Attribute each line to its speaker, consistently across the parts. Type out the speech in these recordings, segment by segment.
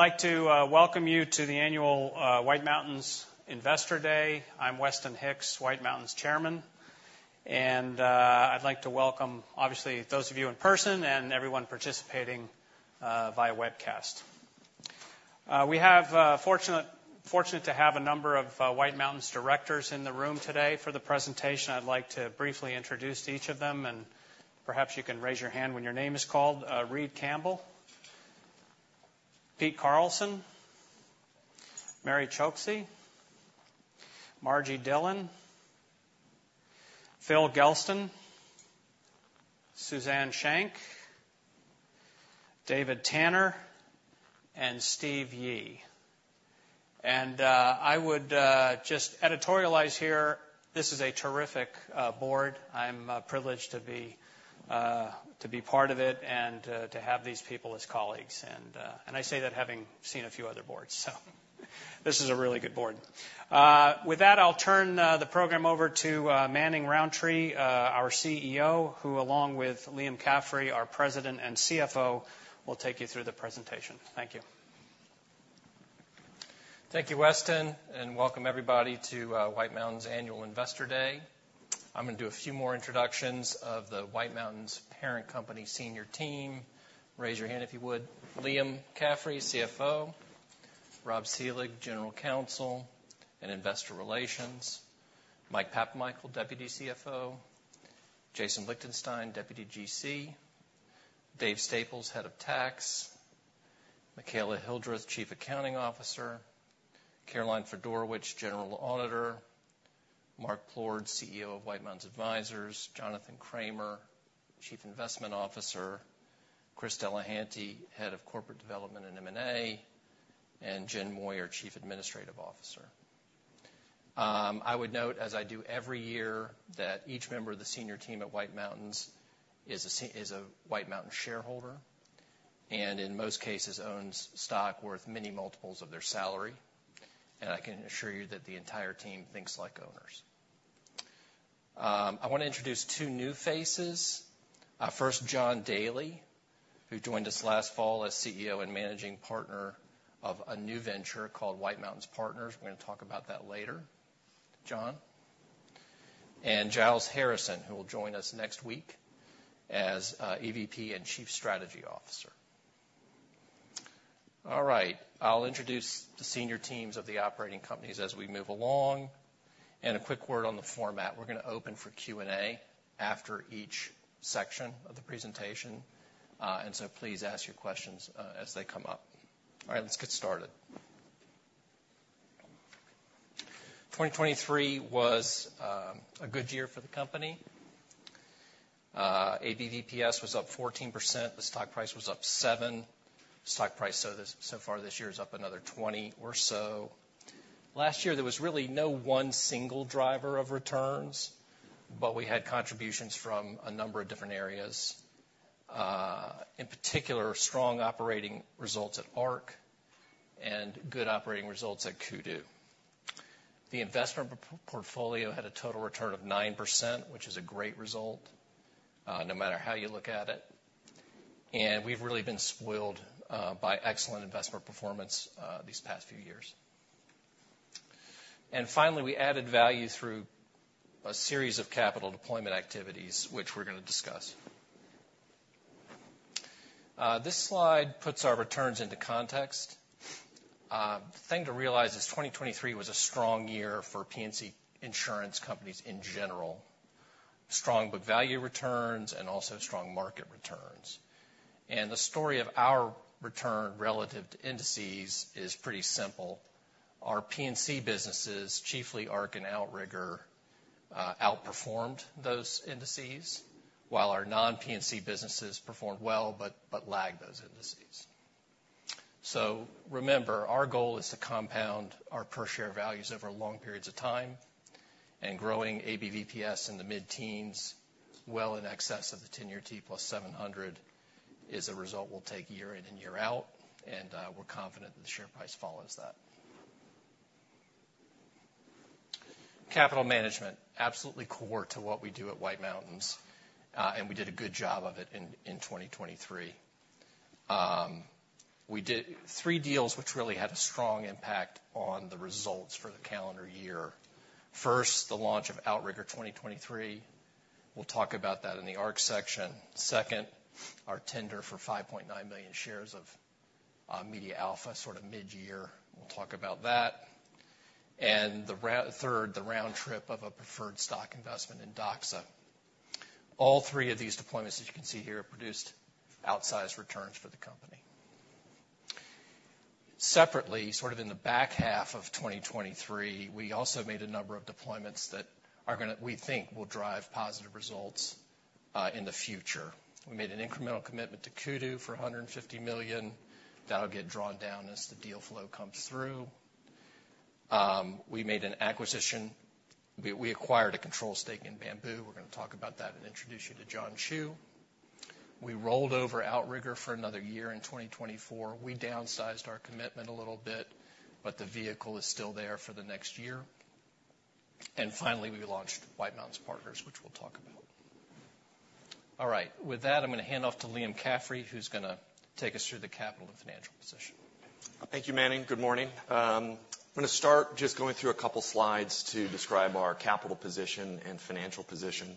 Speaker 1: I'd like to welcome you to the annual White Mountains Investor Day. I'm Weston Hicks, White Mountains Chairman, and I'd like to welcome, obviously, those of you in person and everyone participating via webcast. We are fortunate to have a number of White Mountains directors in the room today for the presentation. I'd like to briefly introduce each of them, and perhaps you can raise your hand when your name is called. Reid Campbell, Pete Carlson, Mary Choksi, Margie Dillon, Phil Gelston, Suzanne Shank, David Tanner, and Steve Yi. And I would just editorialize here, this is a terrific board. I'm privileged to be part of it, and to have these people as colleagues, and I say that having seen a few other boards, so this is a really good board. With that, I'll turn the program over to Manning Rountree, our CEO, who, along with Liam Caffrey, our President and CFO, will take you through the presentation. Thank you.
Speaker 2: Thank you, Weston, and welcome everybody to White Mountains Annual Investor Day. I'm gonna do a few more introductions of the White Mountains parent company senior team. Raise your hand if you would. Liam Caffrey, CFO; Rob Seelig, General Counsel and Investor Relations; Mike Papamichael, Deputy CFO; Jason Lichtenstein, Deputy GC; Dave Staples, Head of Tax; Michaela Hildreth, Chief Accounting Officer; Caroline Fedorowicz, General Auditor; Mark Plourde, CEO of White Mountains Advisors; Jonathan Cramer, Chief Investment Officer; Chris Delehanty, Head of Corporate Development and M&A; and Jen Moyer, Chief Administrative Officer. I would note, as I do every year, that each member of the senior team at White Mountains is a White Mountains shareholder, and in most cases, owns stock worth many multiples of their salary, and I can assure you that the entire team thinks like owners. I wanna introduce two new faces. First, John Daly, who joined us last fall as CEO and Managing Partner of a new venture called White Mountains Partners. We're gonna talk about that later. John? And Giles Harrison, who will join us next week as EVP and Chief Strategy Officer. All right, I'll introduce the senior teams of the operating companies as we move along. A quick word on the format. We're gonna open for Q&A after each section of the presentation, and so please ask your questions as they come up. All right, let's get started. 2023 was a good year for the company. ABVPS was up 14%, the stock price was up 7%. Stock price so this, so far this year is up another 20 or so. Last year, there was really no one single driver of returns, but we had contributions from a number of different areas. In particular, strong operating results at Ark and good operating results at Kudu. The investment portfolio had a total return of 9%, which is a great result, no matter how you look at it, and we've really been spoiled by excellent investment performance these past few years. And finally, we added value through a series of capital deployment activities, which we're gonna discuss. This slide puts our returns into context. The thing to realize is 2023 was a strong year for P&C insurance companies in general. Strong book value returns, and also strong market returns. And the story of our return relative to indices is pretty simple. Our P&C businesses, chiefly Ark and Outrigger, outperformed those indices, while our non-P&C businesses performed well, but lagged those indices. So remember, our goal is to compound our per share values over long periods of time, and growing ABVPS in the mid-teens, well in excess of the 10-year T plus 700, is a result we'll take year in and year out, and we're confident that the share price follows that. Capital management, absolutely core to what we do at White Mountains, and we did a good job of it in 2023. We did three deals, which really had a strong impact on the results for the calendar year. First, the launch of Outrigger 2023. We'll talk about that in the Ark section. Second, our tender for 5.9 million shares of MediaAlpha, sort of mid-year. We'll talk about that. And the third, the round trip of a preferred stock investment in Doxa. All three of these deployments, as you can see here, produced outsized returns for the company. Separately, sort of in the back half of 2023, we also made a number of deployments that are gonna we think will drive positive results, in the future. We made an incremental commitment to Kudu for $150 million. That'll get drawn down as the deal flow comes through. We made an acquisition. We, we acquired a control stake in Bamboo. We're gonna talk about that and introduce you to John Chu. We rolled over Outrigger for another year in 2024. We downsized our commitment a little bit, but the vehicle is still there for the next year. And finally, we launched White Mountains Partners, which we'll talk about. All right, with that, I'm gonna hand off to Liam Caffrey, who's gonna take us through the capital and financial position.
Speaker 3: Thank you, Manning. Good morning. I'm gonna start just going through a couple slides to describe our capital position and financial position.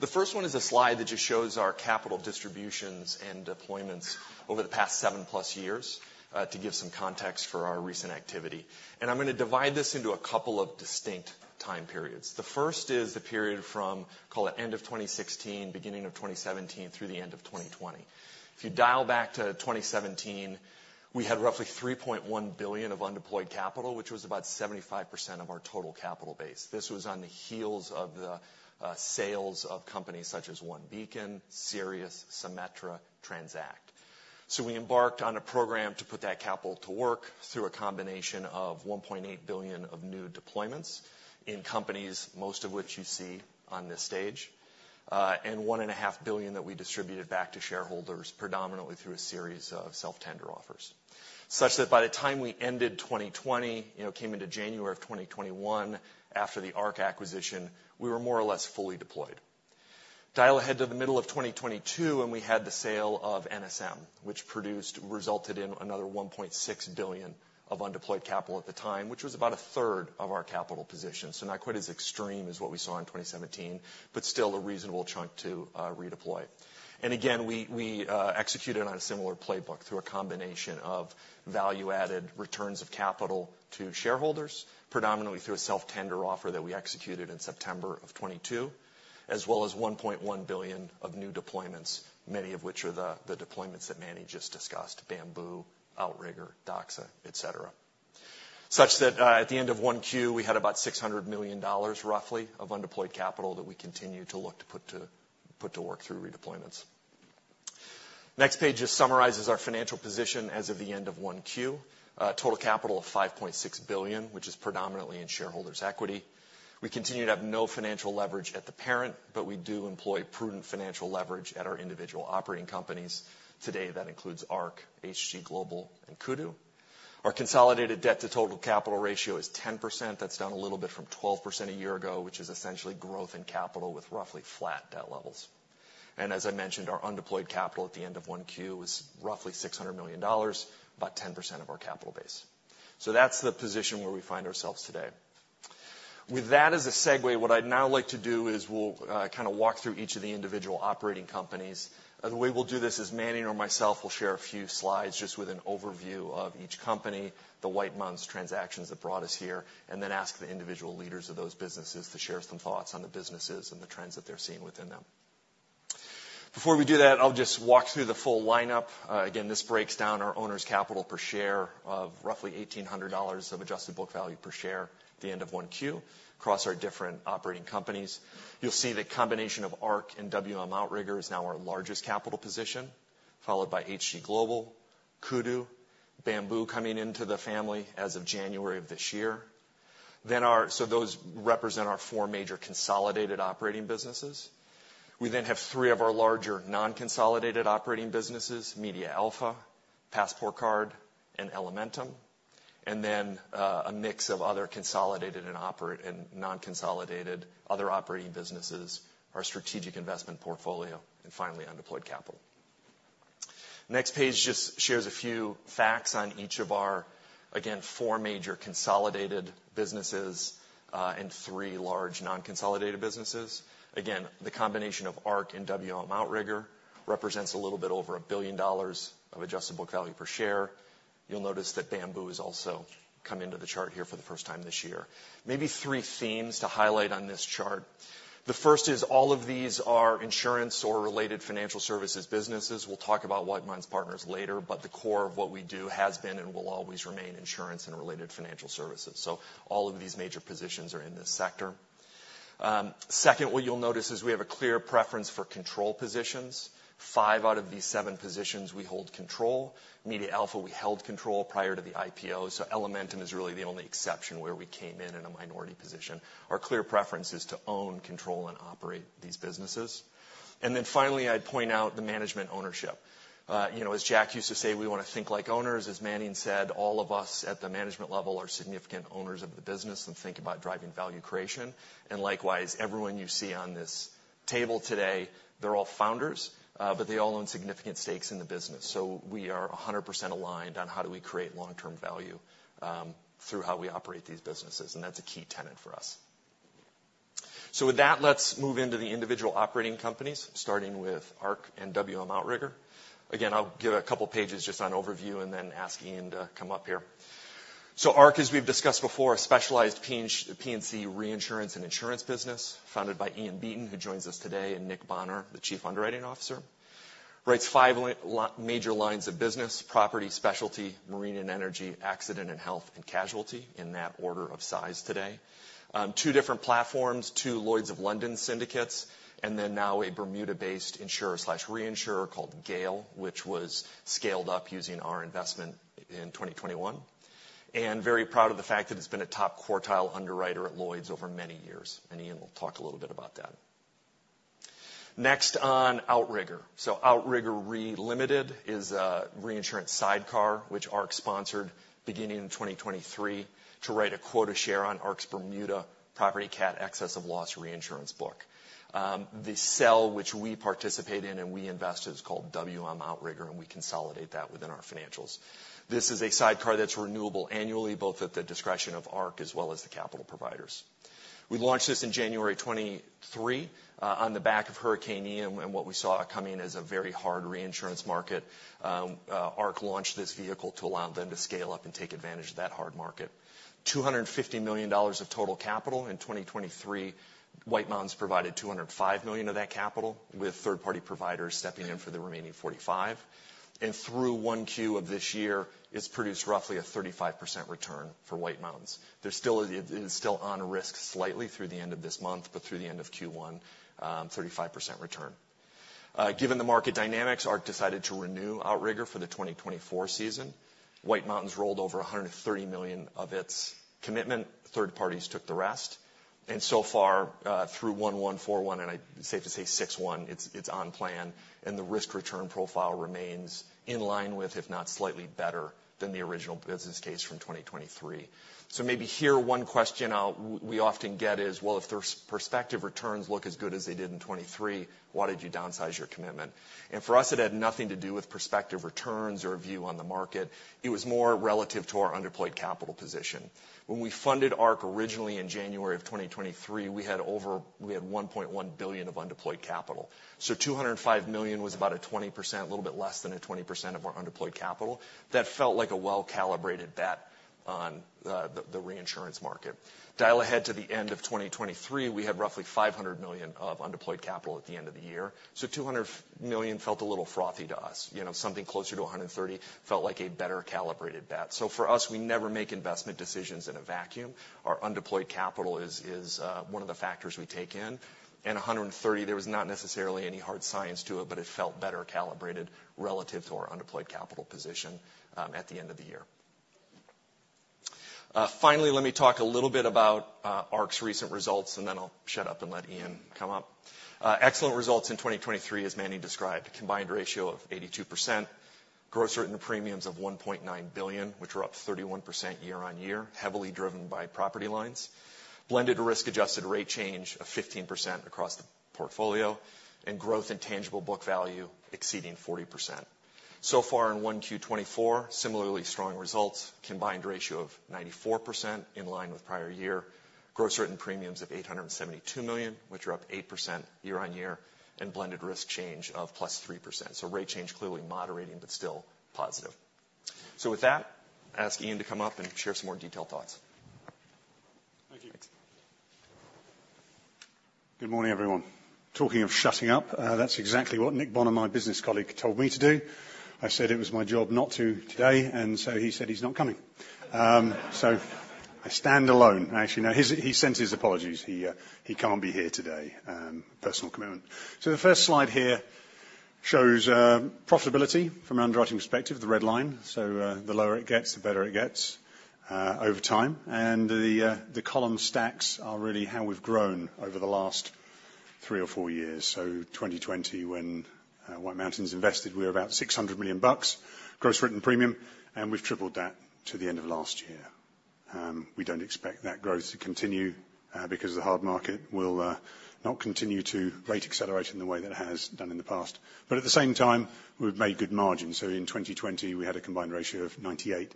Speaker 3: The first one is a slide that just shows our capital distributions and deployments over the past 7+ years to give some context for our recent activity. I'm gonna divide this into a couple of distinct time periods. The first is the period from, call it end of 2016, beginning of 2017, through the end of 2020. If you dial back to 2017, we had roughly $3.1 billion of undeployed capital, which was about 75% of our total capital base. This was on the heels of the sales of companies such as OneBeacon, Sirius, Symetra, TransAct. So we embarked on a program to put that capital to work through a combination of $1.8 billion of new deployments in companies, most of which you see on this stage, and $1.5 billion that we distributed back to shareholders, predominantly through a series of self-tender offers. Such that by the time we ended 2020, you know, came into January of 2021, after the Ark acquisition, we were more or less fully deployed. Dial ahead to the middle of 2022, and we had the sale of NSM, which produced, resulted in another $1.6 billion of undeployed capital at the time, which was about a third of our capital position, so not quite as extreme as what we saw in 2017, but still a reasonable chunk to redeploy. And again, we executed on a similar playbook through a combination of value-added returns of capital to shareholders, predominantly through a self-tender offer that we executed in September of 2022, as well as $1.1 billion of new deployments, many of which are the deployments that Manning just discussed, Bamboo, Outrigger, DoxaA, etc. Such that, at the end of 1Q, we had about $600 million, roughly, of undeployed capital that we continue to look to put to work through redeployments. Next page just summarizes our financial position as of the end of 1Q. Total capital of $5.6 billion, which is predominantly in shareholders' equity. We continue to have no financial leverage at the parent, but we do employ prudent financial leverage at our individual operating companies. Today, that includes Ark, HG Global, and Kudu. Our consolidated debt to total capital ratio is 10%. That's down a little bit from 12% a year ago, which is essentially growth in capital with roughly flat debt levels. And as I mentioned, our undeployed capital at the end of 1Q was roughly $600 million, about 10% of our capital base. So that's the position where we find ourselves today. With that as a segue, what I'd now like to do is we'll kind of walk through each of the individual operating companies. And the way we'll do this is Manning or myself will share a few slides just with an overview of each company, the White Mountains transactions that brought us here, and then ask the individual leaders of those businesses to share some thoughts on the businesses and the trends that they're seeing within them. Before we do that, I'll just walk through the full lineup. Again, this breaks down our owner's capital per share of roughly $1,800 of adjusted book value per share at the end of 1Q across our different operating companies. You'll see the combination of Ark and WM Outrigger is now our largest capital position, followed by HG Global, Kudu, Bamboo coming into the family as of January of this year. So those represent our four major consolidated operating businesses. We then have three of our larger non-consolidated operating businesses, MediaAlpha, PassportCard, and Elementum, and then a mix of other consolidated and operating and non-consolidated other operating businesses, our strategic investment portfolio, and finally, undeployed capital. Next page just shares a few facts on each of our, again, four major consolidated businesses, and three large non-consolidated businesses. Again, the combination of Ark and WM Outrigger represents a little bit over $1 billion of adjusted book value per share. You'll notice that Bamboo has also come into the chart here for the first time this year. Maybe three themes to highlight on this chart. The first is all of these are insurance or related financial services businesses. We'll talk about White Mountains Partners later, but the core of what we do has been and will always remain insurance and related financial services. So all of these major positions are in this sector. Second, what you'll notice is we have a clear preference for control positions. 5 out of these 7 positions, we hold control. MediaAlpha, we held control prior to the IPO, so Elementum is really the only exception where we came in in a minority position. Our clear preference is to own, control, and operate these businesses. And then finally, I'd point out the management ownership. You know, as Jack used to say, we want to think like owners. As Manning said, all of us at the management level are significant owners of the business and think about driving value creation. And likewise, everyone you see on this table today, they're all founders, but they all own significant stakes in the business. So we are 100% aligned on how do we create long-term value, through how we operate these businesses, and that's a key tenet for us. So with that, let's move into the individual operating companies, starting with Ark and WM Outrigger. Again, I'll give a couple of pages just on overview and then ask Ian to come up here. So Ark, as we've discussed before, a specialized P&C reinsurance and insurance business, founded by Ian Beaton, who joins us today, and Nick Bonnar, the chief underwriting officer. Writes five major lines of business, property, specialty, marine and energy, accident and health, and casualty, in that order of size today. Two different platforms, two Lloyd's of London syndicates, and then now a Bermuda-based insurer/reinsurer called GAIL, which was scaled up using our investment in 2021. And very proud of the fact that it's been a top quartile underwriter at Lloyd's over many years, and Ian will talk a little bit about that.... Next on Outrigger. So Outrigger Re Limited is a reinsurance sidecar, which Ark sponsored beginning in 2023 to write a quota share on Ark's Bermuda property cat excess of loss reinsurance book. The cell which we participate in and we invest is called WM Outrigger, and we consolidate that within our financials. This is a sidecar that's renewable annually, both at the discretion of Ark as well as the capital providers. We launched this in January 2023, on the back of Hurricane Ian, and what we saw coming in as a very hard reinsurance market. Ark launched this vehicle to allow them to scale up and take advantage of that hard market. $250 million of total capital in 2023. White Mountains provided $205 million of that capital, with third-party providers stepping in for the remaining $45 million. And through 1Q of this year, it's produced roughly a 35% return for White Mountains. There still is it is still on risk slightly through the end of this month, but through the end of Q1, 35% return. Given the market dynamics, Ark decided to renew Outrigger for the 2024 season. White Mountains rolled over $130 million of its commitment. Third parties took the rest, and so far, through 1/1, 4/1, and safe to say 6/1, it's on plan, and the risk return profile remains in line with, if not slightly better, than the original business case from 2023. So maybe here, one question we often get is, "Well, if their prospective returns look as good as they did in 2023, why did you downsize your commitment?" And for us, it had nothing to do with prospective returns or view on the market. It was more relative to our underemployed capital position. When we funded Ark originally in January 2023, we had $1.1 billion of undeployed capital. So $205 million was about a 20%, a little bit less than a 20% of our undeployed capital. That felt like a well-calibrated bet on the reinsurance market. Dial ahead to the end of 2023, we had roughly $500 million of undeployed capital at the end of the year, so $200 million felt a little frothy to us. You know, something closer to $130 million felt like a better calibrated bet. So for us, we never make investment decisions in a vacuum. Our undeployed capital is one of the factors we take in, and 130, there was not necessarily any hard science to it, but it felt better calibrated relative to our undeployed capital position, at the end of the year. Finally, let me talk a little bit about Ark's recent results, and then I'll shut up and let Ian come up. Excellent results in 2023, as Manny described. Combined ratio of 82%, gross written premiums of $1.9 billion, which were up 31% year-on-year, heavily driven by property lines. Blended risk adjusted rate change of 15% across the portfolio, and growth in tangible book value exceeding 40%. So far in 1Q 2024, similarly strong results, combined ratio of 94%, in line with prior year. Gross written premiums of $872 million, which are up 8% year-on-year, and blended risk change of +3%. So rate change clearly moderating, but still positive. So with that, I ask Ian to come up and share some more detailed thoughts.
Speaker 4: Thank you. Good morning, everyone. Talking of shutting up, that's exactly what Nick Bonnar, my business colleague, told me to do. I said it was my job not to today, and so he said he's not coming. So I stand alone. Actually, no, he's, he sends his apologies. He, he can't be here today. Personal commitment. So the first slide here shows profitability from an underwriting perspective, the red line. So, the lower it gets, the better it gets, over time. And the, the column stacks are really how we've grown over the last three or four years. So 2020, when, White Mountains invested, we were about $600 million gross written premium, and we've tripled that to the end of last year. We don't expect that growth to continue, because the hard market will not continue to rate accelerate in the way that it has done in the past, but at the same time, we've made good margins. So in 2020, we had a combined ratio of 98.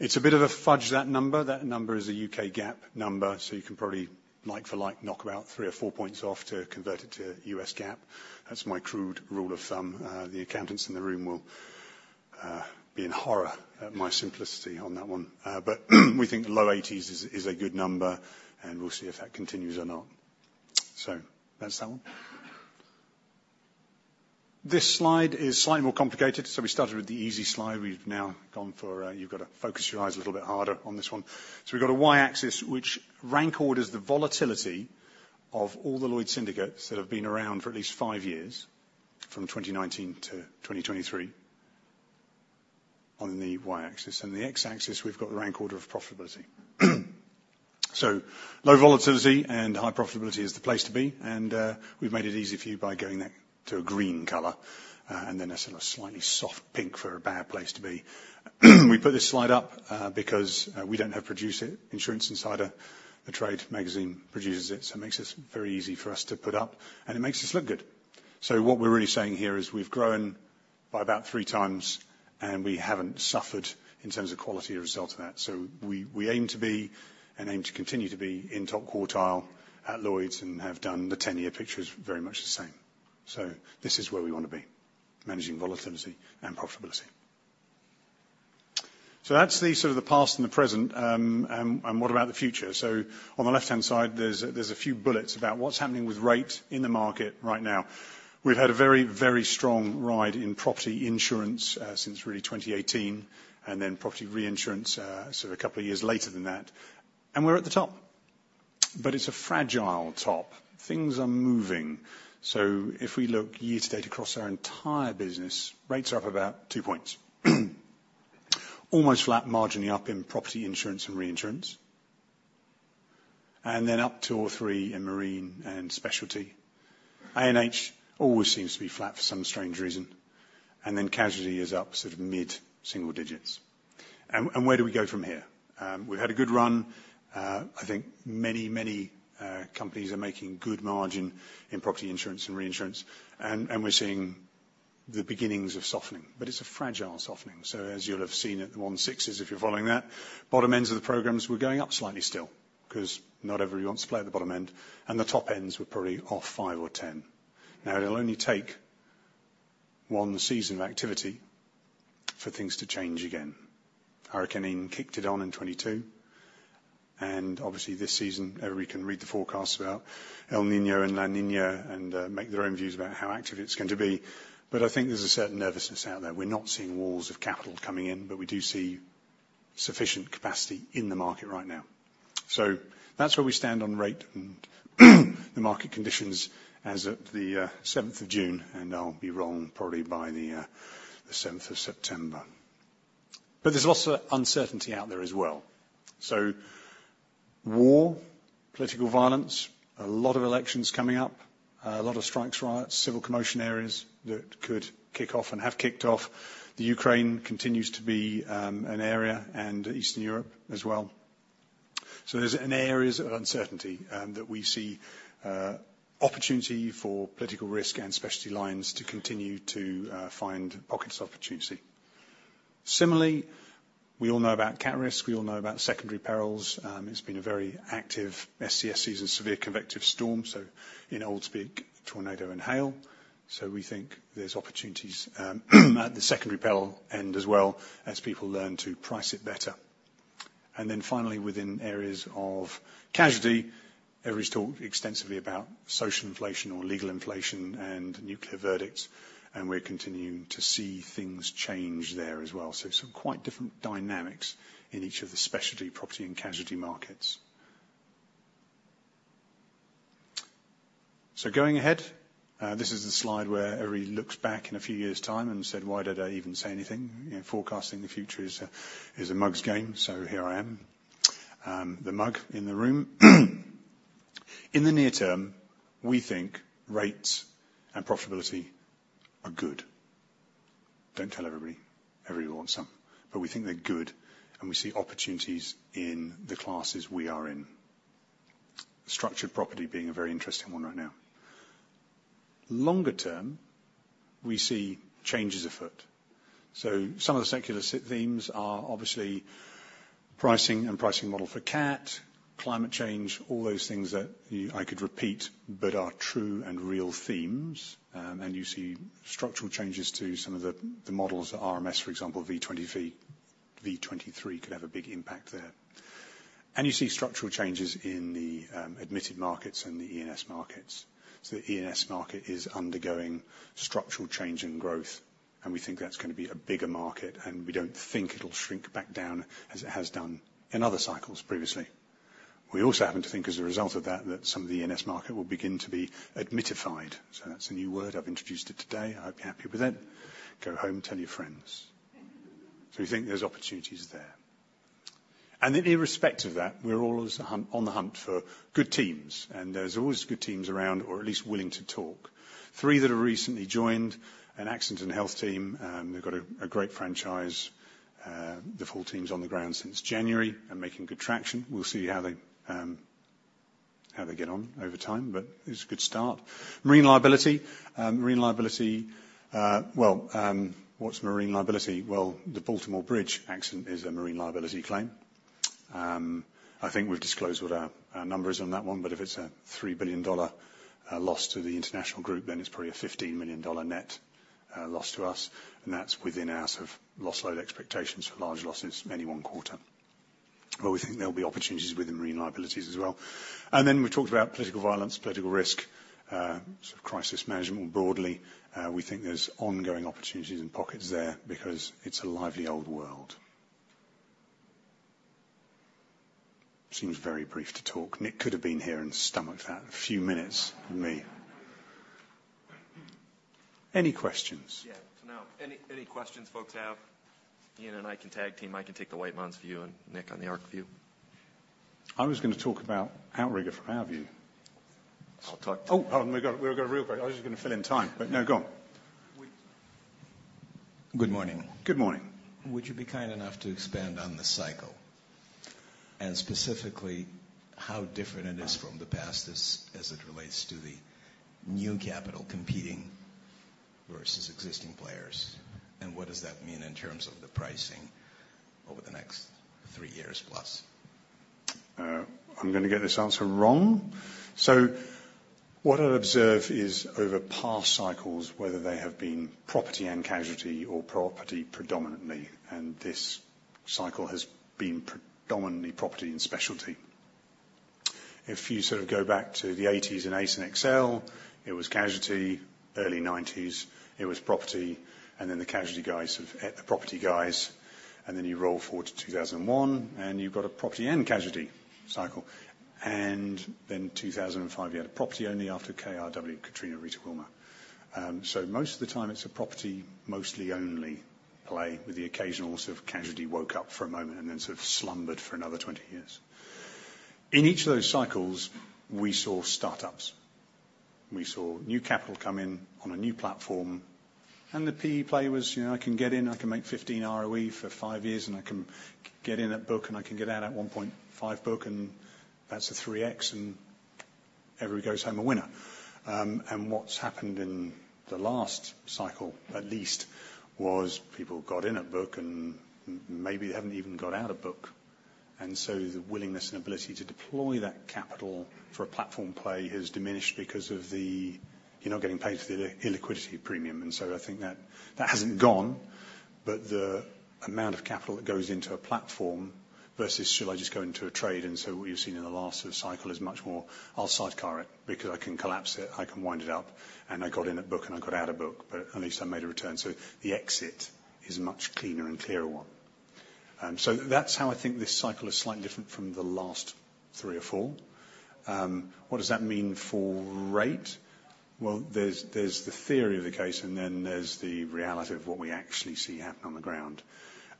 Speaker 4: It's a bit of a fudge, that number. That number is a UK GAAP number, so you can probably, like for like, knock about 3 or 4 points off to convert it to US GAAP. That's my crude rule of thumb. The accountants in the room will be in horror at my simplicity on that one. But we think low 80s is a good number, and we'll see if that continues or not. So that's that one. This slide is slightly more complicated, so we started with the easy slide. We've now gone for... You've got to focus your eyes a little bit harder on this one. So we've got a Y axis, which rank orders the volatility of all the Lloyd's syndicates that have been around for at least five years, from 2019 to 2023 on the Y axis, and the X axis, we've got the rank order of profitability. So low volatility and high profitability is the place to be, and, we've made it easy for you by going back to a green color, and then a sort of slightly soft pink for a bad place to be. We put this slide up, because, we don't have producer, Insurance Insider, a trade magazine, produces it, so it makes this very easy for us to put up, and it makes us look good. So what we're really saying here is we've grown by about 3 times, and we haven't suffered in terms of quality as a result of that. So we aim to be and aim to continue to be in top quartile at Lloyd's and have done the 10-year picture is very much the same. So this is where we want to be, managing volatility and profitability. So that's the sort of the past and the present, and what about the future? So on the left-hand side, there's a few bullets about what's happening with rates in the market right now. We've had a very, very strong ride in property insurance since really 2018, and then property reinsurance, so a couple of years later than that, and we're at the top, but it's a fragile top. Things are moving. So if we look year to date across our entire business, rates are up about 2 points. Almost flat margining up in property insurance and reinsurance... and then up 2 or 3 in marine and specialty. A&H always seems to be flat for some strange reason, and then casualty is up sort of mid-single digits. And where do we go from here? We've had a good run. I think many, many companies are making good margin in property insurance and reinsurance, and we're seeing the beginnings of softening, but it's a fragile softening. So as you'll have seen at the 1/6s, if you're following that, bottom ends of the programs were going up slightly still, 'cause not everyone wants to play at the bottom end, and the top ends were probably off 5 or 10. Now, it'll only take one season of activity for things to change again. Hurricane Ian kicked it on in 2022, and obviously this season, everybody can read the forecasts about El Niño and La Niña and make their own views about how active it's going to be. But I think there's a certain nervousness out there. We're not seeing walls of capital coming in, but we do see sufficient capacity in the market right now. So that's where we stand on rate and the market conditions as of the seventh of June, and I'll be wrong probably by the seventh of September. But there's lots of uncertainty out there as well. So war, political violence, a lot of elections coming up, a lot of strikes, riots, civil commotion areas that could kick off and have kicked off. Ukraine continues to be, an area and Eastern Europe as well. So there's areas of uncertainty, that we see, opportunity for political risk and specialty lines to continue to, find pockets of opportunity. Similarly, we all know about cat risk, we all know about secondary perils. It's been a very active SCS season, severe convective storm, so in old speak, tornado and hail. So we think there's opportunities, at the secondary peril end as well, as people learn to price it better. And then finally, within areas of casualty, everybody's talked extensively about social inflation or legal inflation and nuclear verdicts, and we're continuing to see things change there as well. So some quite different dynamics in each of the specialty property and casualty markets. So going ahead, this is the slide where everybody looks back in a few years' time and said, "Why did I even say anything?" You know, forecasting the future is a mug's game, so here I am, the mug in the room. In the near term, we think rates and profitability are good. Don't tell everybody. Everybody wants some. But we think they're good, and we see opportunities in the classes we are in. Structured property being a very interesting one right now. Longer term, we see changes afoot. So some of the secular themes are obviously pricing and pricing model for cat, climate change, all those things that I could repeat but are true and real themes. And you see structural changes to some of the, the models, RMS, for example, V20V, V23 could have a big impact there. You see structural changes in the admitted markets and the E&S markets. So the E&S market is undergoing structural change and growth, and we think that's going to be a bigger market, and we don't think it'll shrink back down as it has done in other cycles previously. We also happen to think, as a result of that, that some of the E&S market will begin to be admitified. So that's a new word. I've introduced it today. I hope you're happy with it. Go home, tell your friends. We think there's opportunities there. And in respect of that, we're always on the hunt for good teams, and there's always good teams around or at least willing to talk. Three that have recently joined, an accident and health team, they've got a great franchise. The full team's on the ground since January and making good traction. We'll see how they, how they get on over time, but it's a good start. Marine liability. Marine liability... Well, what's marine liability? Well, the Baltimore Bridge accident is a marine liability claim. I think we've disclosed what our, our numbers on that one, but if it's a $3 billion loss to the international group, then it's probably a $15 million net loss to us, and that's within our sort of loss load expectations for large losses any one quarter. But we think there'll be opportunities within marine liabilities as well. And then we talked about political violence, political risk, sort of crisis management more broadly. We think there's ongoing opportunities and pockets there because it's a lively old world. Seems very brief to talk. Nick could have been here and stomached that few minutes than me. Any questions?
Speaker 3: Yeah. No, any questions folks have, Ian and I can tag team. I can take the White Mountains view and Nick on the Ark view.
Speaker 4: I was going to talk about Outrigger from our view.
Speaker 3: I'll talk-
Speaker 4: Oh, hold on. We've got a real quick... I was just going to fill in time, but no, go on.
Speaker 5: Good morning.
Speaker 4: Good morning.
Speaker 5: Would you be kind enough to expand on the cycle, and specifically, how different it is from the past as it relates to the new capital competing versus existing players? And what does that mean in terms of the pricing over the next three years plus?
Speaker 4: I'm going to get this answer wrong. So what I'd observe is, over past cycles, whether they have been property and casualty or property predominantly, and this cycle has been predominantly property and specialty. If you sort of go back to the 1980s in ACE and XL, it was casualty. Early 1990s, it was property, and then the casualty guys sort of ate the property guys. And then you roll forward to 2001, and you've got a property and casualty cycle. And then 2005, you had a property only after KRW, Katrina, Rita, Wilma. So most of the time it's a property, mostly only play with the occasional sort of casualty, woke up for a moment, and then sort of slumbered for another 20 years. In each of those cycles, we saw startups, we saw new capital come in on a new platform, and the PE players, you know, I can get in, I can make 15 ROE for 5 years, and I can get in at book, and I can get out at 1.5 book, and that's a 3x, and everybody goes home a winner. And what's happened in the last cycle, at least, was people got in at book, and maybe they haven't even got out of book. And so the willingness and ability to deploy that capital for a platform play has diminished because of the, you're not getting paid for the illiquidity premium. And so I think that that hasn't gone, but the amount of capital that goes into a platform versus should I just go into a trade? And so what you've seen in the last cycle is much more, I'll sidecar it, because I can collapse it, I can wind it up, and I got in at book, and I got out at book, but at least I made a return. So the exit is a much cleaner and clearer one. So that's how I think this cycle is slightly different from the last three or four. What does that mean for rate? Well, there's the theory of the case, and then there's the reality of what we actually see happen on the ground.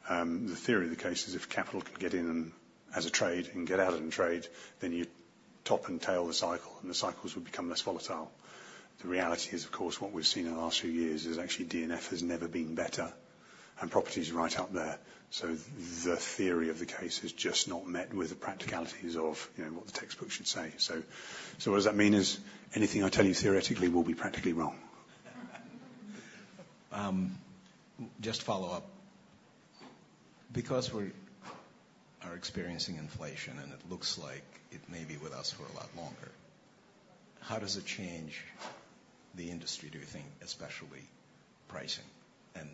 Speaker 4: The theory of the case is if capital could get in and as a trade and get out and trade, then you top and tail the cycle, and the cycles would become less volatile. The reality is, of course, what we've seen in the last few years is actually D&F has never been better, and property is right up there. So the theory of the case is just not met with the practicalities of, you know, what the textbook should say. So what does that mean is anything I tell you theoretically will be practically wrong.
Speaker 5: Just follow up. Because we are experiencing inflation, and it looks like it may be with us for a lot longer, how does it change the industry, do you think, especially pricing? And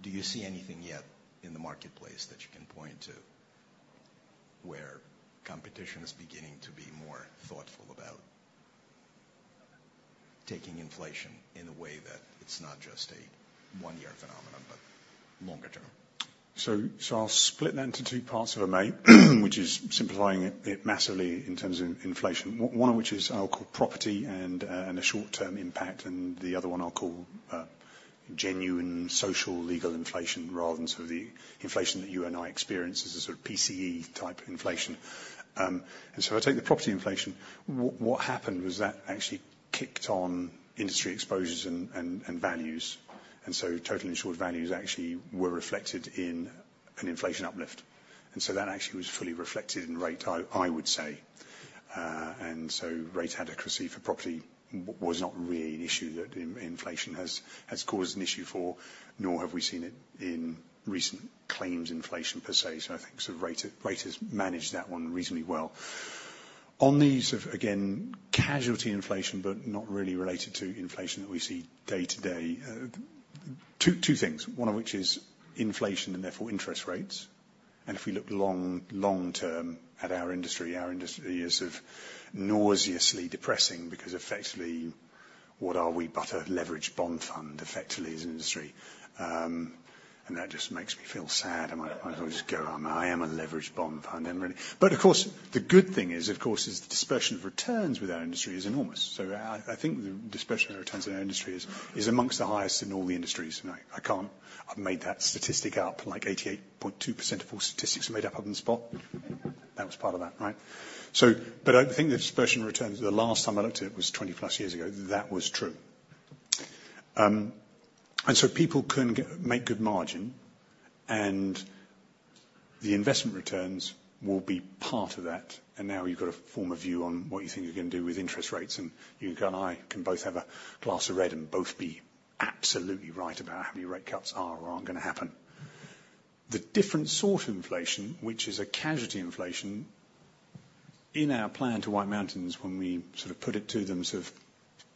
Speaker 5: do you see anything yet in the marketplace that you can point to where competition is beginning to be more thoughtful about taking inflation in a way that it's not just a one-year phenomenon, but longer term?
Speaker 4: So, so I'll split that into two parts, if I may, which is simplifying it, it massively in terms of inflation. One of which is I'll call property and a short-term impact, and the other one I'll call genuine social, legal inflation rather than sort of the inflation that you and I experience as a sort of PCE type inflation. And so I take the property inflation. What happened was that actually kicked on industry exposures and values. And so total insured values actually were reflected in an inflation uplift. And so that actually was fully reflected in rate, I would say. And so rate adequacy for property was not really an issue that inflation has caused an issue for, nor have we seen it in recent claims inflation per se. So I think so rate, rate has managed that one reasonably well. On the use of, again, casualty inflation, but not really related to inflation that we see day to day. Two, two things, one of which is inflation and therefore interest rates. And if we look long, long term at our industry, our industry is sort of nauseously depressing because effectively, what are we but a leveraged bond fund effectively as an industry? And that just makes me feel sad, and I just go, I am a leveraged bond fund then really. But of course, the good thing is, of course, is the dispersion of returns with our industry is enormous. So I, I think the dispersion of returns in our industry is, is amongst the highest in all the industries. And I, I can't... I've made that statistic up, like 88.2% of all statistics are made up on the spot. That was part of that, right? So, but I think the dispersion returns, the last time I looked at it was 20+ years ago, that was true. And so people can make good margin, and the investment returns will be part of that. And now you've got to form a view on what you think you're going to do with interest rates, and you and I can both have a glass of red and both be absolutely right about how many rate cuts are or aren't going to happen. The different sort of inflation, which is a casualty inflation, in our plan to White Mountains, when we sort of put it to them sort of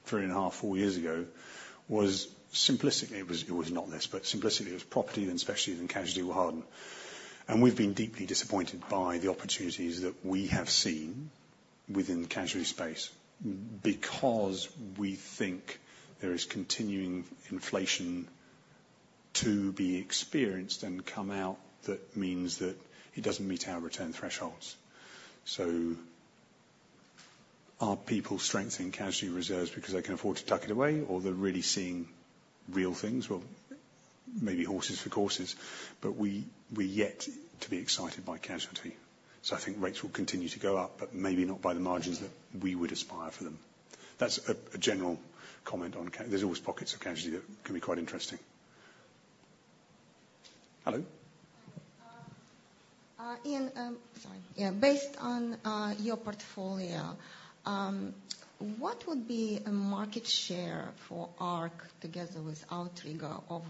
Speaker 4: 3.5-4 years ago, was simplistically, it was, it was not this, but simplistically, it was property, and specialty and casualty will harden. And we've been deeply disappointed by the opportunities that we have seen within the casualty space because we think there is continuing inflation to be experienced and come out. That means that it doesn't meet our return thresholds. So are people strengthening casualty reserves because they can afford to tuck it away, or they're really seeing real things? Well, maybe horses for courses, but we, we're yet to be excited by casualty. So I think rates will continue to go up, but maybe not by the margins that we would aspire for them. That's a general comment on casualty. There's always pockets of casualty that can be quite interesting. Hello.
Speaker 6: Hi, Ian, sorry. Yeah, based on your portfolio, what would be a market share for Ark together with Outrigger of,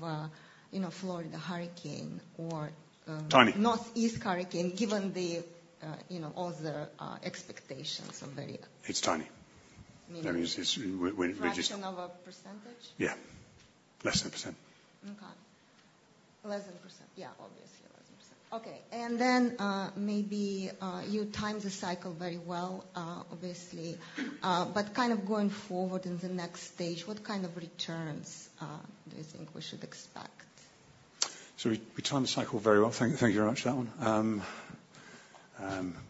Speaker 6: you know, Florida hurricane or-
Speaker 4: Tiny...
Speaker 6: Northeast hurricane, given the, you know, all the expectations are very-
Speaker 4: It's tiny.
Speaker 6: Meaning-
Speaker 4: I mean, it's we just-
Speaker 6: Fraction of a percentage?
Speaker 4: Yeah. Less than 1%.
Speaker 6: Okay. Less than 1%. Yeah, obviously, less than 1%. Okay. And then, maybe, you timed the cycle very well, obviously. But kind of going forward in the next stage, what kind of returns do you think we should expect?
Speaker 4: So we timed the cycle very well. Thank you very much for that one.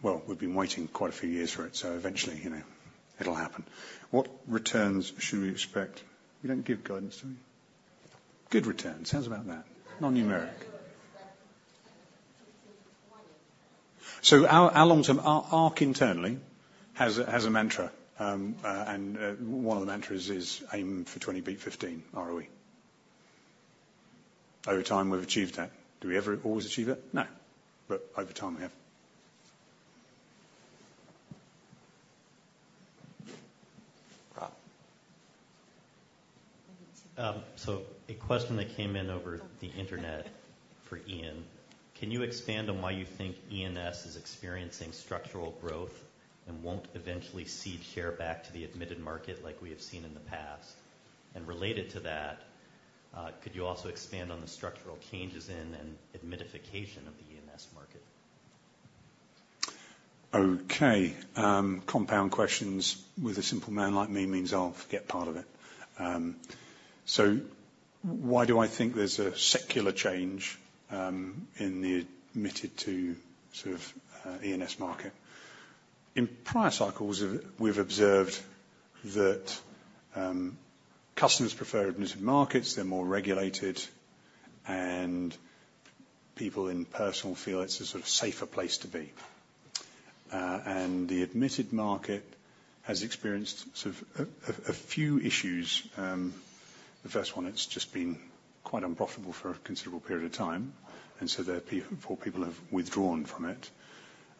Speaker 4: Well, we've been waiting quite a few years for it, so eventually, you know, it'll happen. What returns should we expect? We don't give guidance, do we? Good returns. How's about that? Non-numeric. So our long term, our Ark internally has a mantra. One of the mantras is aim for 20, beat 15 ROE. Over time, we've achieved that. Do we ever always achieve it? No, but over time, we have. Rob?
Speaker 7: A question that came in over the internet for Ian, can you expand on why you think E&S is experiencing structural growth and won't eventually cede share back to the admitted market like we have seen in the past? And related to that, could you also expand on the structural changes in and admitification of the E&S market?
Speaker 4: Okay, compound questions with a simple man like me means I'll forget part of it. So why do I think there's a secular change, in the admitted to sort of E&S market? In prior cycles, we've observed that, customers prefer admitted markets, they're more regulated, and people in personal feel it's a sort of safer place to be. And the admitted market has experienced sort of a few issues. The first one, it's just been quite unprofitable for a considerable period of time, and so therefore, people have withdrawn from it,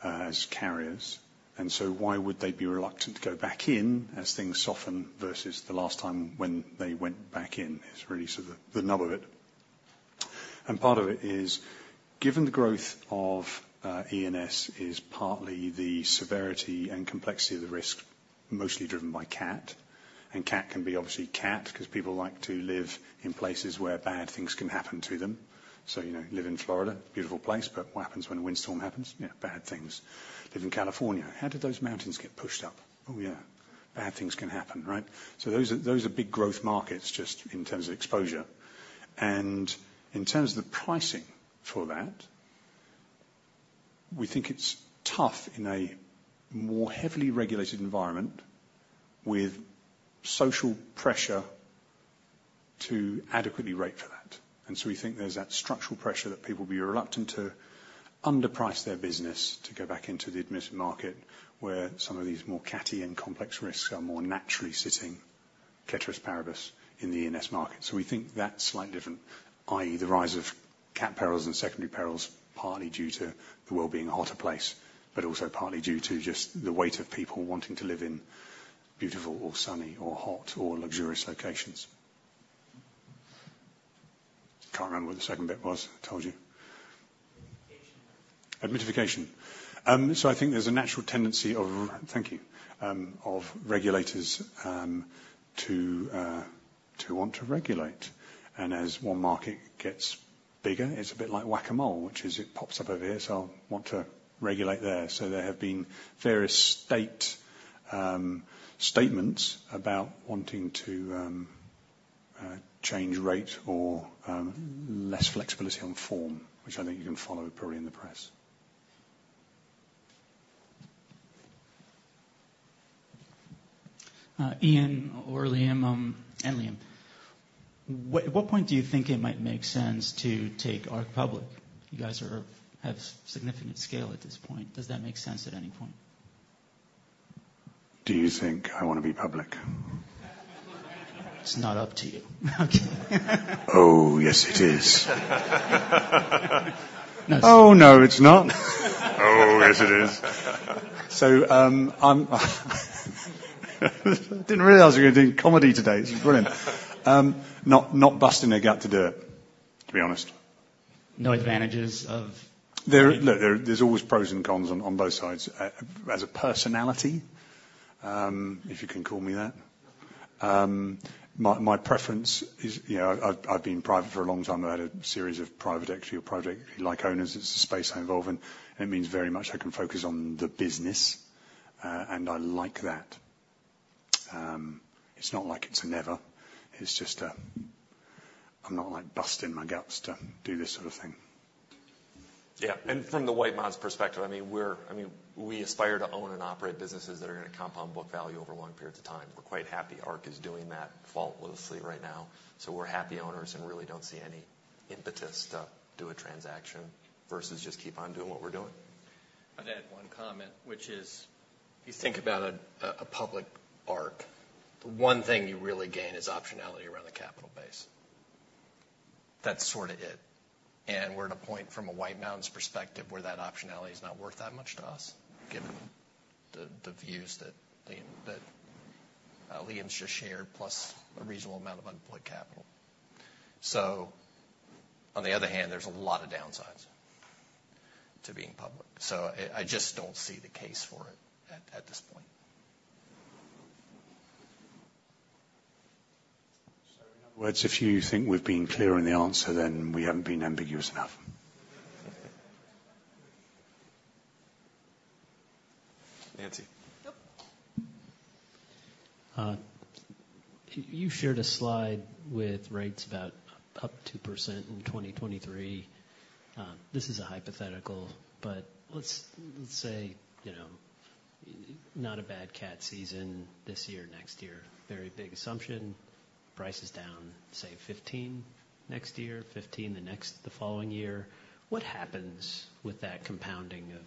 Speaker 4: as carriers. And so why would they be reluctant to go back in as things soften versus the last time when they went back in, is really sort of the nub of it. Part of it is, given the growth of E&S, is partly the severity and complexity of the risk, mostly driven by cat. And cat can be obviously cat, because people like to live in places where bad things can happen to them. So, you know, live in Florida, beautiful place, but what happens when a windstorm happens? Yeah, bad things. Live in California. How did those mountains get pushed up? Oh, yeah. Bad things can happen, right? So those are, those are big growth markets just in terms of exposure. And in terms of the pricing for that, we think it's tough in a more heavily regulated environment with social pressure to adequately rate for that. And so we think there's that structural pressure that people will be reluctant to underprice their business to go back into the admitted market, where some of these more cat and complex risks are more naturally sitting ceteris paribus in the E&S market. So we think that's slightly different, i.e., the rise of cat perils and secondary perils, partly due to the world being a hotter place, but also partly due to just the weight of people wanting to live in beautiful or sunny or hot or luxurious locations. Can't remember what the second bit was, I told you.
Speaker 3: Admitification.
Speaker 4: Admitification. So I think there's a natural tendency of... Thank you. Of regulators to want to regulate. And as one market gets bigger, it's a bit like whack-a-mole, which is it pops up over here, so I'll want to regulate there. So there have been various state statements about wanting to change rate or less flexibility on form, which I think you can follow probably in the press.
Speaker 8: Ian or Liam, and Liam, at what point do you think it might make sense to take Ark public? You guys have significant scale at this point. Does that make sense at any point?
Speaker 4: Do you think I want to be public?
Speaker 8: It's not up to you.
Speaker 4: Oh, yes, it is. Oh, no, it's not. Oh, yes, it is. So, I didn't realize we were doing comedy today. This is brilliant. Not, not busting a gut to do it, to be honest.
Speaker 8: No advantages of-
Speaker 4: Look, there, there's always pros and cons on both sides. As a personality, if you can call me that, my preference is, you know, I've been private for a long time. I've had a series of private equity or private like owners. It's a space I involve in. It means very much I can focus on the business, and I like that. It's not like it's a never, it's just a I'm not, like, busting my guts to do this sort of thing.
Speaker 3: Yeah, and from the White Mountains perspective, I mean, we're, I mean, we aspire to own and operate businesses that are going to compound book value over long periods of time. We're quite happy Ark is doing that faultlessly right now, so we're happy owners and really don't see any impetus to do a transaction versus just keep on doing what we're doing.
Speaker 2: I'd add one comment, which is, you think about a public Ark, the one thing you really gain is optionality around the capital base. That's sort of it. And we're at a point from a White Mountains perspective, where that optionality is not worth that much to us, given the views that Liam's just shared, plus a reasonable amount of unemployed capital. So on the other hand, there's a lot of downsides to being public, so I just don't see the case for it at this point.
Speaker 4: In other words, if you think we've been clear in the answer, then we haven't been ambiguous enough.
Speaker 3: Nancy?...
Speaker 9: you shared a slide with rates about up 2% in 2023. This is a hypothetical, but let's say, you know, not a bad cat season this year, next year, very big assumption. Price is down, say, 15 next year, 15 the next, the following year. What happens with that compounding of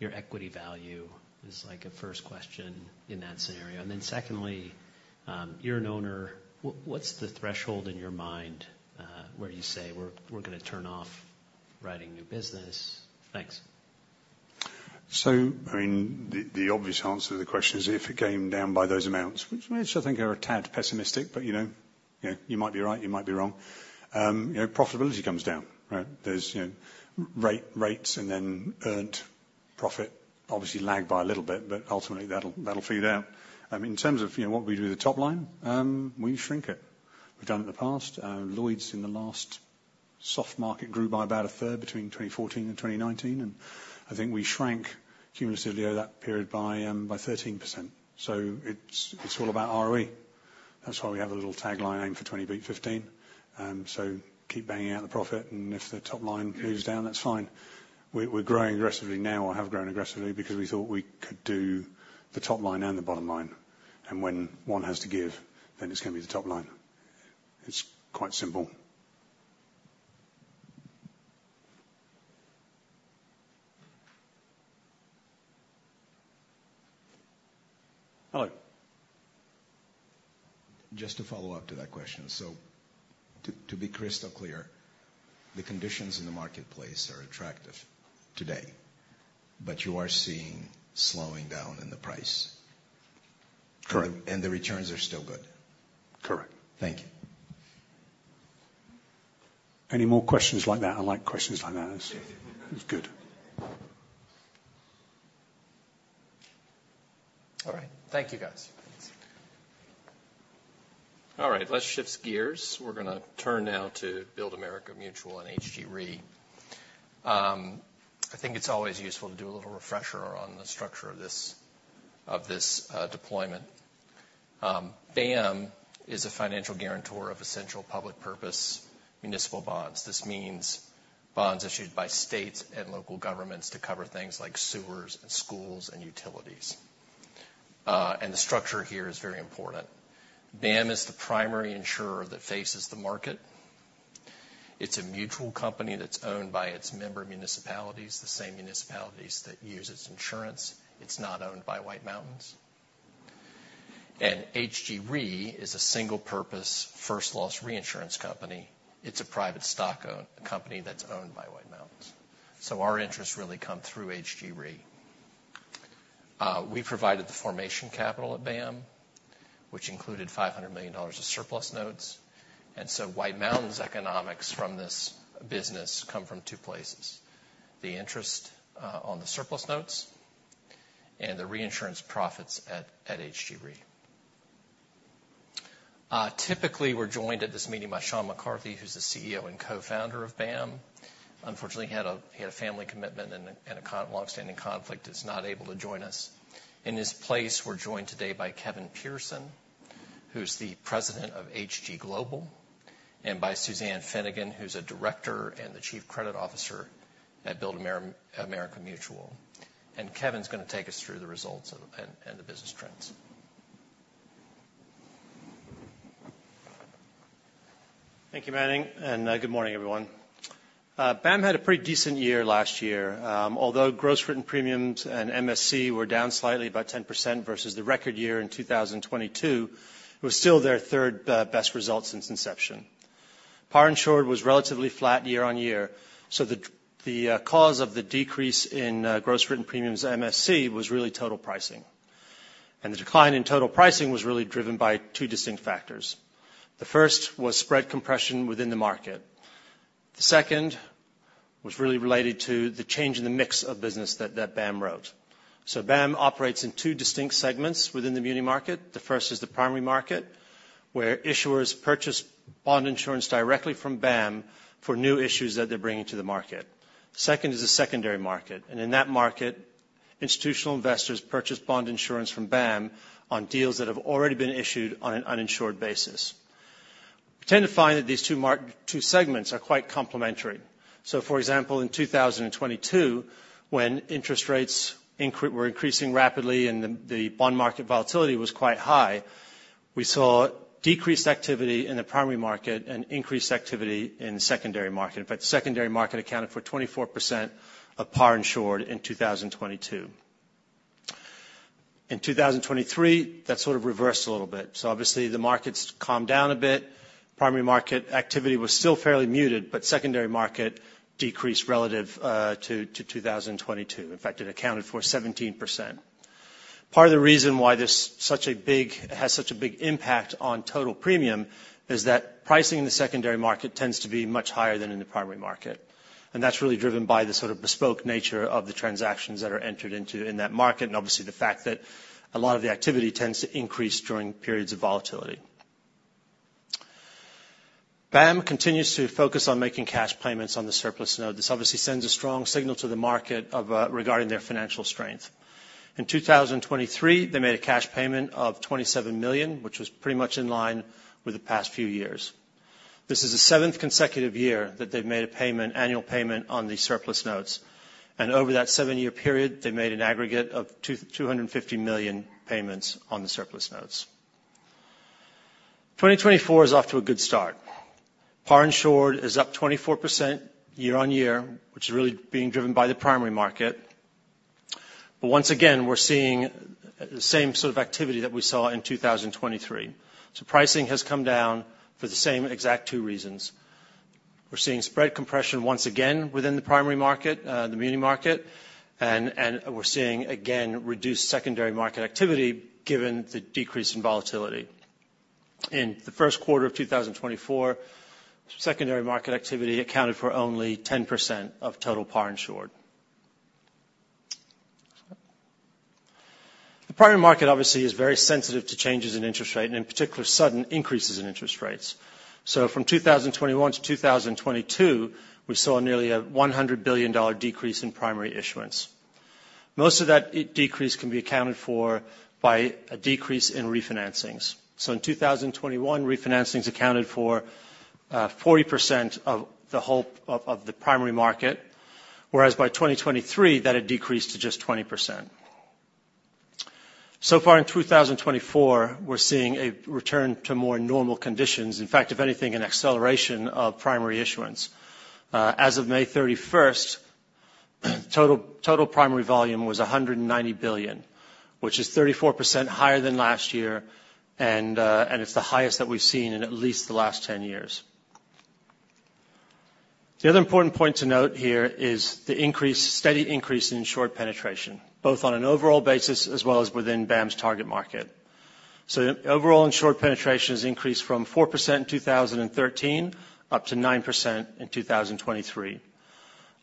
Speaker 9: your equity value? Is like a first question in that scenario. And then secondly, you're an owner, what's the threshold in your mind, where you say, "We're gonna turn off writing new business?" Thanks.
Speaker 4: So, I mean, the obvious answer to the question is, if it came down by those amounts, which I still think are a tad pessimistic, but, you know, you know, you might be right, you might be wrong. You know, profitability comes down, right? There's, you know, rates and then earned profit, obviously lag by a little bit, but ultimately, that'll, that'll figure out. In terms of, you know, what we do with the top line, we shrink it. We've done it in the past. Lloyd's in the last soft market, grew by about a third between 2014 and 2019, and I think we shrank cumulatively over that period by 13%. So it's, it's all about ROE. That's why we have a little tagline, Aim for 20, beat 15. Keep banging out the profit, and if the top line moves down, that's fine. We're, we're growing aggressively now or have grown aggressively because we thought we could do the top line and the bottom line, and when one has to give, then it's gonna be the top line. It's quite simple. Hello.
Speaker 5: Just to follow up to that question. So to be crystal clear, the conditions in the marketplace are attractive today, but you are seeing slowing down in the price?
Speaker 4: Correct.
Speaker 5: The returns are still good?
Speaker 4: Correct.
Speaker 5: Thank you.
Speaker 4: Any more questions like that? I like questions like that. It's good.
Speaker 9: All right. Thank you, guys.
Speaker 2: All right, let's shift gears. We're gonna turn now to Build America Mutual and HG Re. I think it's always useful to do a little refresher on the structure of this deployment. BAM is a financial guarantor of essential public purpose municipal bonds. This means bonds issued by states and local governments to cover things like sewers and schools and utilities. And the structure here is very important. BAM is the primary insurer that faces the market. It's a mutual company that's owned by its member municipalities, the same municipalities that use its insurance. It's not owned by White Mountains. And HG Re is a single-purpose, first-loss reinsurance company. It's a private stock-owned company that's owned by White Mountains, so our interests really come through HG Re. We provided the formation capital at BAM, which included $500 million of surplus notes, and so White Mountains economics from this business come from two places: the interest on the surplus notes and the reinsurance profits at HG Re. Typically, we're joined at this meeting by Sean McCarthy, who's the CEO and co-founder of BAM. Unfortunately, he had a family commitment and a long-standing conflict, he's not able to join us. In his place, we're joined today by Kevin Pearson, who's the President of HG Global, and by Suzanne Finnegan, who's a director and the Chief Credit Officer at Build America Mutual. And Kevin's gonna take us through the results and the business trends.
Speaker 10: Thank you, Manning, and good morning, everyone. BAM had a pretty decent year last year. Although gross written premiums and MSC were down slightly, about 10% versus the record year in 2022, it was still their third best result since inception. Par insured was relatively flat year on year, so the cause of the decrease in gross written premiums, MSC, was really total pricing. The decline in total pricing was really driven by two distinct factors. The first was spread compression within the market. The second was really related to the change in the mix of business that BAM wrote. BAM operates in two distinct segments within the muni market. The first is the primary market, where issuers purchase bond insurance directly from BAM for new issues that they're bringing to the market. Second is the secondary market, and in that market, institutional investors purchase bond insurance from BAM on deals that have already been issued on an uninsured basis. We tend to find that these two segments are quite complementary. So for example, in 2022, when interest rates were increasing rapidly and the bond market volatility was quite high, we saw decreased activity in the primary market and increased activity in the secondary market. In fact, the secondary market accounted for 24% of par insured in 2022. In 2023, that sort of reversed a little bit. So obviously, the markets calmed down a bit. Primary market activity was still fairly muted, but secondary market decreased relative to 2022. In fact, it accounted for 17%. Part of the reason why this has such a big impact on total premium is that pricing in the secondary market tends to be much higher than in the primary market, and that's really driven by the sort of bespoke nature of the transactions that are entered into in that market, and obviously, the fact that a lot of the activity tends to increase during periods of volatility... BAM continues to focus on making cash payments on the surplus note. This obviously sends a strong signal to the market of regarding their financial strength. In 2023, they made a cash payment of $27 million, which was pretty much in line with the past few years. This is the seventh consecutive year that they've made a payment, annual payment on the surplus notes, and over that seven-year period, they made an aggregate of $250 million payments on the surplus notes. 2024 is off to a good start. Par Insured is up 24% year-on-year, which is really being driven by the primary market. But once again, we're seeing the same sort of activity that we saw in 2023. So pricing has come down for the same exact two reasons. We're seeing spread compression once again within the primary market, the muni market, and we're seeing, again, reduced secondary market activity, given the decrease in volatility. In the first quarter of 2024, secondary market activity accounted for only 10% of total Par Insured. The primary market, obviously, is very sensitive to changes in interest rate, and in particular, sudden increases in interest rates. So from 2021 to 2022, we saw nearly a $100 billion decrease in primary issuance. Most of that decrease can be accounted for by a decrease in refinancings. So in 2021, refinancings accounted for 40% of the primary market, whereas by 2023, that had decreased to just 20%. So far in 2024, we're seeing a return to more normal conditions. In fact, if anything, an acceleration of primary issuance. As of May 31, total primary volume was $190 billion, which is 34% higher than last year, and it's the highest that we've seen in at least the last 10 years. The other important point to note here is the increase, steady increase in insured penetration, both on an overall basis as well as within BAM's target market. So overall, insured penetration has increased from 4% in 2013 up to 9% in 2023.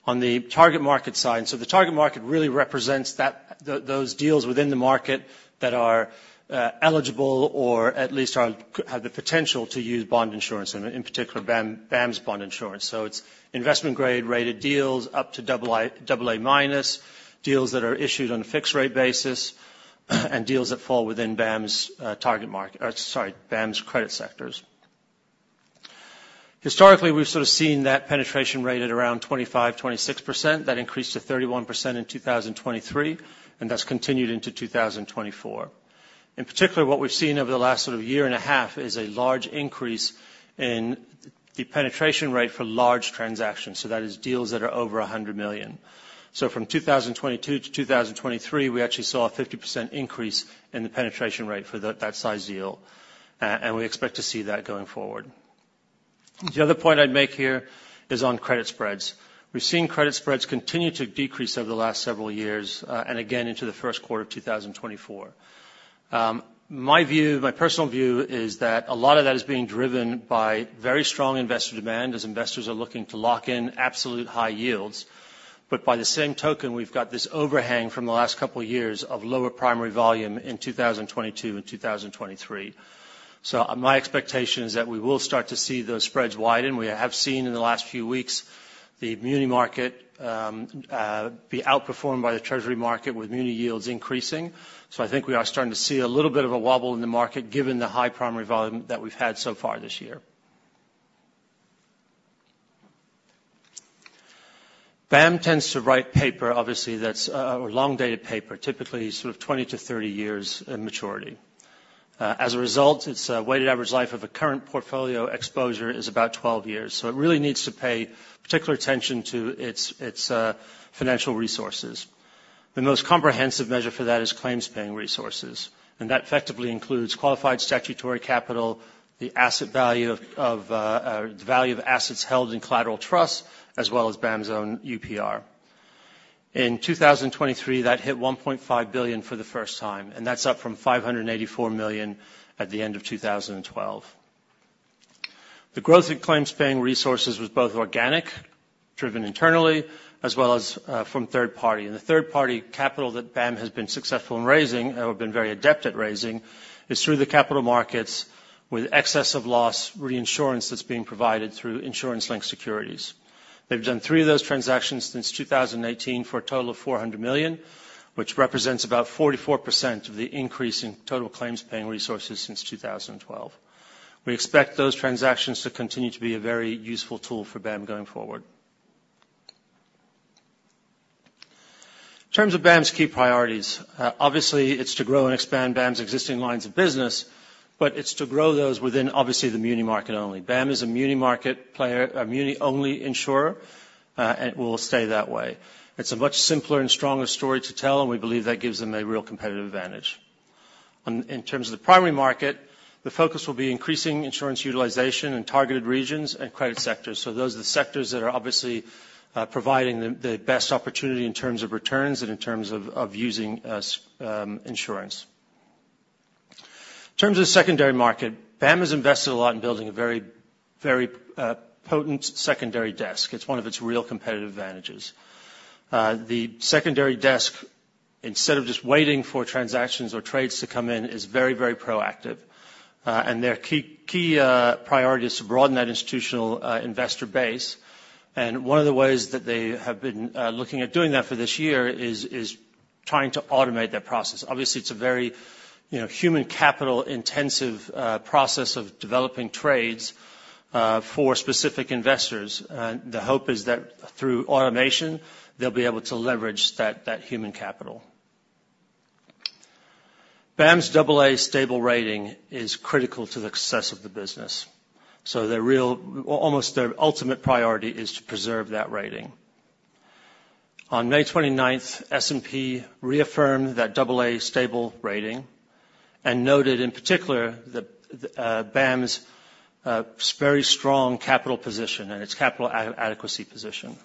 Speaker 10: On the target market side, so the target market really represents that, those deals within the market that are, eligible or at least are, have the potential to use bond insurance, and in particular, BAM, BAM's bond insurance. So it's investment grade-rated deals up to double-A minus, deals that are issued on a fixed-rate basis, and deals that fall within BAM's target market... BAM's credit sectors. Historically, we've sort of seen that penetration rate at around 25, 26%. That increased to 31% in 2023, and that's continued into 2024. In particular, what we've seen over the last sort of year and a half is a large increase in the penetration rate for large transactions, so that is deals that are over $100 million. So from 2022 to 2023, we actually saw a 50% increase in the penetration rate for that, that size deal, and we expect to see that going forward. The other point I'd make here is on credit spreads. We've seen credit spreads continue to decrease over the last several years, and again into the first quarter of 2024. My view, my personal view is that a lot of that is being driven by very strong investor demand, as investors are looking to lock in absolute high yields. But by the same token, we've got this overhang from the last couple of years of lower primary volume in 2022 and 2023. So my expectation is that we will start to see those spreads widen. We have seen in the last few weeks, the muni market, be outperformed by the treasury market, with muni yields increasing. So I think we are starting to see a little bit of a wobble in the market, given the high primary volume that we've had so far this year. BAM tends to write paper, obviously, that's, or long-dated paper, typically sort of 20-30 years in maturity. As a result, its weighted average life of a current portfolio exposure is about 12 years. So it really needs to pay particular attention to its financial resources. The most comprehensive measure for that is Claims Paying Resources, and that effectively includes qualified statutory capital, the asset value of the value of assets held in collateral trust, as well as BAM's own UPR. In 2023, that hit $1.5 billion for the first time, and that's up from $584 million at the end of 2012. The growth in Claims Paying Resources was both organic, driven internally, as well as from third party. The third-party capital that BAM has been successful in raising, or been very adept at raising, is through the capital markets with excess of loss reinsurance that's being provided through insurance-linked securities. They've done three of those transactions since 2018 for a total of $400 million, which represents about 44% of the increase in total claims-paying resources since 2012. We expect those transactions to continue to be a very useful tool for BAM going forward. In terms of BAM's key priorities, obviously, it's to grow and expand BAM's existing lines of business, but it's to grow those within, obviously, the muni market only. BAM is a muni market player, a muni-only insurer, and will stay that way. It's a much simpler and stronger story to tell, and we believe that gives them a real competitive advantage. In terms of the primary market, the focus will be increasing insurance utilization in targeted regions and credit sectors. So those are the sectors that are obviously providing them the best opportunity in terms of returns and in terms of using insurance. In terms of the secondary market, BAM has invested a lot in building a very, very potent secondary desk. It's one of its real competitive advantages. The secondary desk instead of just waiting for transactions or trades to come in is very, very proactive. And their key, key priority is to broaden that institutional investor base. And one of the ways that they have been looking at doing that for this year is trying to automate that process. Obviously, it's a very, you know, human capital intensive process of developing trades for specific investors. And the hope is that through automation, they'll be able to leverage that, that human capital. BAM's double-A stable rating is critical to the success of the business, so their real, almost their ultimate priority is to preserve that rating. On May 29th, S&P reaffirmed that double-A stable rating, and noted, in particular, the BAM's very strong capital position and its capital adequacy position.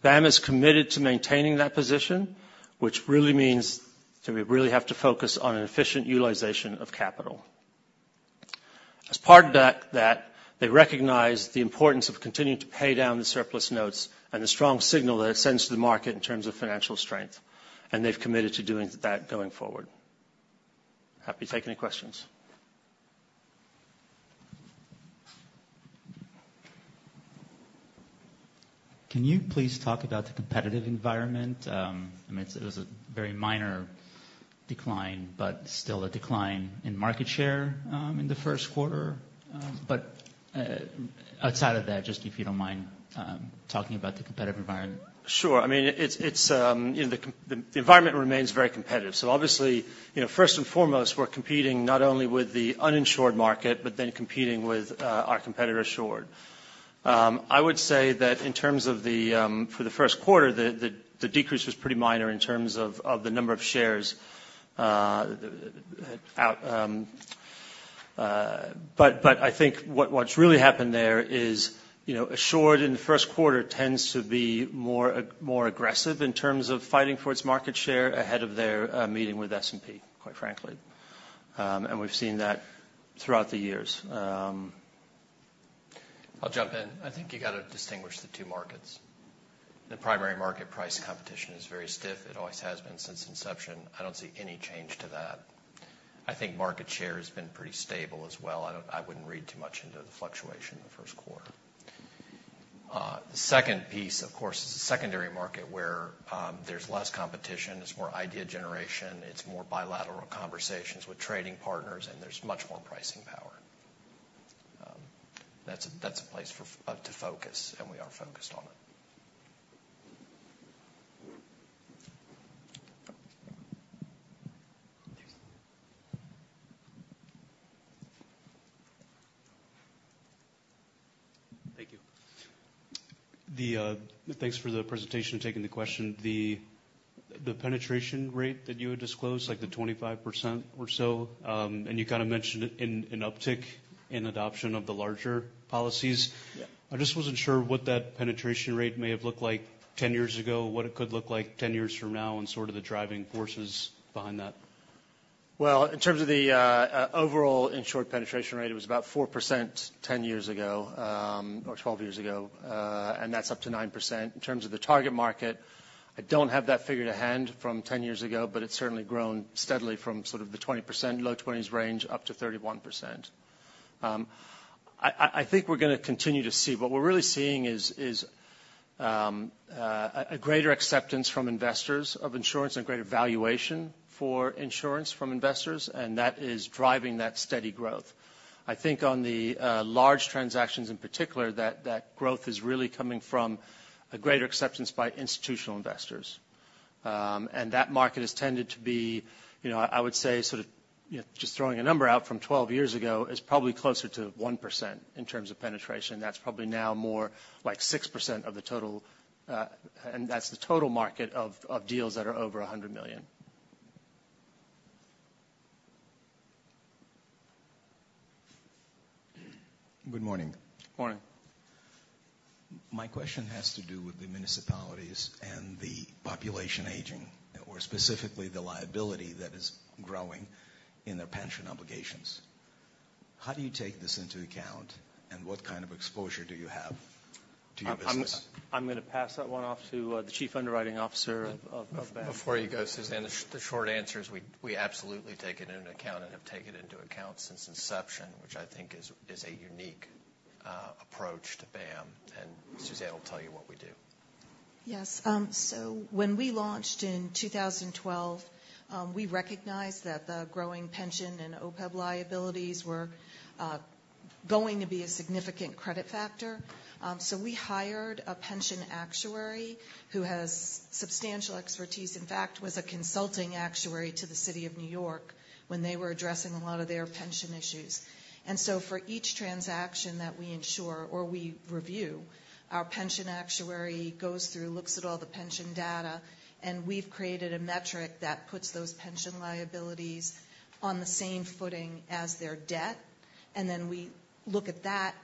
Speaker 10: BAM is committed to maintaining that position, which really means that we really have to focus on an efficient utilization of capital. As part of that, that they recognize the importance of continuing to pay down the surplus notes and the strong signal that it sends to the market in terms of financial strength, and they've committed to doing that going forward. Happy to take any questions.
Speaker 11: Can you please talk about the competitive environment? I mean, it was a very minor decline, but still a decline in market share, in the first quarter. But, outside of that, just if you don't mind, talking about the competitive environment.
Speaker 10: Sure. I mean, it's, you know, the environment remains very competitive. So obviously, you know, first and foremost, we're competing not only with the uninsured market, but then competing with our competitor, Assured. I would say that in terms of -- for the first quarter, the decrease was pretty minor in terms of the number of shares out. But I think what's really happened there is, you know, Assured in the first quarter tends to be more aggressive in terms of fighting for its market share ahead of their meeting with S&P, quite frankly. And we've seen that throughout the years.
Speaker 2: I'll jump in. I think you gotta distinguish the two markets. The primary market price competition is very stiff. It always has been since inception. I don't see any change to that. I think market share has been pretty stable as well. I wouldn't read too much into the fluctuation in the first quarter. The second piece, of course, is the secondary market, where there's less competition, it's more idea generation, it's more bilateral conversations with trading partners, and there's much more pricing power. That's a place to focus, and we are focused on it.
Speaker 11: Thanks.
Speaker 12: Thank you. The thanks for the presentation and taking the question. The penetration rate that you had disclosed, like the 25% or so, and you kind of mentioned it, an uptick in adoption of the larger policies.
Speaker 10: Yeah.
Speaker 12: I just wasn't sure what that penetration rate may have looked like 10 years ago, what it could look like 10 years from now, and sort of the driving forces behind that.
Speaker 10: Well, in terms of the overall insured penetration rate, it was about 4% ten years ago, or twelve years ago, and that's up to 9%. In terms of the target market, I don't have that figure to hand from ten years ago, but it's certainly grown steadily from sort of the 20%, low 20s range, up to 31%. I think we're gonna continue to see—what we're really seeing is a greater acceptance from investors of insurance and greater valuation for insurance from investors, and that is driving that steady growth. I think on the large transactions in particular, that growth is really coming from a greater acceptance by institutional investors. That market has tended to be, you know, I would say, sort of, you know, just throwing a number out from 12 years ago, is probably closer to 1% in terms of penetration. That's probably now more like 6% of the total, and that's the total market of deals that are over $100 million.
Speaker 5: Good morning.
Speaker 10: Morning.
Speaker 5: My question has to do with the municipalities and the population aging, or specifically, the liability that is growing in their pension obligations. How do you take this into account, and what kind of exposure do you have to your business?
Speaker 10: I'm gonna pass that one off to the Chief Underwriting Officer of BAM.
Speaker 2: Before you go, Suzanne, the short answer is we absolutely take it into account and have taken into account since inception, which I think is a unique approach to BAM. And Suzanne will tell you what we do.
Speaker 11: Yes. So when we launched in 2012, we recognized that the growing pension and OPEB liabilities were going to be a significant credit factor. So we hired a pension actuary who has substantial expertise, in fact, was a consulting actuary to the City of New York when they were addressing a lot of their pension issues. And so for each transaction that we insure or we review, our pension actuary goes through, looks at all the pension data, and we've created a metric that puts those pension liabilities on the same footing as their debt, and then we look at that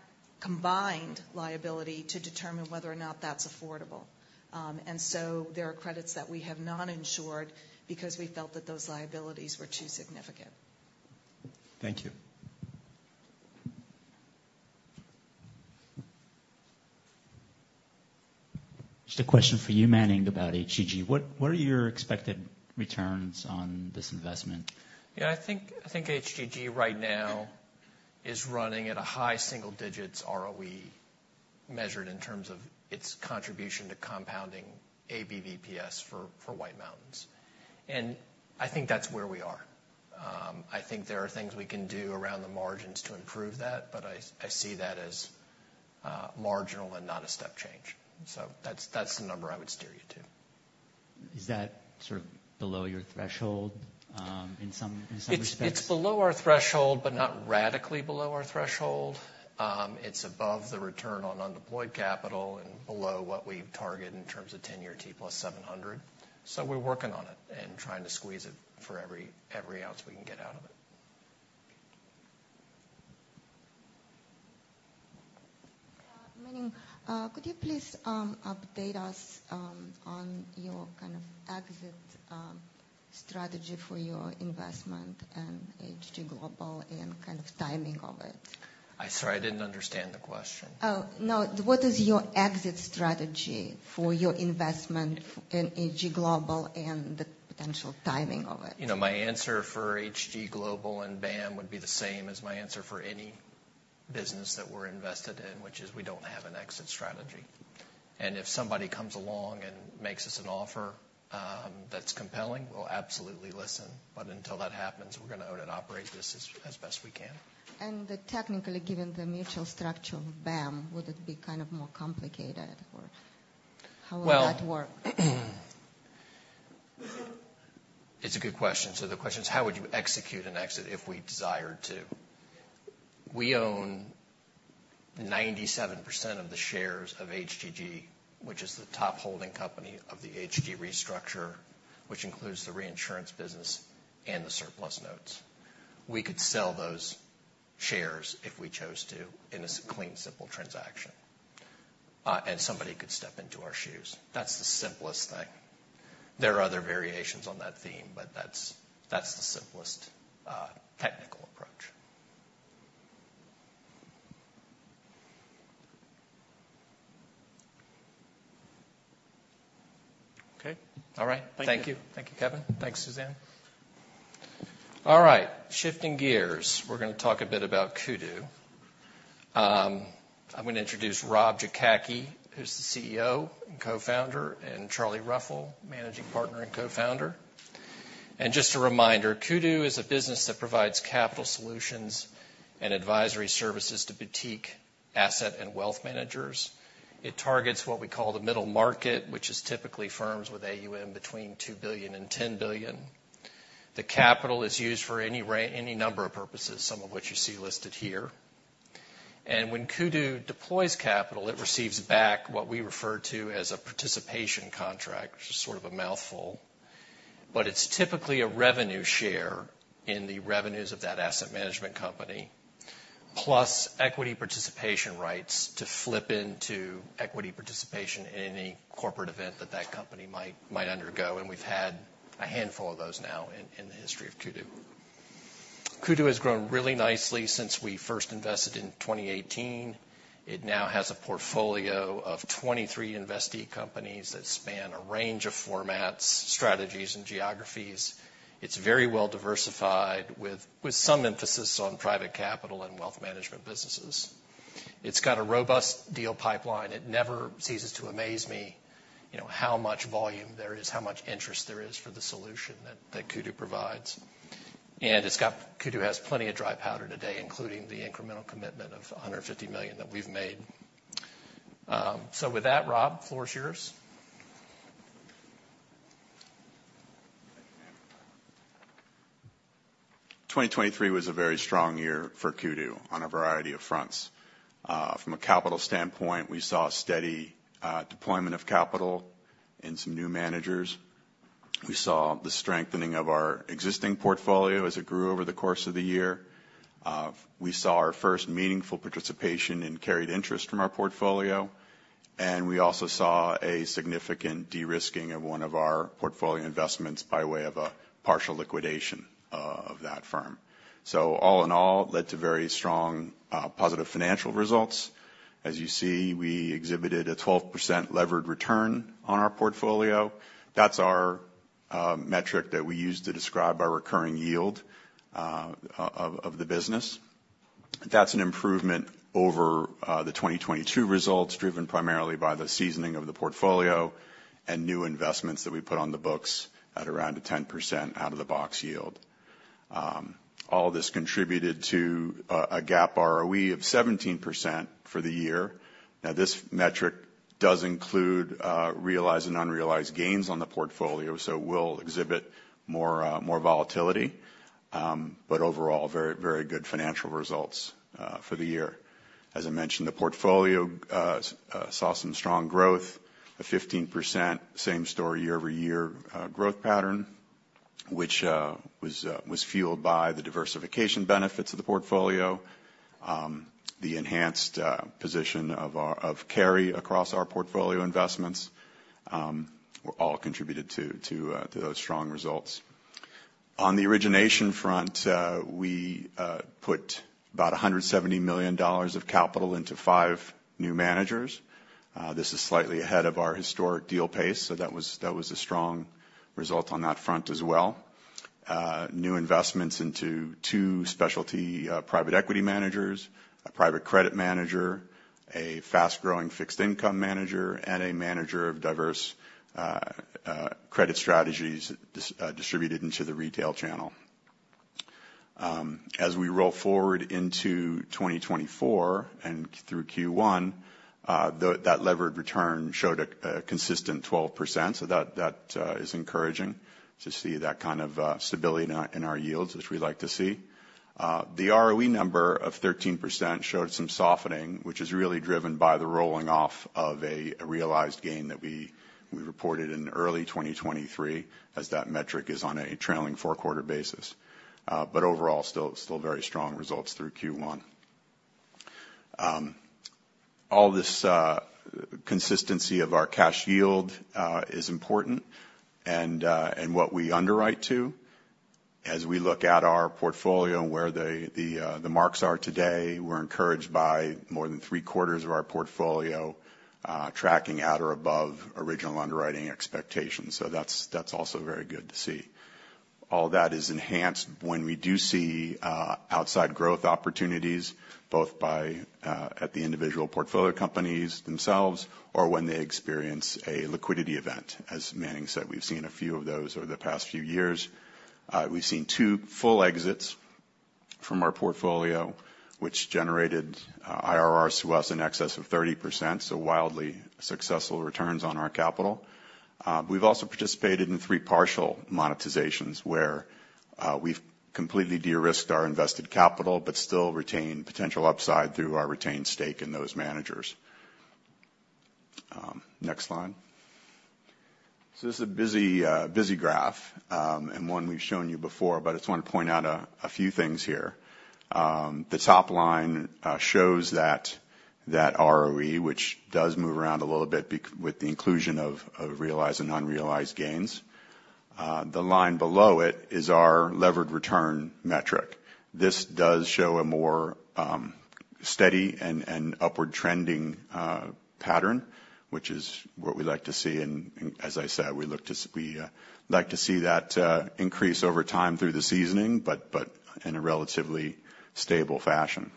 Speaker 11: combined liability to determine whether or not that's affordable. And so there are credits that we have not insured because we felt that those liabilities were too significant.
Speaker 5: Thank you....
Speaker 13: Just a question for you, Manning, about HGG. What, what are your expected returns on this investment?
Speaker 2: Yeah, I think, I think HGG right now is running at a high single digits ROE, measured in terms of its contribution to compounding ABVPS for White Mountains. And I think that's where we are. I think there are things we can do around the margins to improve that, but I, I see that as marginal and not a step change. So that's, that's the number I would steer you to.
Speaker 13: Is that sort of below your threshold, in some respects?
Speaker 2: It's below our threshold, but not radically below our threshold. It's above the return on undeployed capital and below what we target in terms of 10-year T plus 700. So we're working on it and trying to squeeze it for every ounce we can get out of it.
Speaker 6: Manning, could you please update us on your kind of exit strategy for your investment in HG Global and kind of timing of it?
Speaker 2: I'm sorry, I didn't understand the question.
Speaker 6: Oh, no. What is your exit strategy for your investment in HG Global and the potential timing of it?
Speaker 2: You know, my answer for HG Global and BAM would be the same as my answer for any business that we're invested in, which is we don't have an exit strategy. And if somebody comes along and makes us an offer that's compelling, we'll absolutely listen. But until that happens, we're gonna own and operate this as best we can.
Speaker 6: Technically, given the mutual structure of BAM, would it be kind of more complicated, or how would that work?
Speaker 2: Well, it's a good question. So the question is, how would you execute an exit if we desired to? We own 97% of the shares of HGG, which is the top holding company of the HG Re structure, which includes the reinsurance business and the surplus notes. We could sell those shares if we chose to, in a clean, simple transaction, and somebody could step into our shoes. That's the simplest thing. There are other variations on that theme, but that's, that's the simplest, technical approach. Okay. All right.
Speaker 6: Thank you.
Speaker 2: Thank you. Thank you, Kevin. Thanks, Suzanne. All right, shifting gears. We're gonna talk a bit about Kudu. I'm gonna introduce Rob Jakacki, who's the CEO and co-founder, and Charlie Ruffel, managing partner and co-founder. Just a reminder, Kudu is a business that provides capital solutions and advisory services to boutique asset and wealth managers. It targets what we call the middle market, which is typically firms with AUM between $2 billion and $10 billion. The capital is used for any number of purposes, some of which you see listed here. When Kudu deploys capital, it receives back what we refer to as a participation contract, which is sort of a mouthful, but it's typically a revenue share in the revenues of that asset management company, plus equity participation rights to flip into equity participation in any corporate event that that company might, might undergo, and we've had a handful of those now in, in the history of Kudu. Kudu has grown really nicely since we first invested in 2018. It now has a portfolio of 23 investee companies that span a range of formats, strategies, and geographies. It's very well diversified, with, with some emphasis on private capital and wealth management businesses. It's got a robust deal pipeline. It never ceases to amaze me, you know, how much volume there is, how much interest there is for the solution that, that Kudu provides. Kudu has plenty of dry powder today, including the incremental commitment of $150 million that we've made. So with that, Rob, floor is yours.
Speaker 14: Thank you, Manning. 2023 was a very strong year for Kudu on a variety of fronts. From a capital standpoint, we saw a steady deployment of capital and some new managers. We saw the strengthening of our existing portfolio as it grew over the course of the year. We saw our first meaningful participation in carried interest from our portfolio, and we also saw a significant de-risking of one of our portfolio investments by way of a partial liquidation of that firm. So all in all, led to very strong positive financial results. As you see, we exhibited a 12% levered return on our portfolio. That's our metric that we use to describe our recurring yield of the business. That's an improvement over the 2022 results, driven primarily by the seasoning of the portfolio and new investments that we put on the books at around a 10% out-of-the-box yield. All this contributed to a GAAP ROE of 17% for the year. Now, this metric does include realized and unrealized gains on the portfolio, so it will exhibit more volatility. But overall, very, very good financial results for the year. As I mentioned, the portfolio saw some strong growth, a 15% same store year over year growth pattern, which was fueled by the diversification benefits of the portfolio, the enhanced position of our-- of carry across our portfolio investments.... were all contributed to those strong results. On the origination front, we put about $170 million of capital into 5 new managers. This is slightly ahead of our historic deal pace, so that was a strong result on that front as well. New investments into 2 specialty private equity managers, a private credit manager, a fast-growing fixed income manager, and a manager of diverse credit strategies distributed into the retail channel. As we roll forward into 2024 and through Q1, that levered return showed a consistent 12%, so that is encouraging to see that kind of stability in our yields, which we like to see. The ROE number of 13% showed some softening, which is really driven by the rolling off of a realized gain that we reported in early 2023, as that metric is on a trailing four-quarter basis. But overall, still very strong results through Q1. All this consistency of our cash yield is important, and what we underwrite to. As we look at our portfolio and where the marks are today, we're encouraged by more than three-quarters of our portfolio tracking at or above original underwriting expectations, so that's also very good to see. All that is enhanced when we do see outside growth opportunities, both at the individual portfolio companies themselves, or when they experience a liquidity event. As Manning said, we've seen a few of those over the past few years. We've seen 2 full exits from our portfolio, which generated IRRs to us in excess of 30%, so wildly successful returns on our capital. We've also participated in 3 partial monetizations, where we've completely de-risked our invested capital, but still retained potential upside through our retained stake in those managers. Next slide. So this is a busy, busy graph, and one we've shown you before, but I just want to point out a few things here. The top line shows that ROE, which does move around a little bit with the inclusion of realized and unrealized gains. The line below it is our levered return metric. This does show a more steady and upward trending pattern, which is what we like to see, and as I said, we like to see that increase over time through the seasoning, but in a relatively stable fashion.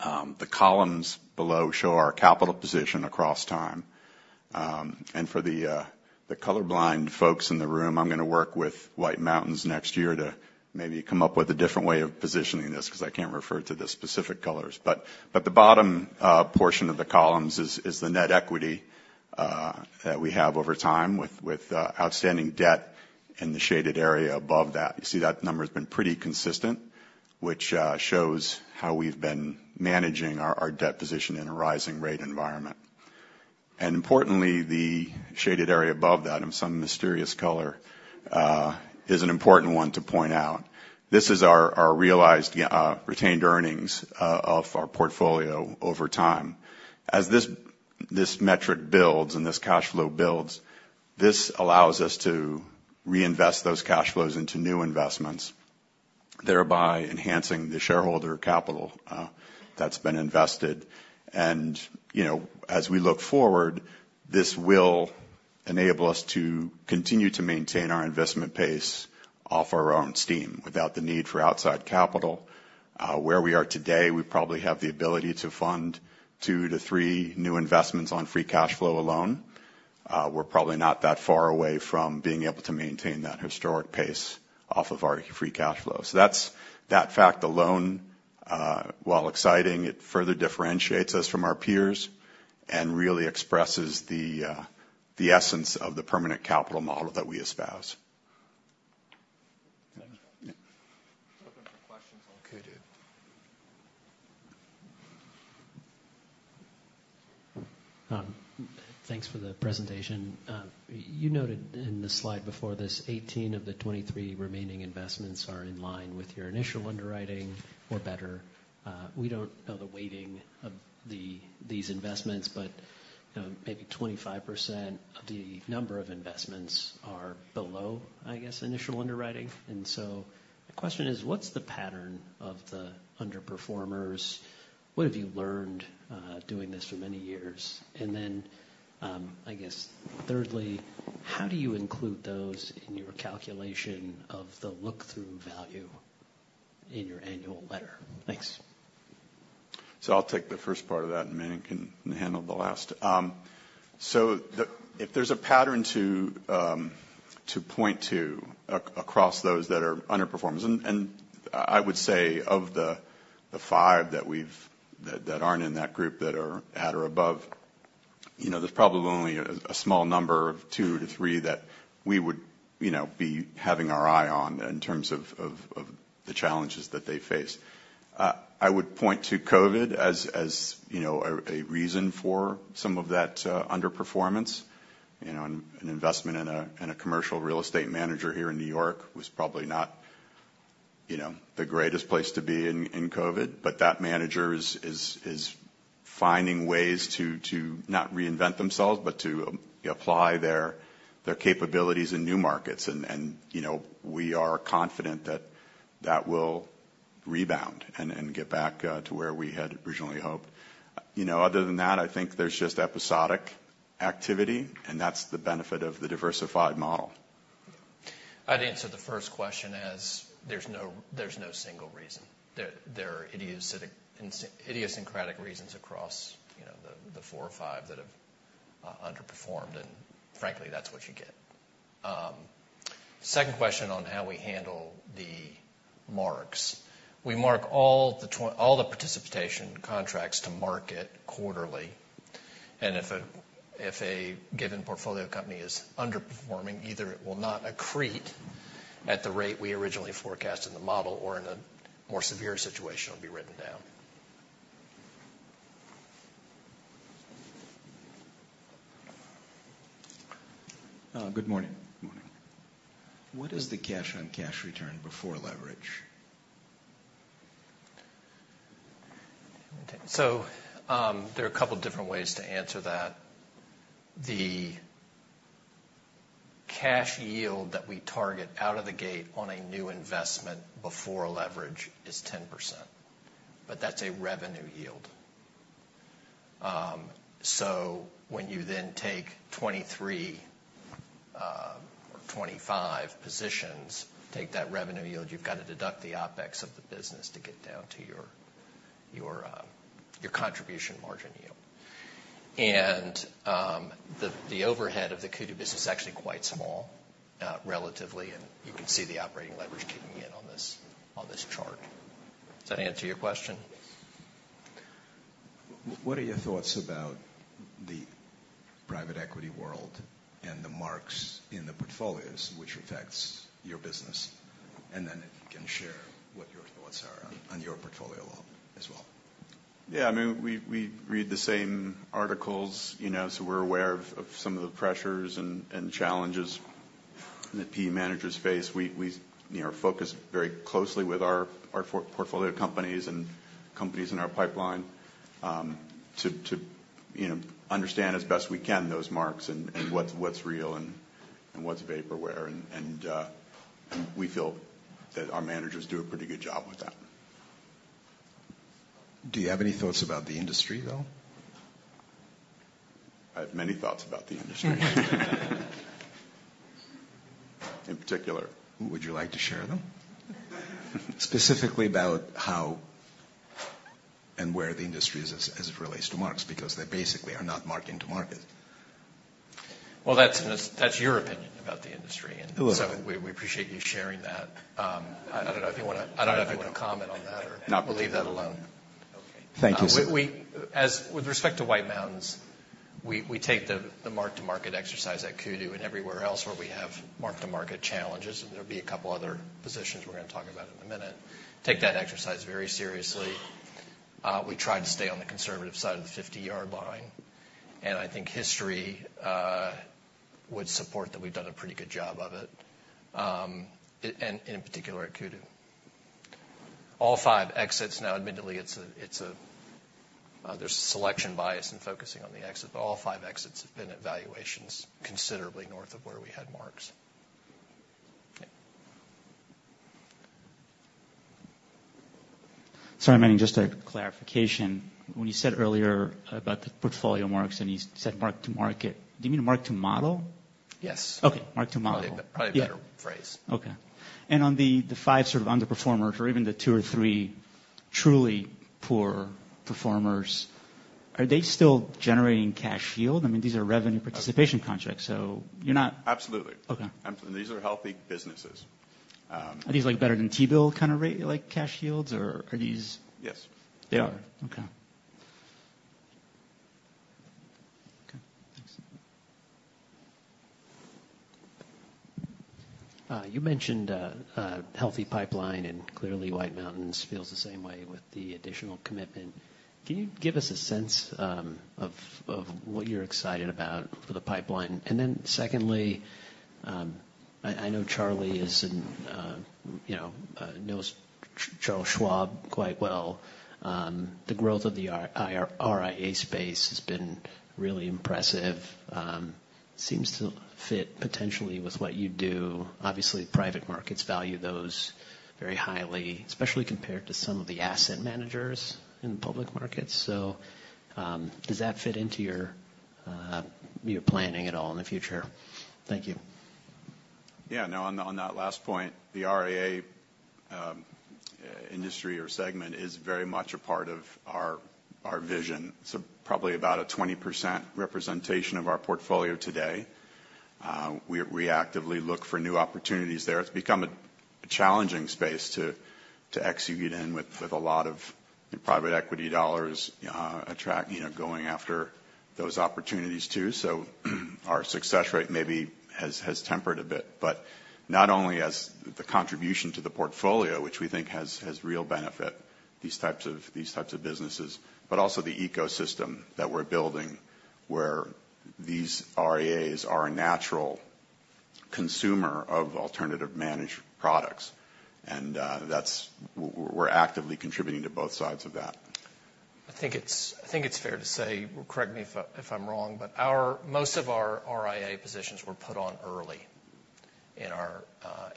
Speaker 14: The columns below show our capital position across time. And for the colorblind folks in the room, I'm gonna work with White Mountains next year to maybe come up with a different way of positioning this, 'cause I can't refer to the specific colors. But the bottom portion of the columns is the net equity that we have over time, with outstanding debt in the shaded area above that. You see that number's been pretty consistent, which shows how we've been managing our debt position in a rising rate environment. And importantly, the shaded area above that, in some mysterious color, is an important one to point out. This is our realized retained earnings of our portfolio over time. As this metric builds and this cash flow builds, this allows us to reinvest those cash flows into new investments, thereby enhancing the shareholder capital that's been invested. And, you know, as we look forward, this will enable us to continue to maintain our investment pace off our own steam, without the need for outside capital. Where we are today, we probably have the ability to fund two to three new investments on free cash flow alone. We're probably not that far away from being able to maintain that historic pace off of our free cash flow. So that's, that fact alone, while exciting, it further differentiates us from our peers and really expresses the, the essence of the permanent capital model that we espouse.
Speaker 15: Next.
Speaker 14: Yeah.
Speaker 15: Open for questions on Kudu.
Speaker 9: Thanks for the presentation. You noted in the slide before this, 18 of the 23 remaining investments are in line with your initial underwriting or better. We don't know the weighting of these investments, but, you know, maybe 25% of the number of investments are below, I guess, initial underwriting. And so the question is, what's the pattern of the underperformers? What have you learned, doing this for many years? And then, I guess, thirdly, how do you include those in your calculation of the look-through value in your annual letter? Thanks.
Speaker 14: So I'll take the first part of that, and Manning can handle the last. If there's a pattern to point to across those that are underperformers, and I would say of the 5 that we've that aren't in that group, that are at or above, you know, there's probably only a small number of 2-3 that we would, you know, be having our eye on in terms of the challenges that they face. I would point to COVID as you know a reason for some of that underperformance. You know, an investment in a commercial real estate manager here in New York was probably not... You know, the greatest place to be in COVID, but that manager is finding ways to not reinvent themselves, but to apply their capabilities in new markets. And you know, we are confident that that will rebound and get back to where we had originally hoped. You know, other than that, I think there's just episodic activity, and that's the benefit of the diversified model.
Speaker 2: I'd answer the first question as there's no single reason. There are idiosyncratic reasons across, you know, the four or five that have underperformed, and frankly, that's what you get. Second question on how we handle the marks. We mark all the participation contracts to market quarterly, and if a given portfolio company is underperforming, either it will not accrete at the rate we originally forecasted in the model or in a more severe situation, it'll be written down.
Speaker 5: Good morning.
Speaker 2: Good morning.
Speaker 5: What is the cash-on-cash return before leverage?
Speaker 2: So, there are a couple different ways to answer that. The cash yield that we target out of the gate on a new investment before leverage is 10%, but that's a revenue yield. So when you then take 23, or 25 positions, take that revenue yield, you've got to deduct the OpEx of the business to get down to your, your, your contribution margin yield. And, the, the overhead of the Kudu business is actually quite small, relatively, and you can see the operating leverage kicking in on this, on this chart. Does that answer your question?
Speaker 5: Yes. What are your thoughts about the private equity world and the marks in the portfolios, which affects your business? And then if you can share what your thoughts are on your portfolio as well.
Speaker 14: Yeah, I mean, we read the same articles, you know, so we're aware of some of the pressures and challenges that PE managers face. We, you know, are focused very closely with our portfolio companies and companies in our pipeline to understand as best we can those marks and what's real and what's vaporware. And we feel that our managers do a pretty good job with that.
Speaker 5: Do you have any thoughts about the industry, though?
Speaker 14: I have many thoughts about the industry, in particular.
Speaker 5: Would you like to share them? Specifically about how and where the industry is as it relates to marks, because they basically are not marking to market.
Speaker 2: Well, that's your opinion about the industry.
Speaker 5: Well-
Speaker 2: - And so we appreciate you sharing that. I don't know if you wanna comment on that or-
Speaker 5: No.
Speaker 2: Leave that alone.
Speaker 5: Okay. Thank you, sir.
Speaker 2: We, as with respect to White Mountains, we take the mark-to-market exercise at Kudu and everywhere else where we have mark-to-market challenges, and there'll be a couple other positions we're gonna talk about in a minute, take that exercise very seriously. We try to stay on the conservative side of the 50-yard line, and I think history would support that we've done a pretty good job of it, and in particular at Kudu. All five exits now, admittedly, it's a, there's selection bias in focusing on the exit, but all five exits have been at valuations considerably north of where we had marks.
Speaker 5: Okay.
Speaker 13: Sorry, Manny, just a clarification. When you said earlier about the portfolio marks, and you said mark to market, do you mean mark to model?
Speaker 2: Yes.
Speaker 13: Okay, mark to model.
Speaker 2: Probably a better phrase.
Speaker 13: Okay. And on the five sort of underperformers, or even the two or three truly poor performers, are they still generating cash yield? I mean, these are revenue participation contracts, so you're not-
Speaker 14: Absolutely.
Speaker 13: Okay.
Speaker 14: Absolutely. These are healthy businesses.
Speaker 13: Are these, like, better than T-bill kind of rate, like, cash yields, or are these?
Speaker 14: Yes, they are.
Speaker 13: Okay. Okay, thanks.
Speaker 9: You mentioned a healthy pipeline, and clearly, White Mountains feels the same way with the additional commitment. Can you give us a sense of what you're excited about for the pipeline? And then secondly, I know Charlie, you know, knows Charles Schwab quite well. The growth of the RIA space has been really impressive. Seems to fit potentially with what you do. Obviously, private markets value those very highly, especially compared to some of the asset managers in public markets. So, does that fit into your planning at all in the future? Thank you.
Speaker 14: Yeah. No, on the, on that last point, the RIA industry or segment is very much a part of our, our vision. It's probably about a 20% representation of our portfolio today. We actively look for new opportunities there. It's become a challenging space to execute in with a lot of private equity dollars attract, you know, going after those opportunities, too. So our success rate maybe has tempered a bit, but not only as the contribution to the portfolio, which we think has real benefit, these types of, these types of businesses, but also the ecosystem that we're building.... where these RIAs are a natural consumer of alternative managed products, and that's where we're actively contributing to both sides of that.
Speaker 2: I think it's, I think it's fair to say, well, correct me if, if I'm wrong, but our most of our RIA positions were put on early in our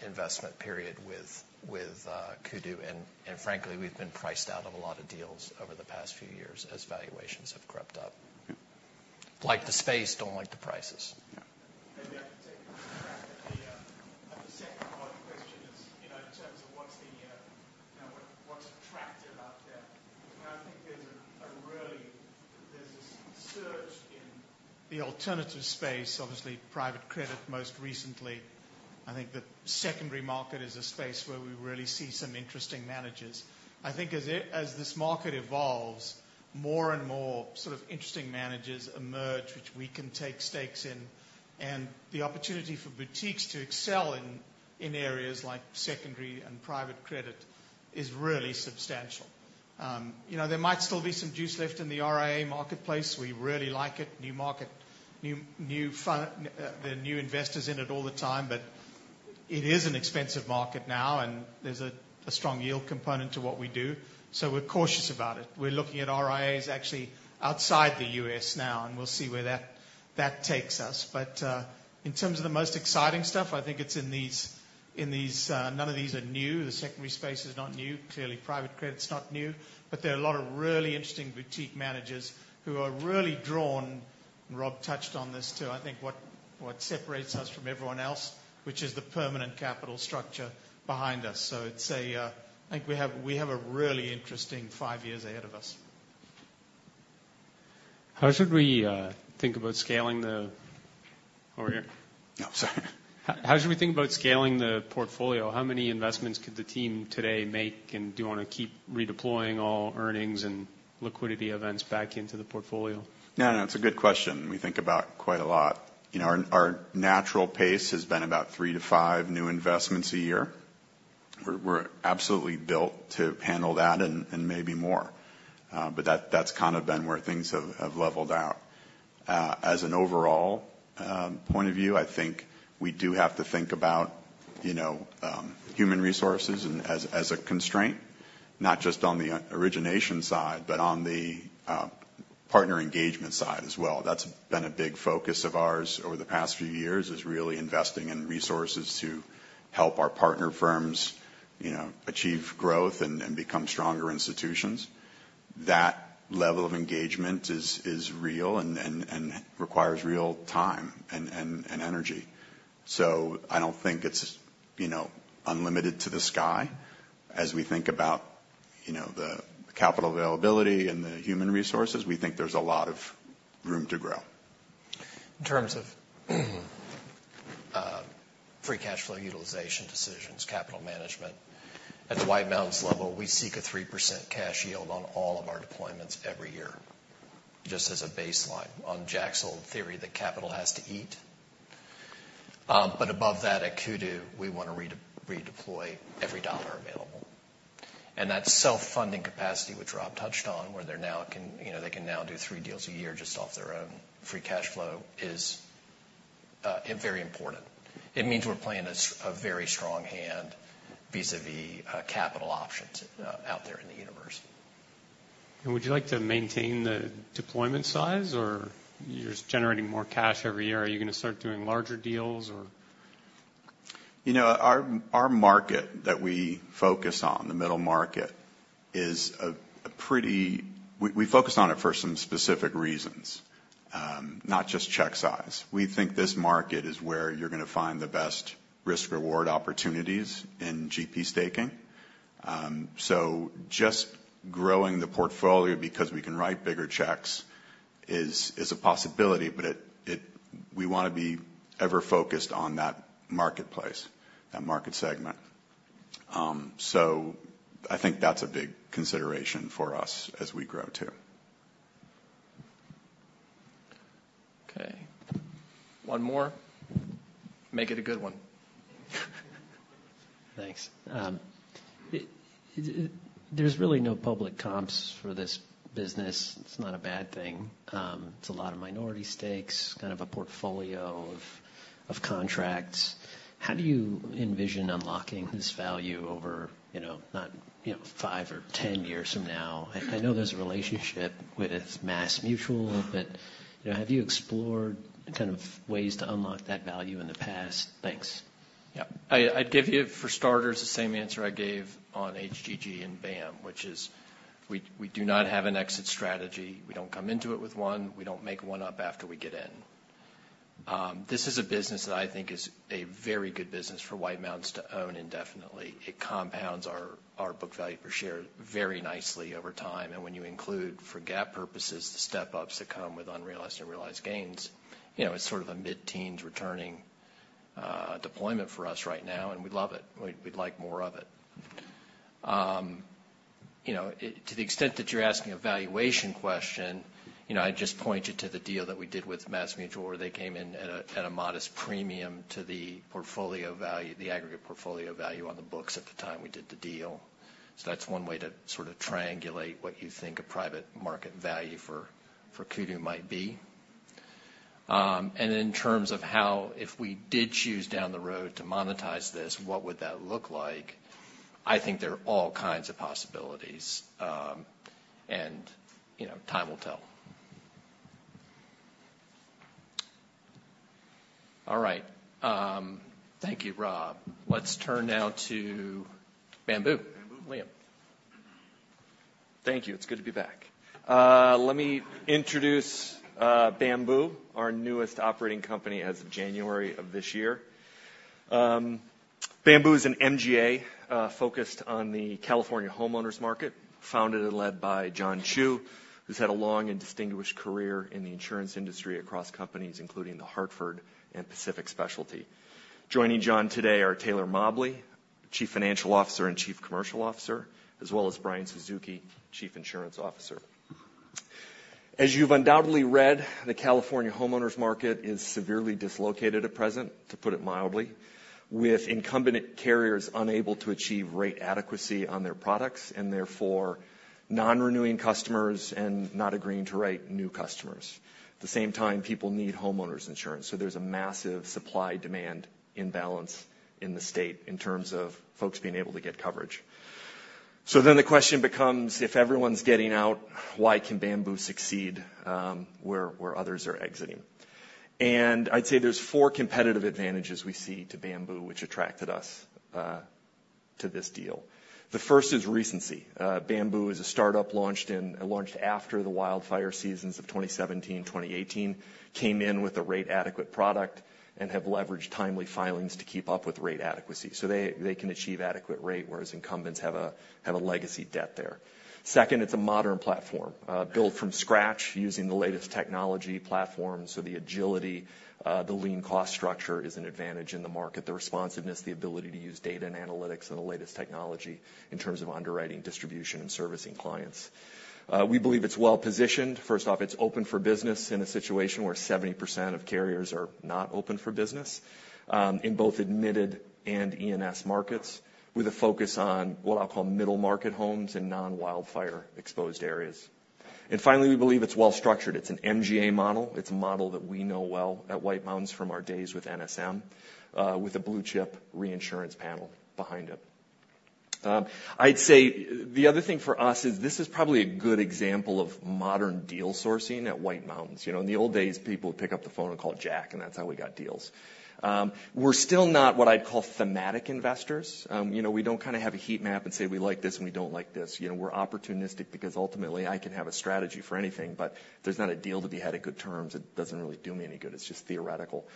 Speaker 2: investment period with, with Kudu. And, and frankly, we've been priced out of a lot of deals over the past few years as valuations have crept up. Like the space, don't like the prices.
Speaker 14: Yeah.
Speaker 15: Maybe I can take a crack at the, at the second part of the question, is, you know, in terms of what's the, you know, what, what's attractive out there? And I think there's a really, there's this surge in the alternative space, obviously, private credit, most recently. I think the secondary market is a space where we really see some interesting managers. I think as this market evolves, more and more sort of interesting managers emerge, which we can take stakes in. And the opportunity for boutiques to excel in areas like secondary and private credit is really substantial. You know, there might still be some juice left in the RIA marketplace. We really like it. New market, there are new investors in it all the time, but it is an expensive market now, and there's a strong yield component to what we do, so we're cautious about it. We're looking at RIAs actually outside the U.S. now, and we'll see where that takes us. But in terms of the most exciting stuff, I think it's in these, none of these are new. The secondary space is not new. Clearly, private credit's not new. But there are a lot of really interesting boutique managers who are really drawn, and Rob touched on this, too, I think what separates us from everyone else, which is the permanent capital structure behind us. So it's a, I think we have a really interesting five years ahead of us.
Speaker 16: How should we think about scaling over here?
Speaker 14: No, sorry.
Speaker 16: How should we think about scaling the portfolio? How many investments could the team today make, and do you want to keep redeploying all earnings and liquidity events back into the portfolio?
Speaker 14: No, no, it's a good question we think about quite a lot. You know, our natural pace has been about 3-5 new investments a year. We're absolutely built to handle that and maybe more, but that's kind of been where things have leveled out. As an overall point of view, I think we do have to think about, you know, human resources and as a constraint, not just on the origination side, but on the partner engagement side as well. That's been a big focus of ours over the past few years, is really investing in resources to help our partner firms, you know, achieve growth and become stronger institutions. That level of engagement is real and requires real time and energy. I don't think it's, you know, unlimited to the sky. As we think about, you know, the capital availability and the human resources, we think there's a lot of room to grow.
Speaker 2: In terms of free cash flow utilization decisions, capital management, at the White Mountains level, we seek a 3% cash yield on all of our deployments every year, just as a baseline on Jack's old theory that capital has to eat. But above that, at Kudu, we want to redeploy every dollar available. And that self-funding capacity, which Rob touched on, where they now can—you know, they can now do 3 deals a year just off their own free cash flow—is very important. It means we're playing a very strong hand vis-à-vis capital options out there in the universe.
Speaker 16: Would you like to maintain the deployment size, or you're just generating more cash every year? Are you going to start doing larger deals or-
Speaker 14: You know, our market that we focus on, the middle market, is a pretty... We focus on it for some specific reasons, not just check size. We think this market is where you're gonna find the best risk-reward opportunities in GP staking. So just growing the portfolio because we can write bigger checks is a possibility, but we wanna be ever focused on that marketplace, that market segment. So I think that's a big consideration for us as we grow, too.
Speaker 16: Okay. One more. Make it a good one.
Speaker 9: Thanks. There's really no public comps for this business. It's not a bad thing. It's a lot of minority stakes, kind of a portfolio of contracts. How do you envision unlocking this value over, you know, not, you know, five or 10 years from now? I know there's a relationship with MassMutual, but, you know, have you explored kind of ways to unlock that value in the past? Thanks.
Speaker 2: Yeah. I'd give you, for starters, the same answer I gave on HGG and BAM, which is we do not have an exit strategy. We don't come into it with one. We don't make one up after we get in. This is a business that I think is a very good business for White Mountains to own indefinitely. It compounds our book value per share very nicely over time, and when you include, for GAAP purposes, the step-ups that come with unrealized and realized gains, you know, it's sort of a mid-teens returning deployment for us right now, and we love it. We'd like more of it. You know, it, to the extent that you're asking a valuation question, you know, I'd just point you to the deal that we did with MassMutual, where they came in at a modest premium to the portfolio value, the aggregate portfolio value on the books at the time we did the deal. So that's one way to sort of triangulate what you think a private market value for Kudu might be. And in terms of how, if we did choose down the road to monetize this, what would that look like? I think there are all kinds of possibilities, and, you know, time will tell. All right. Thank you, Rob. Let's turn now to Bamboo.
Speaker 3: Bamboo.
Speaker 2: Liam.
Speaker 3: Thank you. It's good to be back. Let me introduce Bamboo, our newest operating company as of January of this year. Bamboo is an MGA focused on the California homeowners market, founded and led by John Chu, who's had a long and distinguished career in the insurance industry across companies, including The Hartford and Pacific Specialty. Joining John today are Taylor Mobley, Chief Financial Officer and Chief Commercial Officer, as well as Brian Suzuki, Chief Insurance Officer. As you've undoubtedly read, the California homeowners market is severely dislocated at present, to put it mildly, with incumbent carriers unable to achieve rate adequacy on their products, and therefore non-renewing customers and not agreeing to rate new customers. At the same time, people need homeowners insurance, so there's a massive supply-demand imbalance in the state in terms of folks being able to get coverage. So then the question becomes: If everyone's getting out, why can Bamboo succeed, where others are exiting? And I'd say there's four competitive advantages we see to Bamboo, which attracted us to this deal. The first is recency. Bamboo is a startup, it launched after the wildfire seasons of 2017, 2018, came in with a rate-adequate product, and have leveraged timely filings to keep up with rate adequacy. So they, they can achieve adequate rate, whereas incumbents have a legacy debt there. Second, it's a modern platform, built from scratch using the latest technology platforms. So the agility, the lean cost structure is an advantage in the market, the responsiveness, the ability to use data and analytics and the latest technology in terms of underwriting, distribution, and servicing clients. We believe it's well-positioned. First off, it's open for business in a situation where 70% of carriers are not open for business, in both admitted and E&S markets, with a focus on what I'll call middle-market homes and non-wildfire exposed areas. And finally, we believe it's well structured. It's an MGA model. It's a model that we know well at White Mountains from our days with NSM, with a blue-chip reinsurance panel behind it. I'd say the other thing for us is this is probably a good example of modern deal sourcing at White Mountains. You know, in the old days, people would pick up the phone and call Jack, and that's how we got deals. We're still not what I'd call thematic investors. You know, we don't kind of have a heat map and say, "We like this, and we don't like this." You know, we're opportunistic because ultimately, I can have a strategy for anything, but if there's not a deal to be had at good terms, it doesn't really do me any good. It's just theoretical.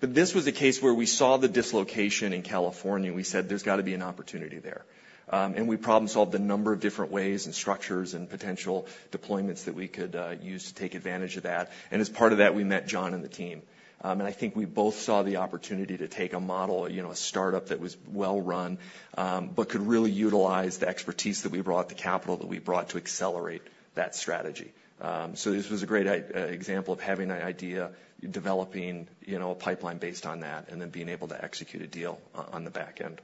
Speaker 3: But this was a case where we saw the dislocation in California, and we said, "There's got to be an opportunity there." And we problem-solved a number of different ways and structures and potential deployments that we could use to take advantage of that, and as part of that, we met John and the team. And I think we both saw the opportunity to take a model, you know, a startup that was well run, but could really utilize the expertise that we brought, the capital that we brought to accelerate that strategy. So this was a great example of having an idea, developing, you know, a pipeline based on that, and then being able to execute a deal on the back end.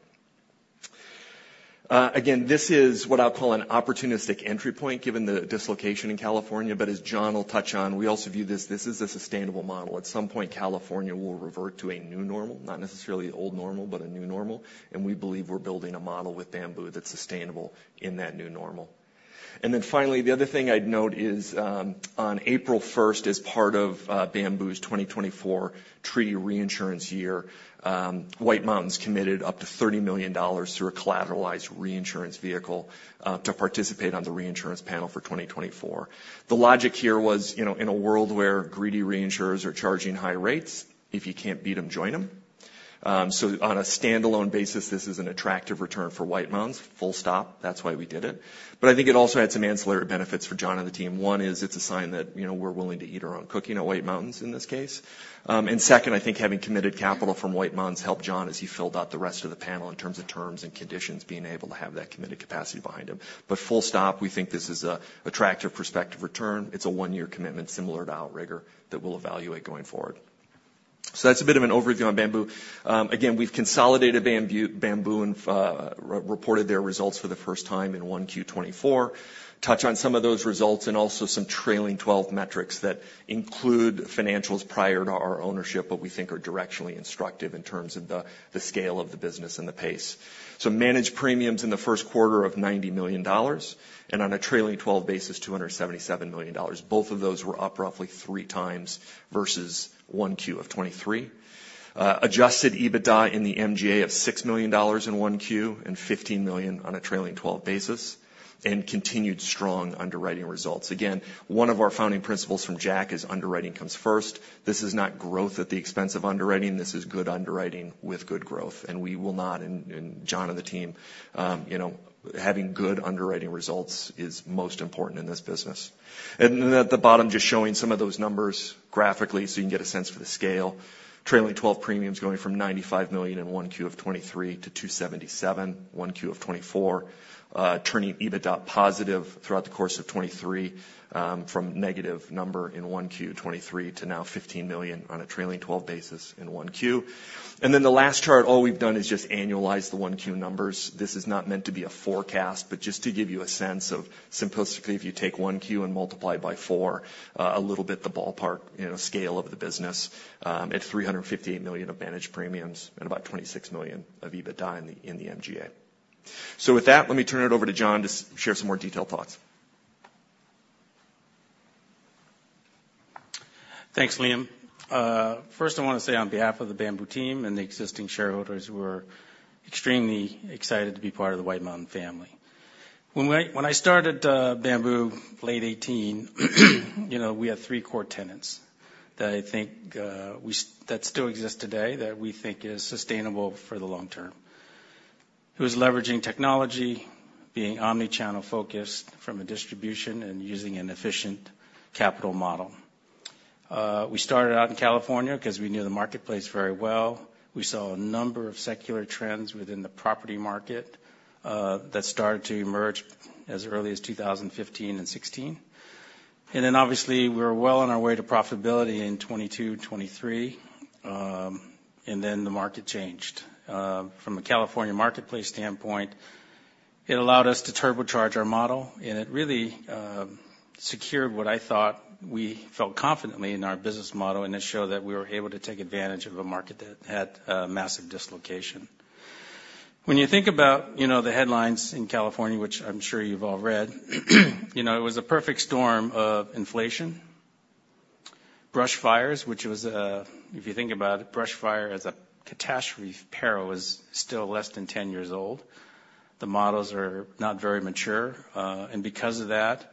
Speaker 3: Again, this is what I'll call an opportunistic entry point, given the dislocation in California, but as John will touch on, we also view this, this is a sustainable model. At some point, California will revert to a new normal, not necessarily the old normal, but a new normal, and we believe we're building a model with Bamboo that's sustainable in that new normal. Then finally, the other thing I'd note is, on April 1st, as part of Bamboo's 2024 treaty reinsurance year, White Mountains committed up to $30 million through a collateralized reinsurance vehicle, to participate on the reinsurance panel for 2024. The logic here was, you know, in a world where greedy reinsurers are charging high rates, if you can't beat them, join them. So on a standalone basis, this is an attractive return for White Mountains, full stop. That's why we did it. But I think it also had some ancillary benefits for John and the team. One is it's a sign that, you know, we're willing to eat our own cooking at White Mountains in this case. And second, I think having committed capital from White Mountains helped John as he filled out the rest of the panel in terms of terms and conditions, being able to have that committed capacity behind him. But full stop, we think this is a attractive prospective return. It's a one-year commitment, similar to Outrigger, that we'll evaluate going forward. So that's a bit of an overview on Bamboo. Again, we've consolidated Bamboo and reported their results for the first time in 1Q 2024. Touch on some of those results and also some trailing 12 metrics that include financials prior to our ownership, but we think are directionally instructive in terms of the scale of the business and the pace. So managed premiums in the first quarter of $90 million, and on a trailing 12 basis, $277 million. Both of those were up roughly 3 times versus 1Q 2023. Adjusted EBITDA in the MGA of $6 million in 1Q, and $15 million on a trailing 12 basis, and continued strong underwriting results. Again, one of our founding principles from Jack is underwriting comes first. This is not growth at the expense of underwriting. This is good underwriting with good growth, and we will not... And John and the team, you know, having good underwriting results is most important in this business. And then at the bottom, just showing some of those numbers graphically so you can get a sense for the scale. Trailing 12 premiums going from $95 million in 1Q 2023 to $277 million, 1Q 2024. Turning EBITDA positive throughout the course of 2023, from negative number in 1Q 2023 to now $15 million on a trailing 12 basis in 1Q. And then the last chart, all we've done is just annualize the 1Q numbers. This is not meant to be a forecast, but just to give you a sense of, simplistically, if you take 1Q and multiply by four, a little bit the ballpark, you know, scale of the business, at $358 million of managed premiums and about $26 million of EBITDA in the, in the MGA. So with that, let me turn it over to John to share some more detailed thoughts....
Speaker 17: Thanks, Liam. First I want to say on behalf of the Bamboo team and the existing shareholders, we're extremely excited to be part of the White Mountains family. When I, when I started Bamboo late 2018, you know, we had three core tenets that I think we, that still exist today, that we think is sustainable for the long term. It was leveraging technology, being omni-channel focused from a distribution, and using an efficient capital model. We started out in California because we knew the marketplace very well. We saw a number of secular trends within the property market that started to emerge as early as 2015 and 2016. And then obviously, we were well on our way to profitability in 2022, 2023, and then the market changed. From a California marketplace standpoint, it allowed us to turbocharge our model, and it really secured what I thought we felt confidently in our business model, and it showed that we were able to take advantage of a market that had a massive dislocation. When you think about, you know, the headlines in California, which I'm sure you've all read, you know, it was a perfect storm of inflation, brush fires, which was, if you think about it, brush fire as a catastrophe peril is still less than 10 years old. The models are not very mature, and because of that,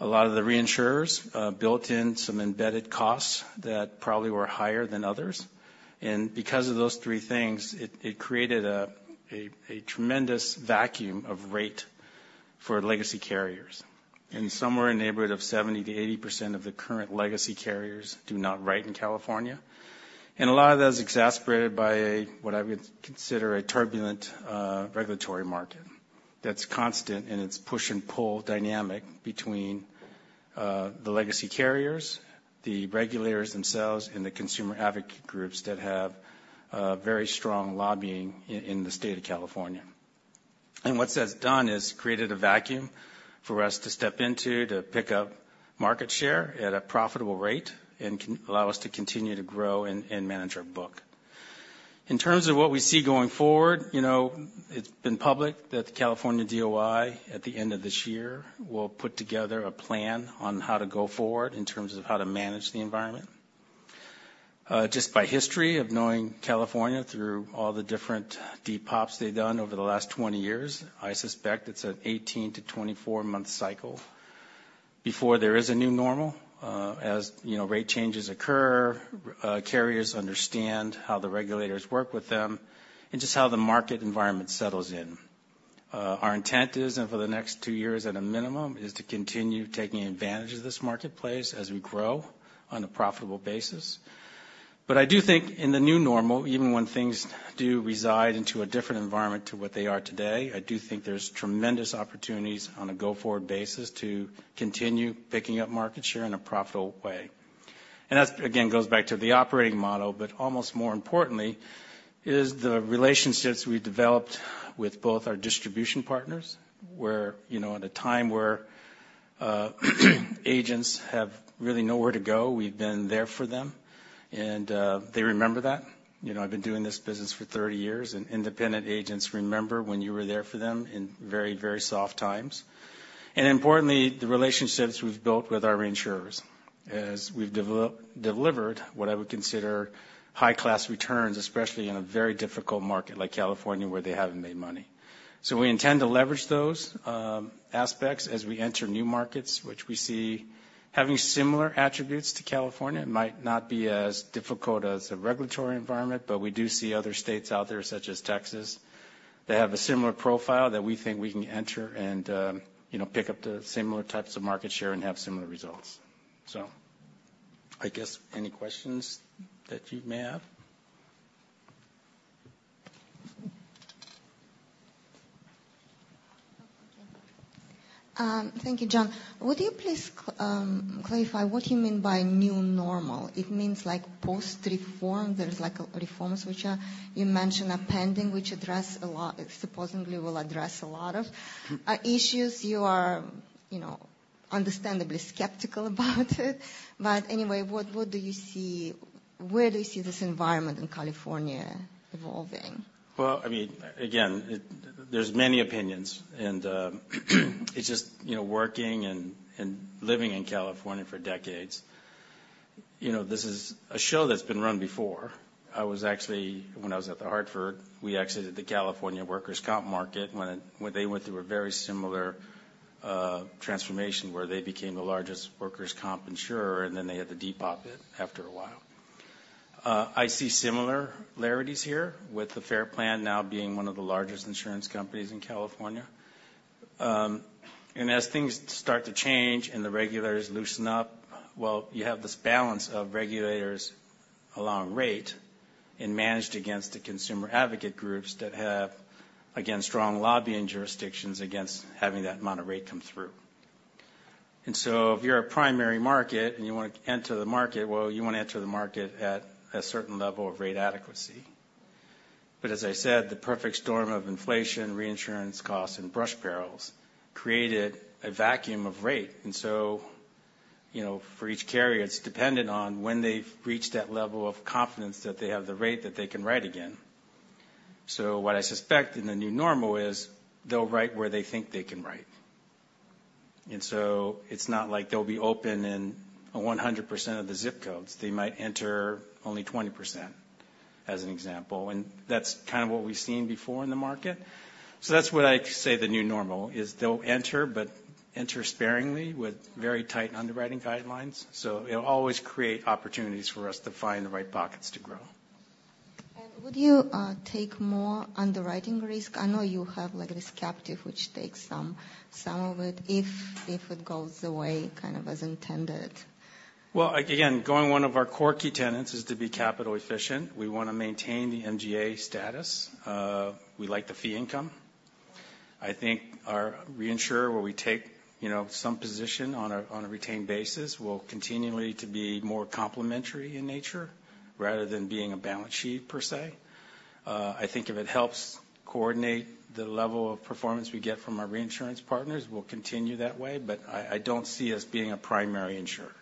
Speaker 17: a lot of the reinsurers built in some embedded costs that probably were higher than others. And because of those three things, it created a tremendous vacuum of rate for legacy carriers. Somewhere in the neighborhood of 70%-80% of the current legacy carriers do not write in California. A lot of that is exasperated by what I would consider a turbulent regulatory market that's constant in its push-and-pull dynamic between the legacy carriers, the regulators themselves, and the consumer advocate groups that have very strong lobbying in the state of California. What that's done is created a vacuum for us to step into, to pick up market share at a profitable rate, and allow us to continue to grow and manage our book. In terms of what we see going forward, you know, it's been public that the California DOI, at the end of this year, will put together a plan on how to go forward in terms of how to manage the environment. Just by history of knowing California through all the different depops they've done over the last 20 years, I suspect it's an 18-24-month cycle before there is a new normal. As you know, rate changes occur, carriers understand how the regulators work with them, and just how the market environment settles in. Our intent is, and for the next 2 years at a minimum, is to continue taking advantage of this marketplace as we grow on a profitable basis. But I do think in the new normal, even when things do reside into a different environment to what they are today, I do think there's tremendous opportunities on a go-forward basis to continue picking up market share in a profitable way. That, again, goes back to the operating model, but almost more importantly, is the relationships we've developed with both our distribution partners, where, you know, at a time where agents have really nowhere to go, we've been there for them, and they remember that. You know, I've been doing this business for 30 years, and independent agents remember when you were there for them in very, very soft times. Importantly, the relationships we've built with our reinsurers, as we've delivered what I would consider high-class returns, especially in a very difficult market like California, where they haven't made money. So we intend to leverage those aspects as we enter new markets, which we see having similar attributes to California. It might not be as difficult as a regulatory environment, but we do see other states out there, such as Texas, that have a similar profile that we think we can enter and, you know, pick up the similar types of market share and have similar results. So I guess any questions that you may have?
Speaker 6: Thank you, John. Would you please clarify what you mean by new normal? It means like post-reform, there's like reforms which are, you mentioned, are pending, which address a lot, supposedly will address a lot of issues. You are, you know, understandably skeptical about it. But anyway, what do you see, where do you see this environment in California evolving?
Speaker 17: Well, I mean, again, it, there's many opinions, and, it's just, you know, working and living in California for decades, you know, this is a show that's been run before. I was actually, when I was at The Hartford, we exited the California workers' comp market when it, when they went through a very similar transformation, where they became the largest workers' comp insurer, and then they had to depop it after a while. I see similarities here with the FPlan now being one of the largest insurance companies in California. And as things start to change and the regulators loosen up, well, you have this balance of regulators along rate, and managed against the consumer advocate groups that have, again, strong lobbying jurisdictions against having that amount of rate come through. So if you're a primary market and you want to enter the market, well, you want to enter the market at a certain level of rate adequacy. But as I said, the perfect storm of inflation, reinsurance costs, and brush perils created a vacuum of rate. And so, you know, for each carrier, it's dependent on when they've reached that level of confidence that they have the rate that they can write again. So what I suspect in the new normal is they'll write where they think they can write. And so it's not like they'll be open in 100% of the zip codes. They might enter only 20%, as an example, and that's kind of what we've seen before in the market. So that's what I say the new normal is. They'll enter, but enter sparingly with very tight underwriting guidelines, so it'll always create opportunities for us to find the right pockets to grow.
Speaker 6: Would you take more underwriting risk? I know you have, like, this captive, which takes some of it, if it goes the way kind of as intended.
Speaker 17: Well, again, one of our core key tenets is to be capital efficient. We want to maintain the MGA status. We like the fee income. I think our reinsurer, where we take, you know, some position on a retained basis, will continue to be more complementary in nature, rather than being a balance sheet per se. I think if it helps coordinate the level of performance we get from our reinsurance partners, we'll continue that way, but I don't see us being a primary insurer.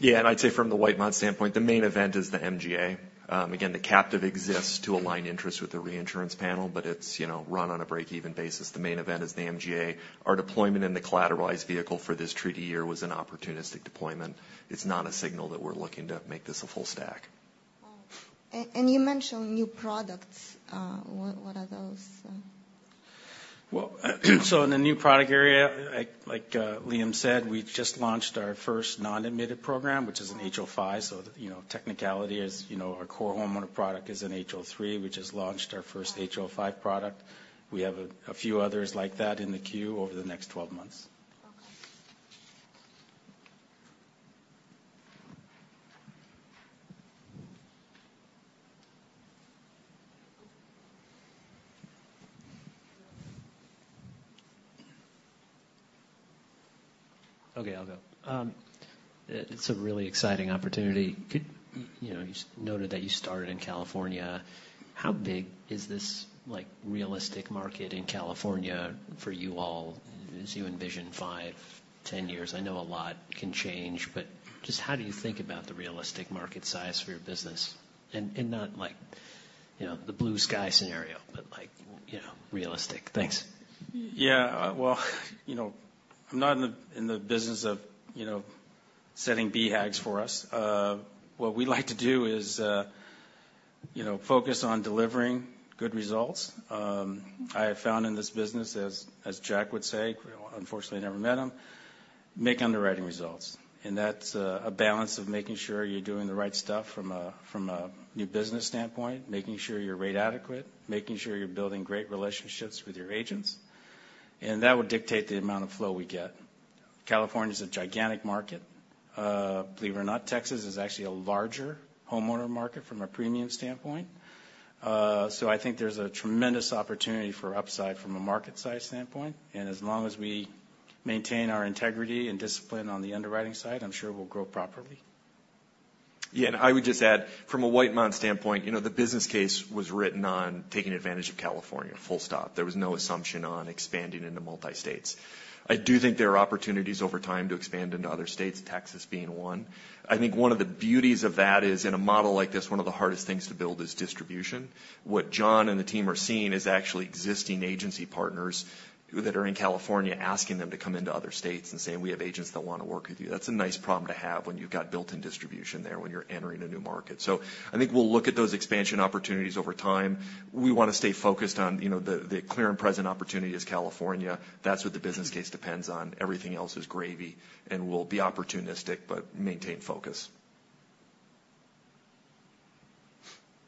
Speaker 3: Yeah, and I'd say from the White Mountains standpoint, the main event is the MGA. Again, the captive exists to align interests with the reinsurance panel, but it's, you know, run on a break-even basis. The main event is the MGA. Our deployment in the collateralized vehicle for this treaty year was an opportunistic deployment. It's not a signal that we're looking to make this a full stack.
Speaker 6: You mentioned new products. What are those?
Speaker 17: Well, so in the new product area, like, like, Liam said, we've just launched our first non-admitted program, which is an H05. So, you know, technicality is, you know, our core homeowner product is an H03. We just launched our first H05 product. We have a few others like that in the queue over the next 12 months.
Speaker 6: Okay.
Speaker 9: Okay, I'll go. It's a really exciting opportunity. You know, you noted that you started in California. How big is this, like, realistic market in California for you all as you envision 5, 10 years? I know a lot can change, but just how do you think about the realistic market size for your business? And not, like, you know, the blue sky scenario, but like, you know, realistic. Thanks.
Speaker 17: Yeah, well, you know, I'm not in the business of, you know, setting BHAGs for us. What we like to do is, you know, focus on delivering good results. I have found in this business, as Jack would say, unfortunately, I never met him, make underwriting results. And that's a balance of making sure you're doing the right stuff from a new business standpoint, making sure you're rate adequate, making sure you're building great relationships with your agents, and that would dictate the amount of flow we get. California is a gigantic market. Believe it or not, Texas is actually a larger homeowner market from a premium standpoint. I think there's a tremendous opportunity for upside from a market size standpoint, and as long as we maintain our integrity and discipline on the underwriting side, I'm sure we'll grow properly.
Speaker 3: Yeah, and I would just add, from a White Mountains standpoint, you know, the business case was written on taking advantage of California, full stop. There was no assumption on expanding into multi-states. I do think there are opportunities over time to expand into other states, Texas being one. I think one of the beauties of that is, in a model like this, one of the hardest things to build is distribution. What John and the team are seeing is actually existing agency partners that are in California, asking them to come into other states and saying: We have agents that want to work with you. That's a nice problem to have when you've got built-in distribution there, when you're entering a new market. So I think we'll look at those expansion opportunities over time. We want to stay focused on, you know, the, the clear and present opportunity is California. That's what the business case depends on. Everything else is gravy, and we'll be opportunistic, but maintain focus.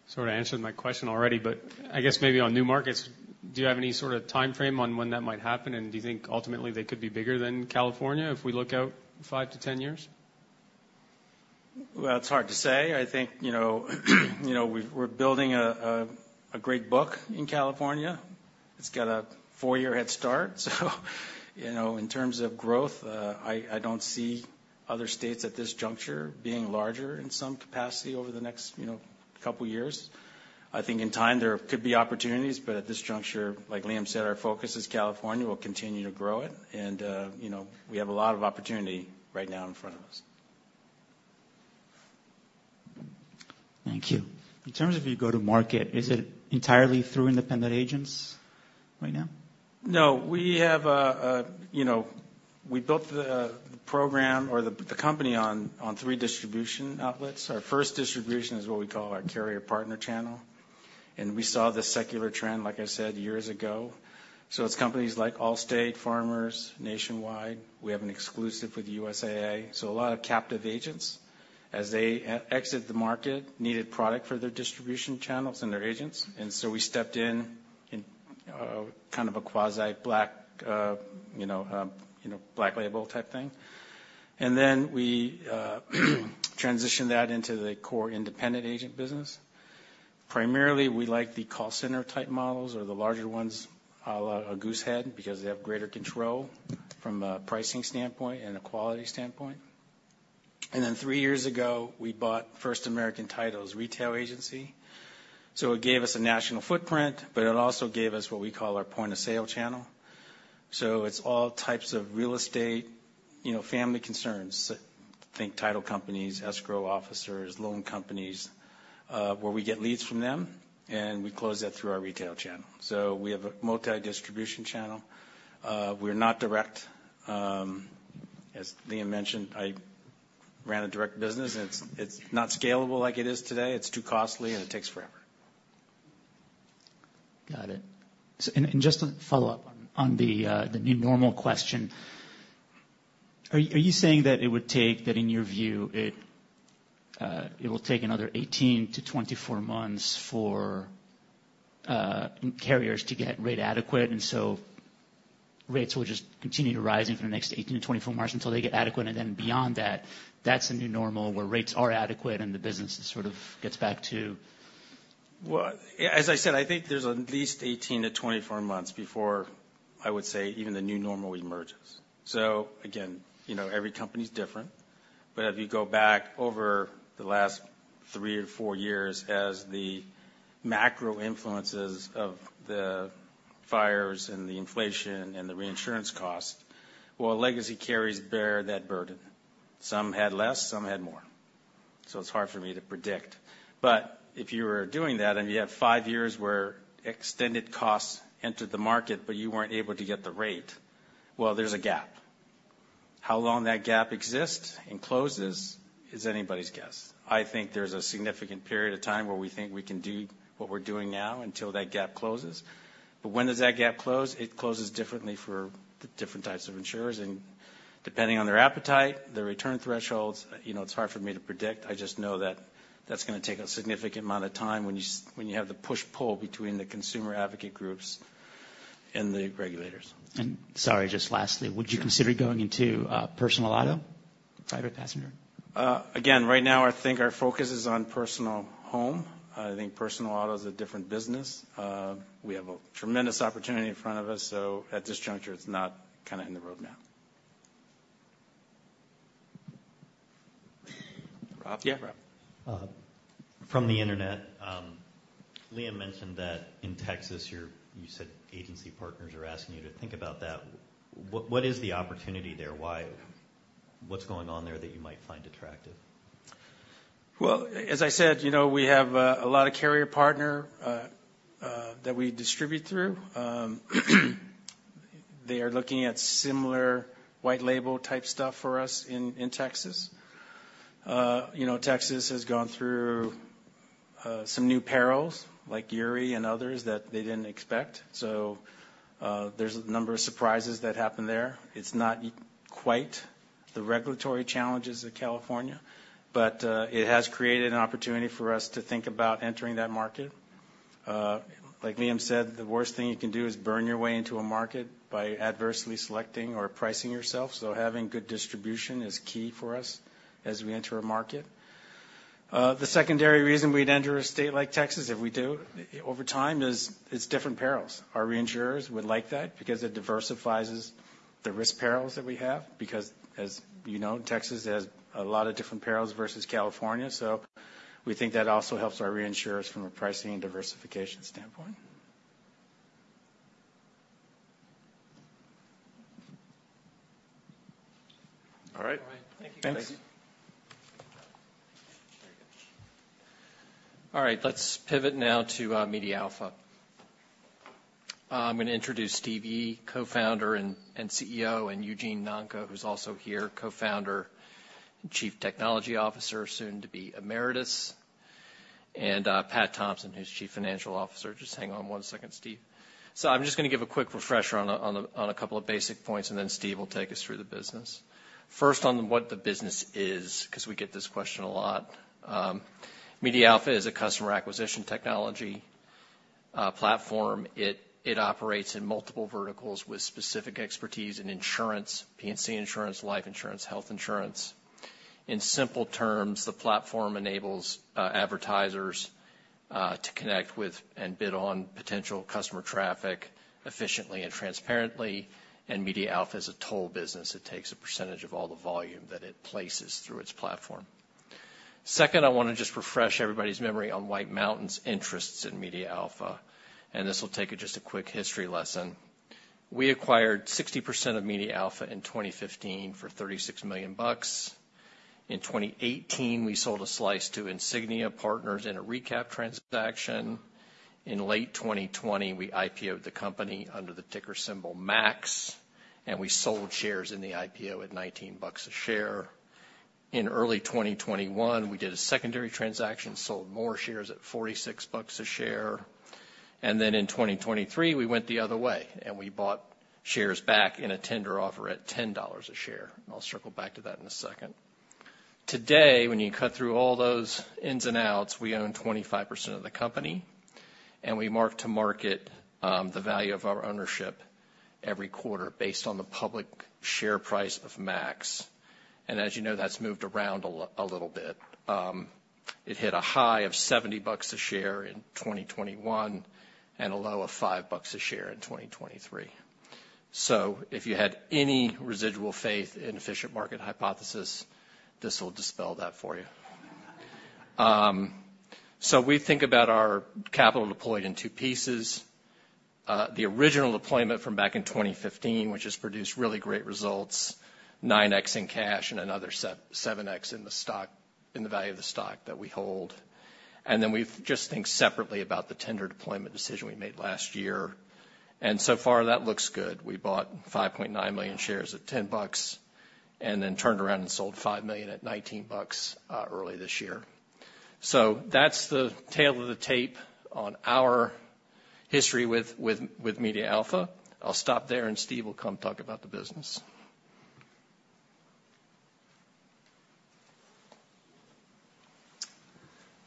Speaker 18: Sort of answered my question already, but I guess maybe on new markets, do you have any sort of timeframe on when that might happen? And do you think ultimately they could be bigger than California if we look out 5-10 years?
Speaker 17: Well, it's hard to say. I think, you know, you know, we're building a great book in California. It's got a four-year head start, so you know, in terms of growth, I don't see other states at this juncture being larger in some capacity over the next, you know, couple years. I think in time, there could be opportunities, but at this juncture, like Liam said, our focus is California. We'll continue to grow it, and, you know, we have a lot of opportunity right now in front of us.
Speaker 13: Thank you. In terms of your go-to-market, is it entirely through independent agents right now?
Speaker 17: No, we have, you know, we built the program or the company on three distribution outlets. Our first distribution is what we call our carrier partner channel, and we saw this secular trend, like I said, years ago. So it's companies like Allstate, Farmers, Nationwide. We have an exclusive with USAA, so a lot of captive agents. As they exit the market, needed product for their distribution channels and their agents, and so we stepped in in kind of a quasi black, you know, black label type thing. And then we transitioned that into the core independent agent business. Primarily, we like the call center type models or the larger ones, à la Goosehead, because they have greater control from a pricing standpoint and a quality standpoint. And then three years ago, we bought First American Title's retail agency, so it gave us a national footprint, but it also gave us what we call our point-of-sale channel. So it's all types of real estate, you know, family concerns, think title companies, escrow officers, loan companies, where we get leads from them, and we close that through our retail channel. So we have a multi-distribution channel. We're not direct. As Liam mentioned, I ran a direct business, and it's, it's not scalable like it is today. It's too costly, and it takes forever.
Speaker 13: Got it. So, and just to follow up on the new normal question, are you saying that it would take - that in your view, it will take another 18-24 months for carriers to get rate adequate, and so rates will just continue to rising for the next 18-24 months until they get adequate, and then beyond that, that's the new normal, where rates are adequate and the business sort of gets back to?
Speaker 17: Well, as I said, I think there's at least 18-24 months before I would say even the new normal emerges. So again, you know, every company's different, but if you go back over the last 3 or 4 years as the macro influences of the fires and the inflation and the reinsurance costs, well, legacy carriers bear that burden. Some had less, some had more, so it's hard for me to predict. But if you were doing that, and you had 5 years where extended costs entered the market, but you weren't able to get the rate, well, there's a gap. How long that gap exists and closes is anybody's guess. I think there's a significant period of time where we think we can do what we're doing now until that gap closes. But when does that gap close? It closes differently for the different types of insurers, and depending on their appetite, their return thresholds, you know, it's hard for me to predict. I just know that that's gonna take a significant amount of time when you have the push-pull between the consumer advocate groups and the regulators.
Speaker 13: Sorry, just lastly, would you consider going into personal auto, private passenger?
Speaker 17: Again, right now, I think our focus is on personal home. I think personal auto is a different business. We have a tremendous opportunity in front of us, so at this juncture, it's not kind of in the roadmap.
Speaker 7: Rob?
Speaker 17: Yeah.
Speaker 7: From the internet, Liam mentioned that in Texas, you said agency partners are asking you to think about that. What, what is the opportunity there? Why? What's going on there that you might find attractive?
Speaker 17: Well, as I said, you know, we have a lot of carrier partner that we distribute through. They are looking at similar white label type stuff for us in Texas. You know, Texas has gone through some new perils, like Uri and others, that they didn't expect. So, there's a number of surprises that happened there. It's not quite the regulatory challenges of California, but it has created an opportunity for us to think about entering that market. Like Liam said, the worst thing you can do is burn your way into a market by adversely selecting or pricing yourself, so having good distribution is key for us as we enter a market. The secondary reason we'd enter a state like Texas, if we do, over time, is it's different perils. Our reinsurers would like that because it diversifies the risk perils that we have, because, as you know, Texas has a lot of different perils versus California. So we think that also helps our reinsurers from a pricing and diversification standpoint. All right.
Speaker 7: All right. Thank you.
Speaker 17: Thanks.
Speaker 7: Very good.
Speaker 2: All right, let's pivot now to MediaAlpha. I'm going to introduce Steve Yi, co-founder and CEO, and Eugene Nonko, who's also here, co-founder and Chief Technology Officer, soon to be emeritus, and Pat Thompson, who's Chief Financial Officer. Just hang on one second, Steve. So I'm just going to give a quick refresher on a couple of basic points, and then Steve will take us through the business. First, on what the business is, 'cause we get this question a lot. MediaAlpha is a customer acquisition technology platform. It operates in multiple verticals with specific expertise in insurance, P&C insurance, life insurance, health insurance. In simple terms, the platform enables advertisers to connect with and bid on potential customer traffic efficiently and transparently, and MediaAlpha is a toll business. It takes a percentage of all the volume that it places through its platform. Second, I want to just refresh everybody's memory on White Mountains' interests in MediaAlpha, and this will take just a quick history lesson. We acquired 60% of MediaAlpha in 2015 for $36 million. In 2018, we sold a slice to Insignia Capital in a recap transaction. In late 2020, we IPO'd the company under the ticker symbol MAX, and we sold shares in the IPO at $19 a share. In early 2021, we did a secondary transaction, sold more shares at $46 a share. And then in 2023, we went the other way, and we bought shares back in a tender offer at $10 a share. I'll circle back to that in a second. Today, when you cut through all those ins and outs, we own 25% of the company, and we mark to market the value of our ownership every quarter based on the public share price of MAX. And as you know, that's moved around a little bit. It hit a high of $70 a share in 2021 and a low of $5 a share in 2023. So if you had any residual faith in efficient market hypothesis, this will dispel that for you. So we think about our capital deployed in two pieces. The original deployment from back in 2015, which has produced really great results, 9x in cash and another 7x in the value of the stock that we hold. And then we've just think separately about the tender deployment decision we made last year, and so far, that looks good. We bought 5.9 million shares at $10, and then turned around and sold 5 million at $19 early this year. So that's the tale of the tape on our history with MediaAlpha. I'll stop there, and Steve will come talk about the business.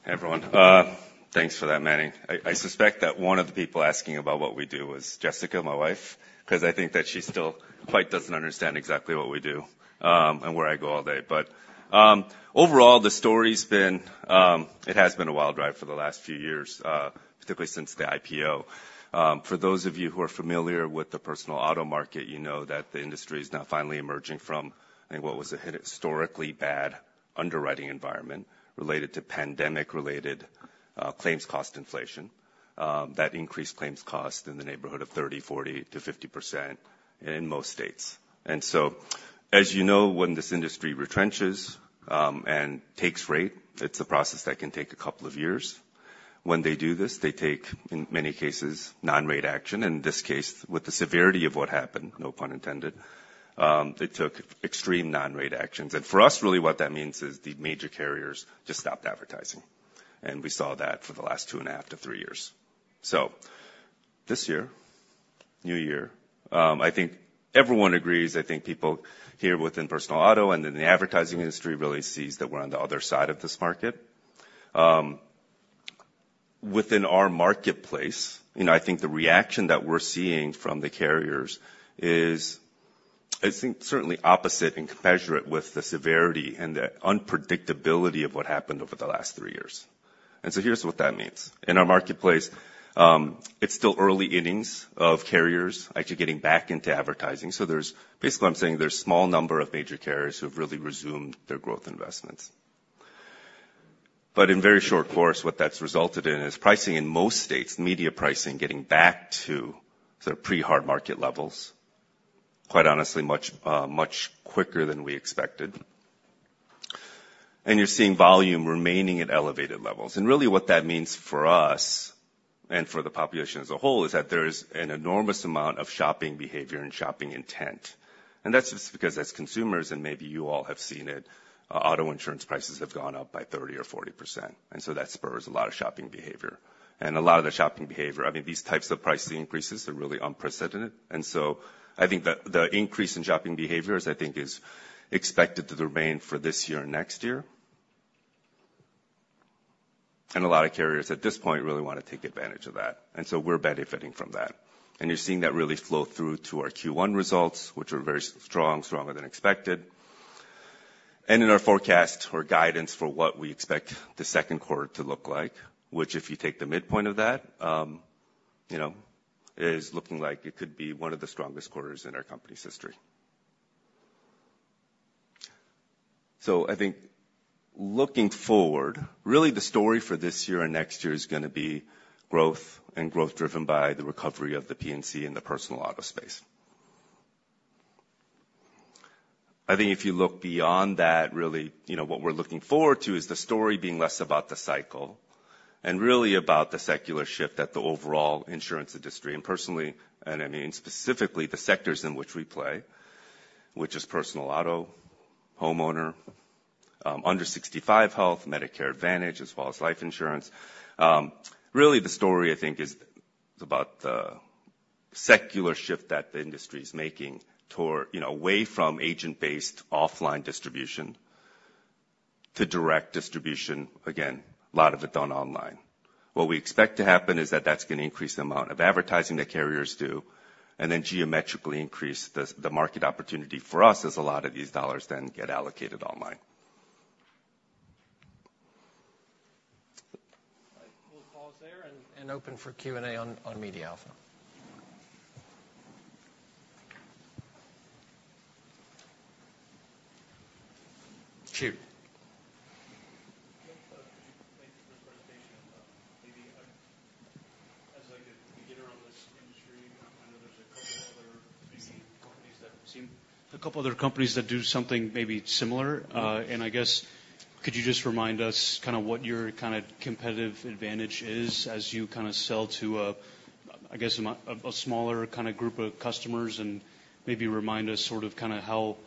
Speaker 19: Hey, everyone. Thanks for that, Manny. I suspect that one of the people asking about what we do was Jessica, my wife, 'cause I think that she still quite doesn't understand exactly what we do, and where I go all day. But overall, the story's been... It has been a wild ride for the last few years, particularly since the IPO. For those of you who are familiar with the personal auto market, you know that the industry is now finally emerging from, I think, what was a historically bad underwriting environment related to pandemic-related claims cost inflation, that increased claims cost in the neighborhood of 30%-50% in most states. And so, as you know, when this industry retrenches and takes rate, it's a process that can take a couple of years. When they do this, they take, in many cases, non-rate action. In this case, with the severity of what happened, no pun intended, they took extreme non-rate actions. And for us, really, what that means is the major carriers just stopped advertising, and we saw that for the last 2.5-3 years. So this year, new year, I think everyone agrees, I think people here within personal auto and in the advertising industry really sees that we're on the other side of this market. Within our marketplace, you know, I think the reaction that we're seeing from the carriers is, I think, certainly opposite and commensurate with the severity and the unpredictability of what happened over the last three years. And so here's what that means. In our marketplace, it's still early innings of carriers actually getting back into advertising, so there's basically, I'm saying there's a small number of major carriers who have really resumed their growth investments. But in very short course, what that's resulted in is pricing in most states, media pricing, getting back to the pre-hard market levels, quite honestly, much quicker than we expected. And you're seeing volume remaining at elevated levels. And really, what that means for us, and for the population as a whole, is that there's an enormous amount of shopping behavior and shopping intent. And that's just because as consumers, and maybe you all have seen it, auto insurance prices have gone up by 30% or 40%, and so that spurs a lot of shopping behavior. A lot of the shopping behavior, I mean, these types of pricing increases are really unprecedented, and so I think the increase in shopping behaviors, I think, is expected to remain for this year and next year. A lot of carriers at this point really want to take advantage of that, and so we're benefiting from that. You're seeing that really flow through to our Q1 results, which are very strong, stronger than expected, and in our forecast or guidance for what we expect the second quarter to look like, which, if you take the midpoint of that, you know, is looking like it could be one of the strongest quarters in our company's history. So I think looking forward, really, the story for this year and next year is going to be growth, and growth driven by the recovery of the P&C and the personal auto space. I think if you look beyond that, really, you know, what we're looking forward to is the story being less about the cycle and really about the secular shift that the overall insurance industry, and personally, I mean, specifically the sectors in which we play, which is personal auto, homeowner, under 65 health, Medicare Advantage, as well as life insurance. Really, the story, I think, is about the secular shift that the industry is making toward, you know, away from agent-based offline distribution to direct distribution. Again, a lot of it done online. What we expect to happen is that that's going to increase the amount of advertising that carriers do, and then geometrically increase the market opportunity for us as a lot of these dollars then get allocated online.
Speaker 2: We'll pause there and open for Q&A on MediaAlpha. Steve.
Speaker 12: Thanks for the presentation. And maybe, as like a beginner on this industry, I know there's a couple other companies that do something maybe similar. And I guess, could you just remind us kind of what your kind of competitive advantage is as you kind of sell to a, I guess, a smaller kind of group of customers, and maybe remind us sort of, kind of how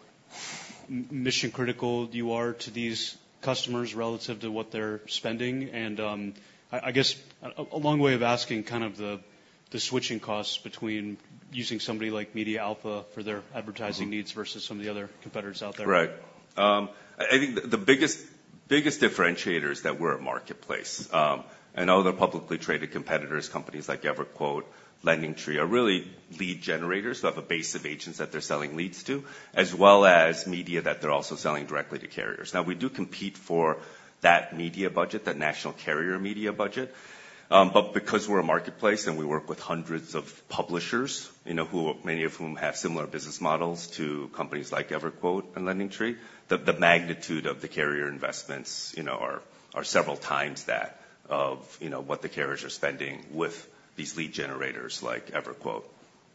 Speaker 12: mission-critical you are to these customers relative to what they're spending? And I guess a long way of asking kind of the switching costs between using somebody like MediaAlpha for their advertising-
Speaker 19: Mm-hmm.
Speaker 12: needs versus some of the other competitors out there.
Speaker 19: Right. I think the biggest differentiator is that we're a marketplace. And other publicly traded competitors, companies like EverQuote, LendingTree, are really lead generators, so have a base of agents that they're selling leads to, as well as media that they're also selling directly to carriers. Now, we do compete for that media budget, that national carrier media budget, but because we're a marketplace and we work with hundreds of publishers, you know, who many of whom have similar business models to companies like EverQuote and LendingTree, the magnitude of the carrier investments, you know, are several times that of, you know, what the carriers are spending with these lead generators, like EverQuote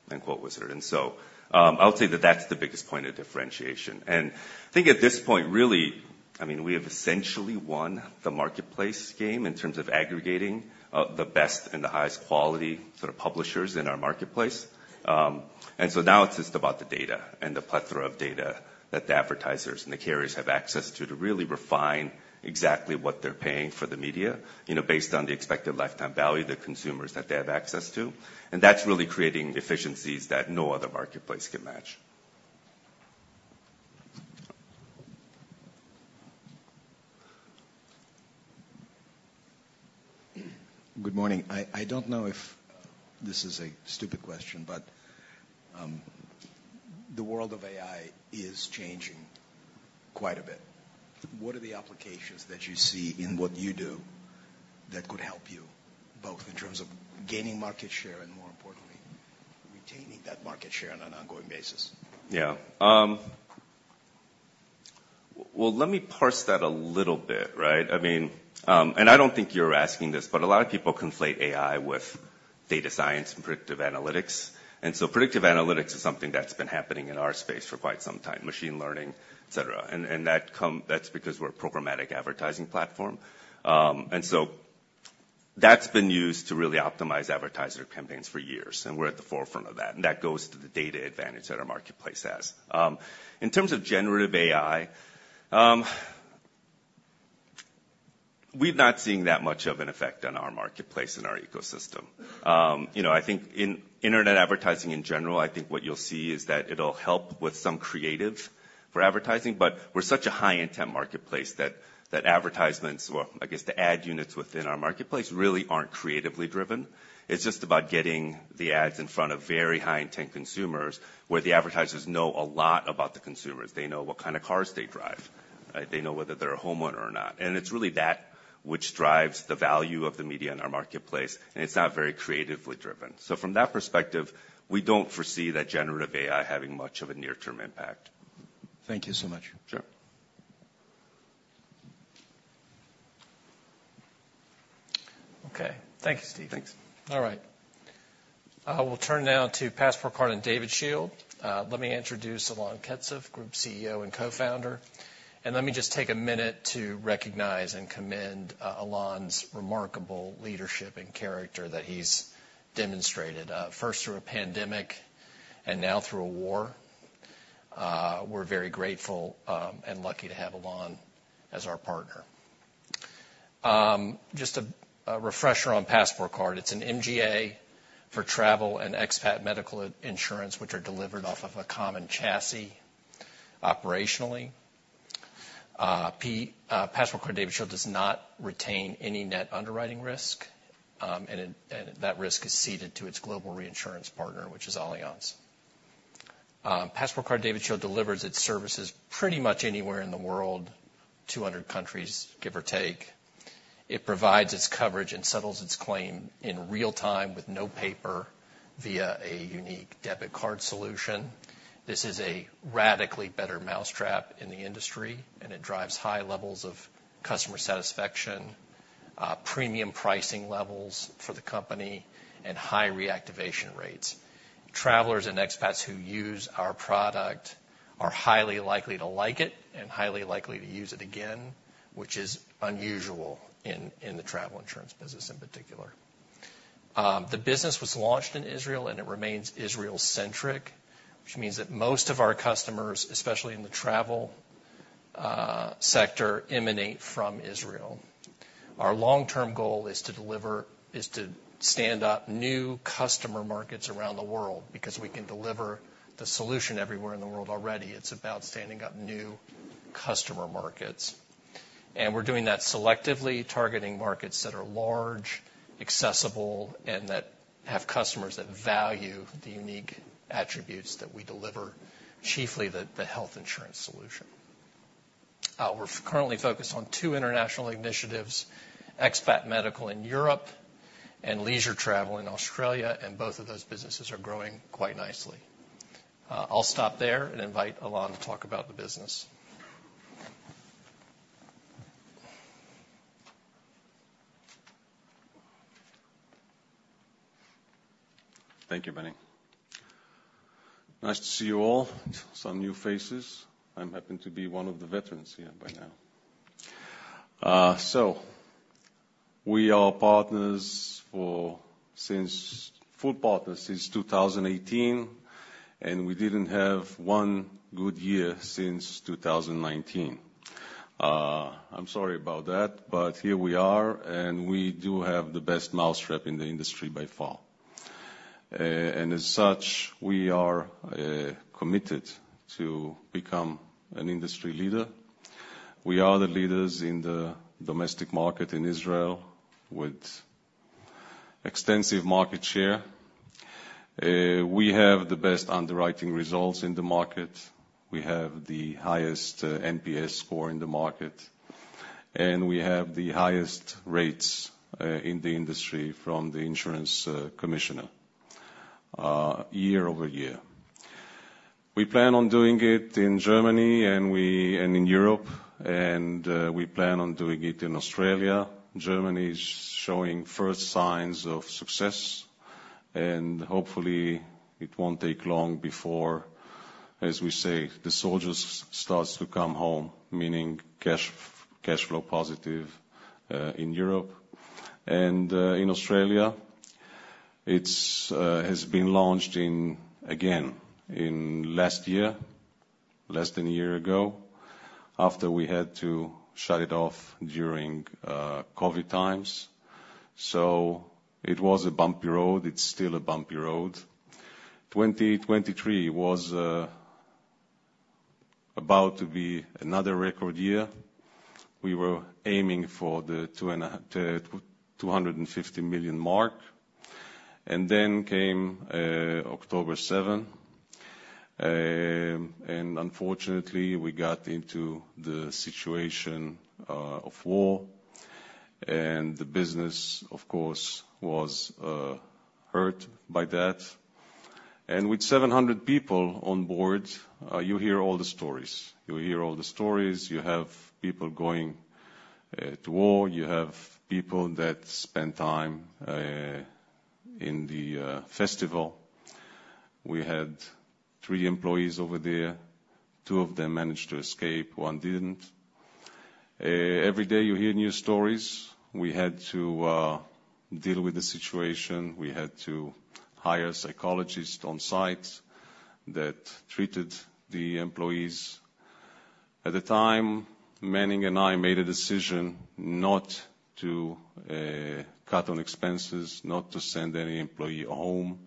Speaker 19: and QuoteWizard. And so, I'll say that that's the biggest point of differentiation. And I think at this point, really, I mean, we have essentially won the marketplace game in terms of aggregating, the best and the highest quality sort of publishers in our marketplace. And so now it's just about the data and the plethora of data that the advertisers and the carriers have access to, to really refine exactly what they're paying for the media, you know, based on the expected lifetime value of the consumers that they have access to. And that's really creating efficiencies that no other marketplace can match.
Speaker 5: Good morning. I don't know if this is a stupid question, but the world of AI is changing quite a bit. What are the applications that you see in what you do that could help you, both in terms of gaining market share, and more importantly, retaining that market share on an ongoing basis?
Speaker 19: Yeah. Well, let me parse that a little bit, right? I mean, and I don't think you're asking this, but a lot of people conflate AI with data science and predictive analytics. And so predictive analytics is something that's been happening in our space for quite some time, machine learning, et cetera. And that's because we're a programmatic advertising platform. And so that's been used to really optimize advertiser campaigns for years, and we're at the forefront of that, and that goes to the data advantage that our marketplace has. In terms of generative AI, we've not seen that much of an effect on our marketplace and our ecosystem. You know, I think in internet advertising in general, I think what you'll see is that it'll help with some creative for advertising, but we're such a high-intent marketplace that advertisements, well, I guess, the ad units within our marketplace really aren't creatively driven. It's just about getting the ads in front of very high-intent consumers, where the advertisers know a lot about the consumers. They know what kind of cars they drive, right? They know whether they're a homeowner or not. And it's really that which drives the value of the media in our marketplace, and it's not very creatively driven. So from that perspective, we don't foresee that generative AI having much of a near-term impact.
Speaker 5: Thank you so much.
Speaker 19: Sure.
Speaker 2: Okay. Thank you, Steve.
Speaker 19: Thanks.
Speaker 2: All right. We'll turn now to Passport Card and DavidShield. Let me introduce Alon Ketzef, Group CEO and co-founder. And let me just take a minute to recognize and commend Alon's remarkable leadership and character that he's demonstrated, first through a pandemic and now through a war. We're very grateful and lucky to have Alon as our partner. Just a refresher on Passport Card. It's an MGA for travel and expat medical insurance, which are delivered off of a common chassis operationally. Passport Card and DavidShield does not retain any net underwriting risk, and that risk is ceded to its global reinsurance partner, which is Allianz. Passport Card and DavidShield delivers its services pretty much anywhere in the world, 200 countries, give or take. It provides its coverage and settles its claim in real time with no paper via a unique debit card solution. This is a radically better mousetrap in the industry, and it drives high levels of customer satisfaction, premium pricing levels for the company, and high reactivation rates. Travelers and expats who use our product are highly likely to like it and highly likely to use it again, which is unusual in the travel insurance business, in particular. The business was launched in Israel, and it remains Israel-centric, which means that most of our customers, especially in the travel sector, emanate from Israel. Our long-term goal is to stand up new customer markets around the world, because we can deliver the solution everywhere in the world already. It's about standing up new customer markets. And we're doing that selectively, targeting markets that are large, accessible, and that have customers that value the unique attributes that we deliver, chiefly the health insurance solution. We're currently focused on two international initiatives, expat medical in Europe and leisure travel in Australia, and both of those businesses are growing quite nicely. I'll stop there and invite Alon to talk about the business.
Speaker 20: Thank you, Benny. Nice to see you all. Some new faces. I'm happy to be one of the veterans here by now. So we are partners for—since—full partners since 2018, and we didn't have one good year since 2019. I'm sorry about that, but here we are, and we do have the best mousetrap in the industry by far. And as such, we are committed to become an industry leader. We are the leaders in the domestic market in Israel, with extensive market share. We have the best underwriting results in the market, we have the highest, NPS score in the market, and we have the highest rates, in the industry from the insurance, commissioner, year-over-year. We plan on doing it in Germany and we and in Europe, and, we plan on doing it in Australia. Germany is showing first signs of success, and hopefully it won't take long before, as we say, the soldiers starts to come home, meaning cash, cash flow positive, in Europe. And, in Australia, it's, has been launched in, again, in last year, less than a year ago, after we had to shut it off during, COVID times. So it was a bumpy road. It's still a bumpy road. 2023 was, about to be another record year. We were aiming for the $250 million mark, and then came October seven. And unfortunately, we got into the situation of war, and the business, of course, was hurt by that. And with 700 people on board, you hear all the stories. You hear all the stories. You have people going to war. You have people that spend time in the festival. We had three employees over there. Two of them managed to escape, one didn't. Every day, you hear new stories. We had to deal with the situation. We had to hire a psychologist on site that treated the employees. At the time, Manning and I made a decision not to cut on expenses, not to send any employee home,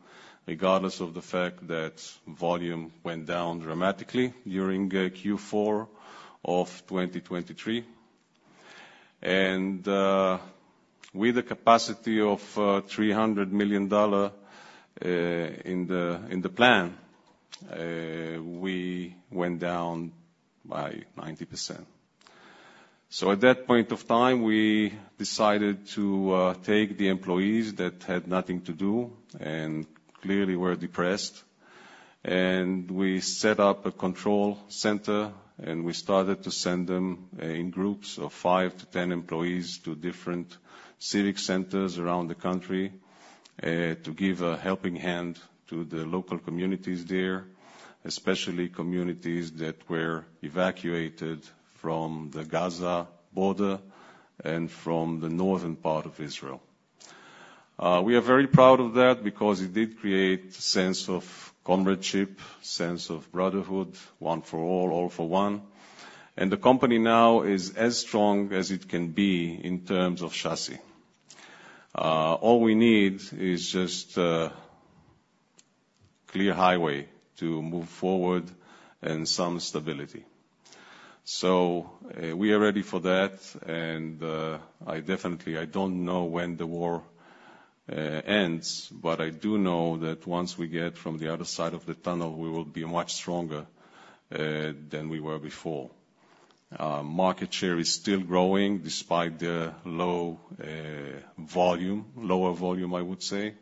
Speaker 20: regardless of the fact that volume went down dramatically during Q4 of 2023. With a capacity of $300 million in the plan, we went down by 90%. So at that point of time, we decided to take the employees that had nothing to do and clearly were depressed, and we set up a control center, and we started to send them in groups of 5-10 employees to different civic centers around the country, to give a helping hand to the local communities there, especially communities that were evacuated from the Gaza border and from the northern part of Israel.
Speaker 7: We are very proud of that because it did create a sense of comradeship, sense of brotherhood, one for all, all for one. And the company now is as strong as it can be in terms of chassis. All we need is just a clear highway to move forward and some stability. So, we are ready for that, and, I definitely, I don't know when the war ends, but I do know that once we get from the other side of the tunnel, we will be much stronger than we were before. Market share is still growing, despite the low volume, lower volume, I would say.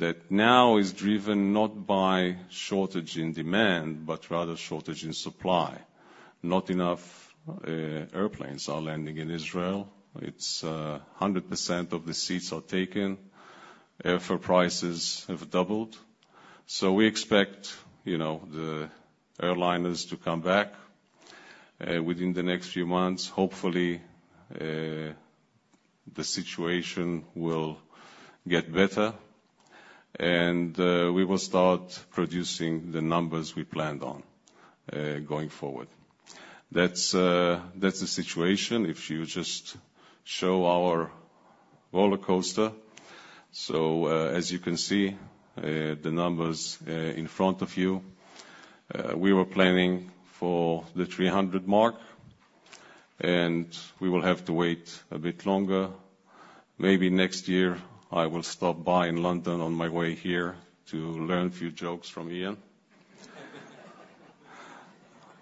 Speaker 7: That now is driven not by shortage in demand, but rather shortage in supply. Not enough airplanes are landing in Israel. It's 100% of the seats are taken. Airfare prices have doubled.
Speaker 20: So we expect, you know, the airliners to come back within the next few months. Hopefully, the situation will get better, and we will start producing the numbers we planned on going forward. That's the situation. If you just show our rollercoaster. So, as you can see, the numbers in front of you, we were planning for the 300 mark, and we will have to wait a bit longer. Maybe next year, I will stop by in London on my way here to learn a few jokes from Ian.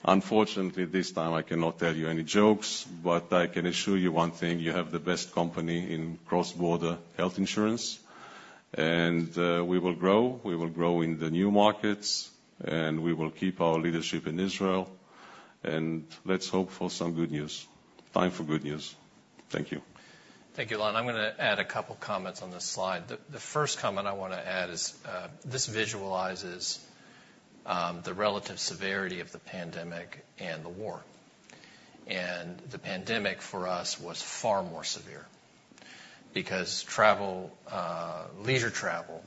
Speaker 20: Unfortunately, this time, I cannot tell you any jokes, but I can assure you one thing, you have the best company in cross-border health insurance, and we will grow. We will grow in the new markets, and we will keep our leadership in Israel. Let's hope for some good news. Time for good news. Thank you.
Speaker 2: Thank you, Alon. I'm gonna add a couple of comments on this slide. The first comment I wanna add is, this visualizes the relative severity of the pandemic and the war. And the pandemic, for us, was far more severe because travel, leisure travel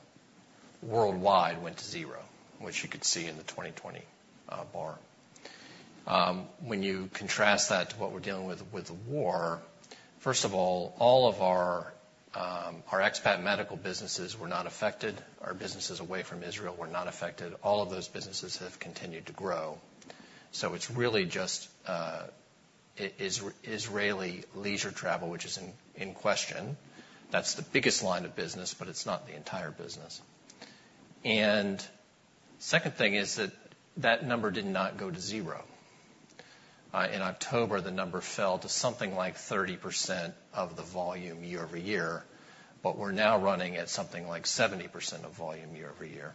Speaker 2: worldwide went to zero, which you could see in the 2020 bar. When you contrast that to what we're dealing with, with the war, first of all, all of our, our expat medical businesses were not affected. Our businesses away from Israel were not affected. All of those businesses have continued to grow. So it's really just, Israeli leisure travel, which is in question. That's the biggest line of business, but it's not the entire business. And second thing is that that number did not go to zero. In October, the number fell to something like 30% of the volume year-over-year, but we're now running at something like 70% of volume year-over-year.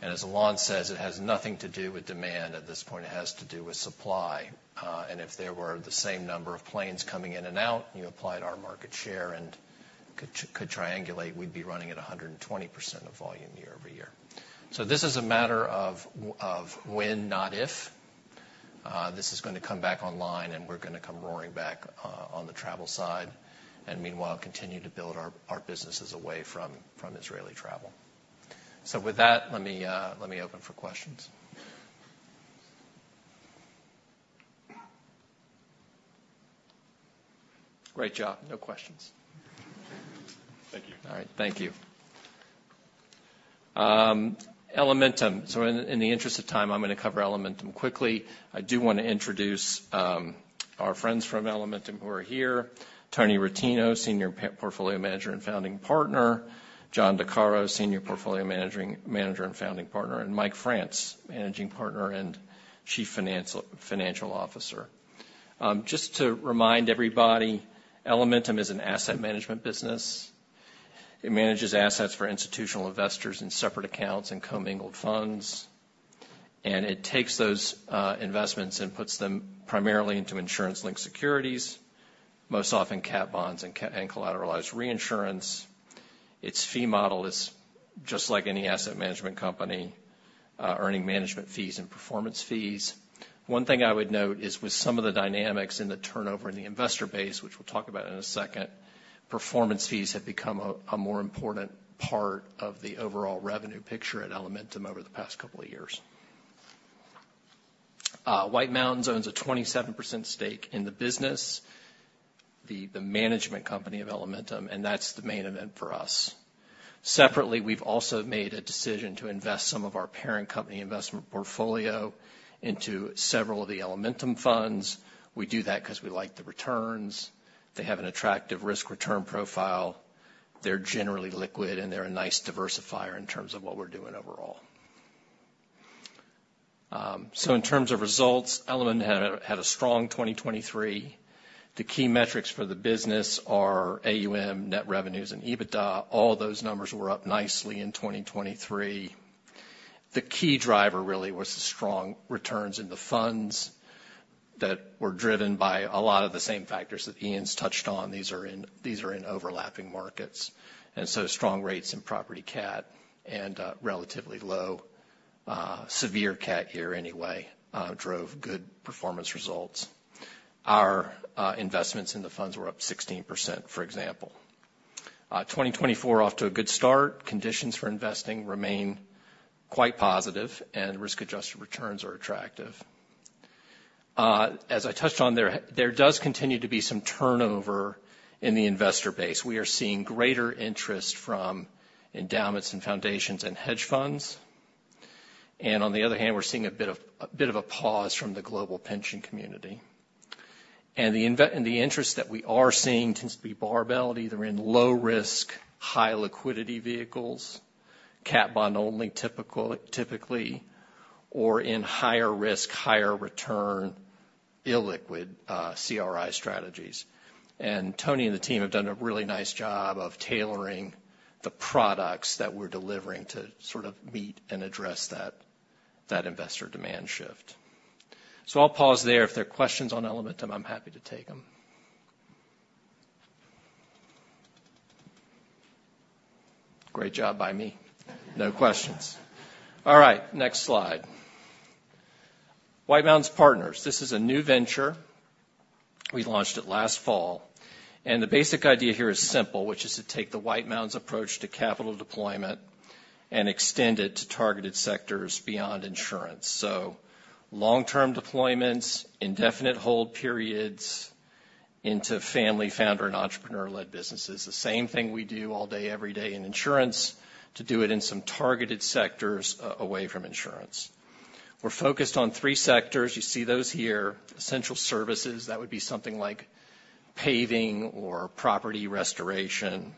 Speaker 2: And as Alon says, it has nothing to do with demand at this point, it has to do with supply. And if there were the same number of planes coming in and out, you applied our market share and could triangulate, we'd be running at 120% of volume year-over-year. So this is a matter of when, not if. This is gonna come back online, and we're gonna come roaring back on the travel side, and meanwhile, continue to build our businesses away from Israeli travel. So with that, let me open for questions. Great job. No questions.
Speaker 21: Thank you.
Speaker 2: All right, thank you. Elementum. So in the interest of time, I'm gonna cover Elementum quickly. I do want to introduce our friends from Elementum who are here: Tony Rettino, Senior Portfolio Manager and Founding Partner; John DeCaro, Senior Portfolio Manager and Founding Partner; and Mike France, Managing Partner and Chief Financial Officer. Just to remind everybody, Elementum is an asset management business. It manages assets for institutional investors in separate accounts and commingled funds, and it takes those investments and puts them primarily into insurance-linked securities, most often cat bonds and collateralized reinsurance. Its fee model is just like any asset management company, earning management fees and performance fees. One thing I would note is, with some of the dynamics in the turnover in the investor base, which we'll talk about in a second, performance fees have become a more important part of the overall revenue picture at Elementum over the past couple of years. White Mountains owns a 27% stake in the business, the management company of Elementum, and that's the main event for us. Separately, we've also made a decision to invest some of our parent company investment portfolio into several of the Elementum funds. We do that 'cause we like the returns. They have an attractive risk-return profile, they're generally liquid, and they're a nice diversifier in terms of what we're doing overall. So in terms of results, Elementum had a strong 2023. The key metrics for the business are AUM, net revenues, and EBITDA. All those numbers were up nicely in 2023. The key driver, really, was the strong returns in the funds that were driven by a lot of the same factors that Ian's touched on. These are in overlapping markets, and so strong rates in property cat and relatively low severe cat year anyway drove good performance results. Our investments in the funds were up 16%, for example. 2024, off to a good start. Conditions for investing remain quite positive, and risk-adjusted returns are attractive. As I touched on, there does continue to be some turnover in the investor base. We are seeing greater interest from endowments and foundations and hedge funds, and on the other hand, we're seeing a bit of a pause from the global pension community. And the interest that we are seeing tends to be barbelled, either in low risk, high liquidity vehicles, cat bond only typically, or in higher risk, higher return, illiquid, CRI strategies. And Tony and the team have done a really nice job of tailoring the products that we're delivering to sort of meet and address that, that investor demand shift. So I'll pause there. If there are questions on Elementum, I'm happy to take them. Great job by me. No questions. All right, next slide. White Mountains Partners. This is a new venture. We launched it last fall, and the basic idea here is simple, which is to take the White Mountains approach to capital deployment and extend it to targeted sectors beyond insurance. So long-term deployments, indefinite hold periods into family, founder, and entrepreneur-led businesses. The same thing we do all day, every day in insurance, to do it in some targeted sectors, away from insurance. We're focused on three sectors. You see those here. Essential services, that would be something like paving or property restoration.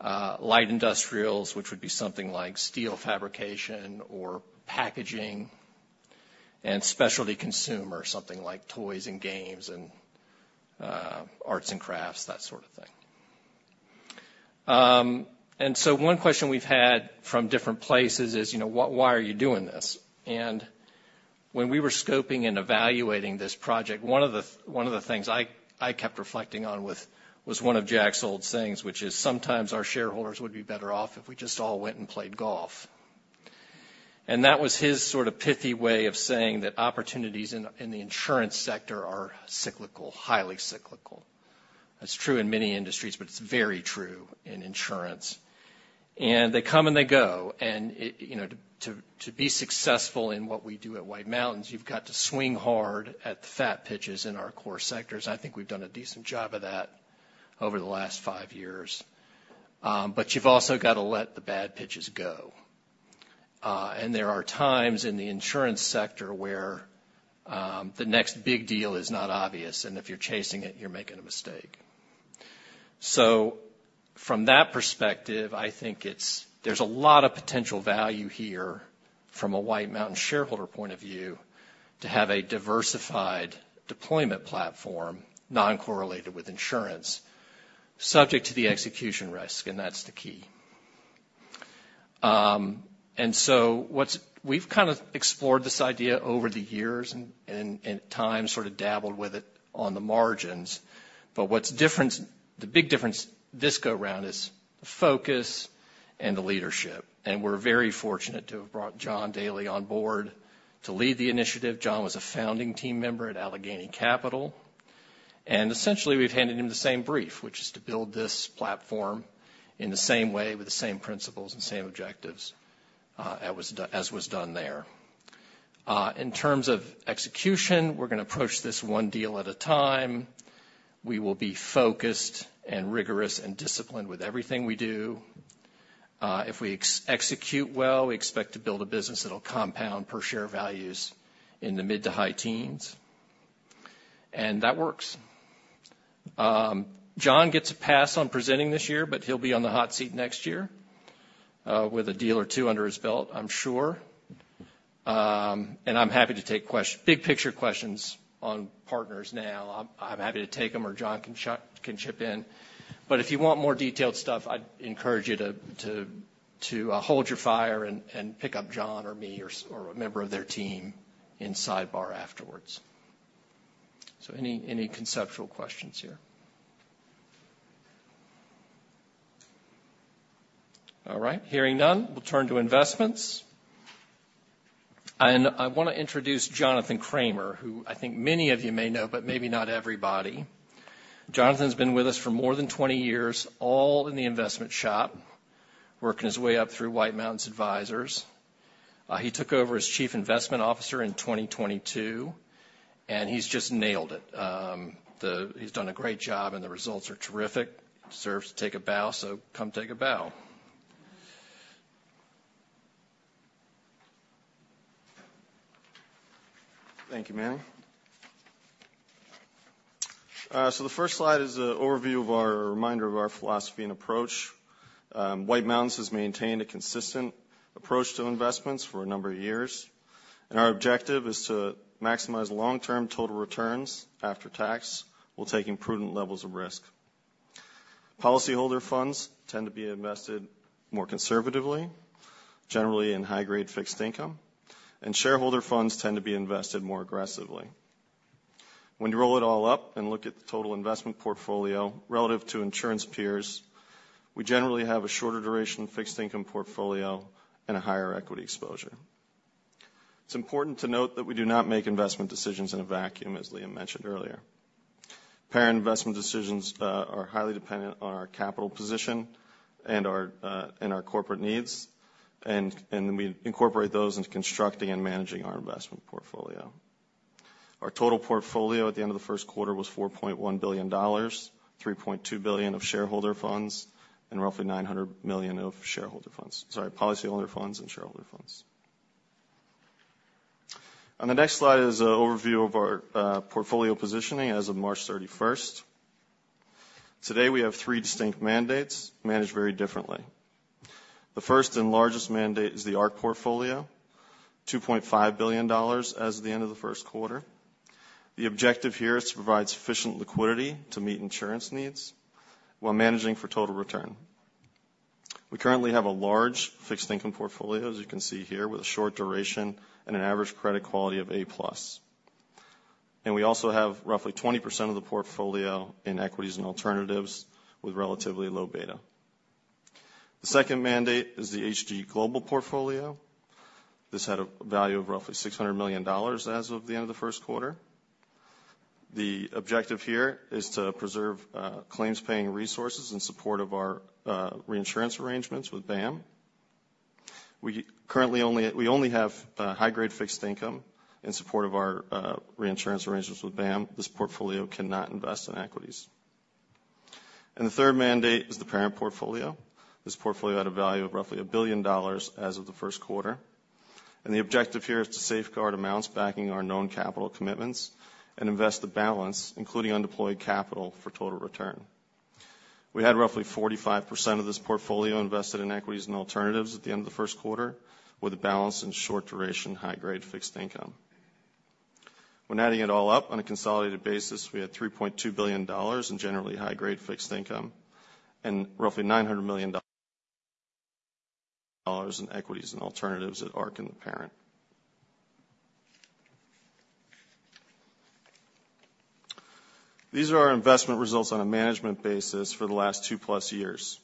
Speaker 2: Light industrials, which would be something like steel fabrication or packaging, and specialty consumer, something like toys and games and, arts and crafts, that sort of thing. And so one question we've had from different places is, you know, what, why are you doing this? And when we were scoping and evaluating this project, one of the things I kept reflecting on with... Was one of Jack's old sayings, which is, "Sometimes our shareholders would be better off if we just all went and played golf." And that was his sort of pithy way of saying that opportunities in the insurance sector are cyclical, highly cyclical. That's true in many industries, but it's very true in insurance. And they come, and they go, and it, you know, to be successful in what we do at White Mountains, you've got to swing hard at the fat pitches in our core sectors. I think we've done a decent job of that over the last five years. But you've also got to let the bad pitches go. And there are times in the insurance sector where the next big deal is not obvious, and if you're chasing it, you're making a mistake. So from that perspective, I think there's a lot of potential value here from a White Mountains shareholder point of view, to have a diversified deployment platform, non-correlated with insurance, subject to the execution risk, and that's the key. And so we've kind of explored this idea over the years, and, at times, sort of dabbled with it on the margins. But what's different, the big difference this go-round, is the focus and the leadership. And we're very fortunate to have brought John Daly on board to lead the initiative. John was a founding team member at Alleghany Capital, and essentially, we've handed him the same brief, which is to build this platform in the same way, with the same principles and same objectives, as was done there. In terms of execution, we're gonna approach this one deal at a time. We will be focused and rigorous and disciplined with everything we do. If we execute well, we expect to build a business that'll compound per share values in the mid- to high teens. And that works. John gets a pass on presenting this year, but he'll be on the hot seat next year with a deal or two under his belt, I'm sure. And I'm happy to take big picture questions on partners now. I'm happy to take them, or John can chip in. But if you want more detailed stuff, I'd encourage you to hold your fire and pick up John or me or a member of their team in sidebar afterwards. So any conceptual questions here? All right. Hearing none, we'll turn to investments. I wanna introduce Jonathan Cramer, who I think many of you may know, but maybe not everybody. Jonathan's been with us for more than 20 years, all in the investment shop, working his way up through White Mountains Advisors. He took over as Chief Investment Officer in 2022, and he's just nailed it. He's done a great job, and the results are terrific. Deserves to take a bow, so come take a bow.
Speaker 22: Thank you, Manny. So the first slide is an overview of our philosophy and approach, a reminder of our philosophy and approach. White Mountains has maintained a consistent approach to investments for a number of years, and our objective is to maximize long-term total returns after tax, while taking prudent levels of risk. Policyholder funds tend to be invested more conservatively, generally in high-grade fixed income, and shareholder funds tend to be invested more aggressively. When you roll it all up and look at the total investment portfolio, relative to insurance peers, we generally have a shorter duration fixed income portfolio and a higher equity exposure. It's important to note that we do not make investment decisions in a vacuum, as Liam mentioned earlier. Parent investment decisions are highly dependent on our capital position and our corporate needs. We incorporate those into constructing and managing our investment portfolio. Our total portfolio at the end of the first quarter was $4.1 billion, $3.2 billion of shareholder funds, and roughly $900 million of shareholder funds. Sorry, policyholder funds and shareholder funds. On the next slide is an overview of our portfolio positioning as of March thirty-first. Today, we have three distinct mandates, managed very differently. The first and largest mandate is the Ark portfolio, $2.5 billion as of the end of the first quarter. The objective here is to provide sufficient liquidity to meet insurance needs, while managing for total return. We currently have a large fixed income portfolio, as you can see here, with a short duration and an average credit quality of A+. And we also have roughly 20% of the portfolio in equities and alternatives, with relatively low beta. The second mandate is the HG Global portfolio. This had a value of roughly $600 million as of the end of the first quarter. The objective here is to preserve claims-paying resources in support of our reinsurance arrangements with BAM. We currently only have high-grade fixed income in support of our reinsurance arrangements with BAM. This portfolio cannot invest in equities. And the third mandate is the parent portfolio. This portfolio had a value of roughly $1 billion as of the first quarter, and the objective here is to safeguard amounts backing our known capital commitments, and invest the balance, including undeployed capital, for total return. We had roughly 45% of this portfolio invested in equities and alternatives at the end of the first quarter, with a balance in short-duration, high-grade fixed income. When adding it all up on a consolidated basis, we had $3.2 billion in generally high-grade fixed income, and roughly $900 million in equities and alternatives at Ark and the parent. These are our investment results on a management basis for the last 2+ years.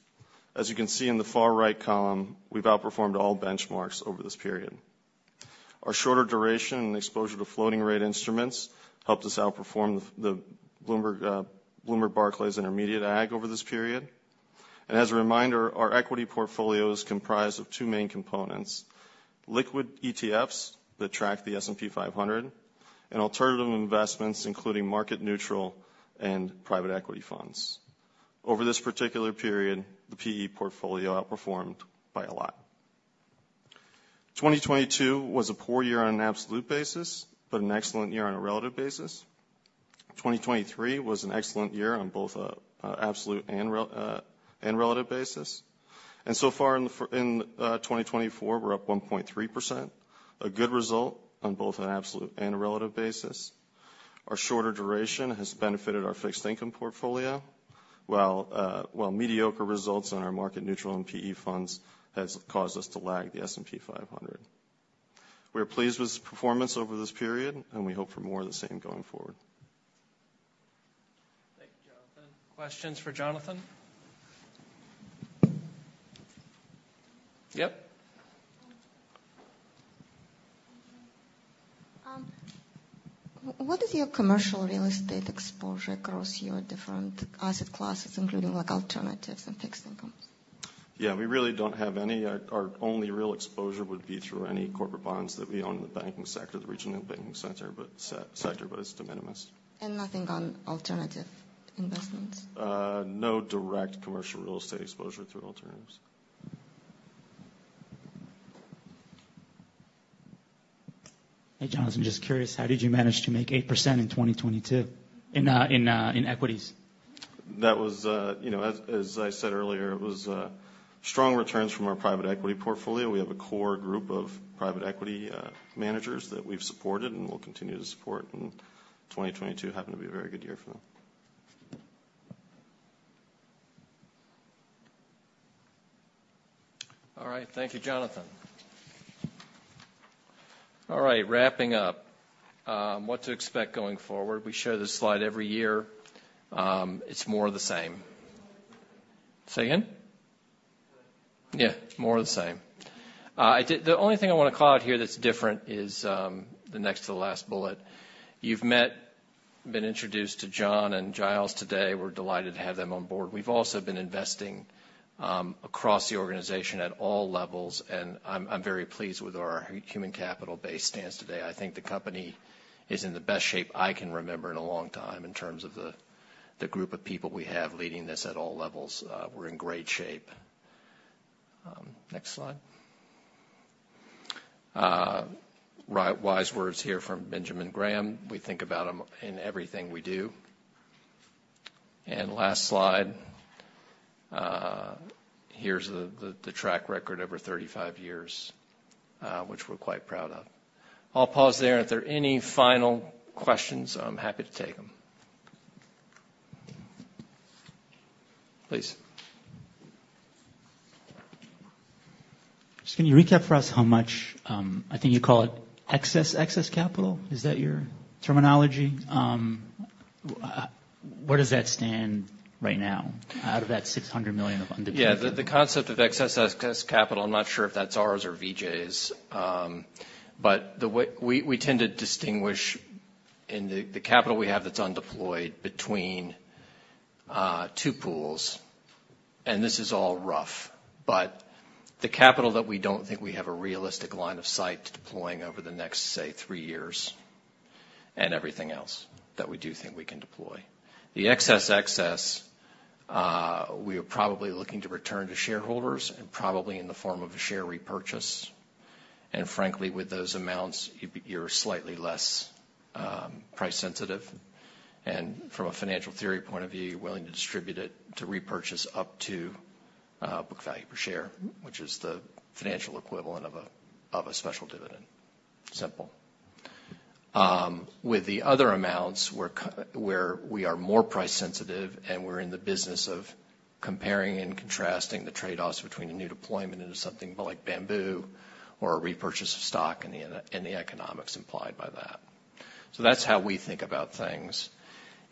Speaker 22: As you can see in the far right column, we've outperformed all benchmarks over this period. Our shorter duration and exposure to floating rate instruments helped us outperform the Bloomberg Barclays Intermediate Ag over this period. As a reminder, our equity portfolio is comprised of two main components: liquid ETFs that track the S&P 500, and alternative investments, including market neutral and private equity funds. Over this particular period, the PE portfolio outperformed by a lot. 2022 was a poor year on an absolute basis, but an excellent year on a relative basis. 2023 was an excellent year on both an absolute and relative basis. And so far in 2024, we're up 1.3%, a good result on both an absolute and a relative basis. Our shorter duration has benefited our fixed income portfolio, while mediocre results on our market neutral and PE funds has caused us to lag the S&P 500. We are pleased with this performance over this period, and we hope for more of the same going forward.
Speaker 2: Thank you, Jonathan. Questions for Jonathan? Yep.
Speaker 18: What is your commercial real estate exposure across your different asset classes, including, like, alternatives and fixed incomes?
Speaker 22: Yeah, we really don't have any. Our only real exposure would be through any corporate bonds that we own in the banking sector, the regional banking sector, but it's de minimis.
Speaker 18: Nothing on alternative investments?
Speaker 22: No direct commercial real estate exposure through alternatives.
Speaker 13: Hey, Jonathan, just curious, how did you manage to make 8% in 2022 in equities?
Speaker 22: That was, you know, as I said earlier, it was strong returns from our private equity portfolio. We have a core group of private equity managers that we've supported and will continue to support, and 2022 happened to be a very good year for them.
Speaker 2: All right. Thank you, Jonathan. All right, wrapping up. What to expect going forward? We show this slide every year. It's more of the same. Say again?
Speaker 18: Yeah.
Speaker 2: Yeah, more of the same. The only thing I want to call out here that's different is the next to the last bullet. You've met, been introduced to John and Giles today. We're delighted to have them on board. We've also been investing across the organization at all levels, and I'm very pleased with how our human capital base stands today. I think the company is in the best shape I can remember in a long time in terms of the group of people we have leading this at all levels. We're in great shape. Next slide. Wise words here from Benjamin Graham. We think about them in everything we do. And last slide. Here's the track record over 35 years, which we're quite proud of. I'll pause there, and if there are any final questions, I'm happy to take them. Please.
Speaker 13: So can you recap for us how much, I think you call it excess excess capital? Is that your terminology? Where does that stand right now out of that $600 million of undeployed-
Speaker 2: Yeah, the concept of excess excess capital, I'm not sure if that's ours or VJ's. But the way we tend to distinguish in the capital we have that's undeployed between two pools, and this is all rough. But the capital that we don't think we have a realistic line of sight to deploying over the next, say, three years and everything else that we do think we can deploy. The excess excess, we are probably looking to return to shareholders and probably in the form of a share repurchase. And frankly, with those amounts, you're slightly less price sensitive, and from a financial theory point of view, you're willing to distribute it to repurchase up to book value per share, which is the financial equivalent of a special dividend. Simple. With the other amounts, we're where we are more price sensitive, and we're in the business of comparing and contrasting the trade-offs between a new deployment into something like Bamboo or a repurchase of stock and the economics implied by that. So that's how we think about things.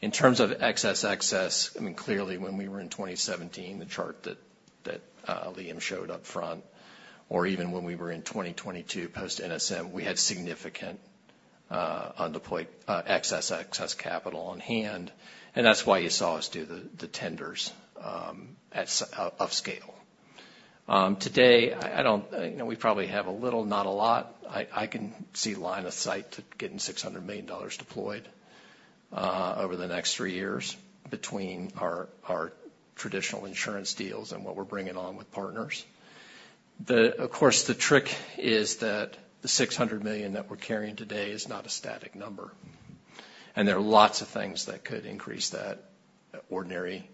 Speaker 2: In terms of excess, I mean, clearly, when we were in 2017, the chart that Liam showed up front, or even when we were in 2022, post NSM, we had significant on the deployed excess capital on hand, and that's why you saw us do the tenders at scale. Today, I don't... You know, we probably have a little, not a lot. I can see line of sight to getting $600 million deployed over the next three years between our traditional insurance deals and what we're bringing on with partners. Of course, the trick is that the $600 million that we're carrying today is not a static number, and there are lots of things that could increase that ordinary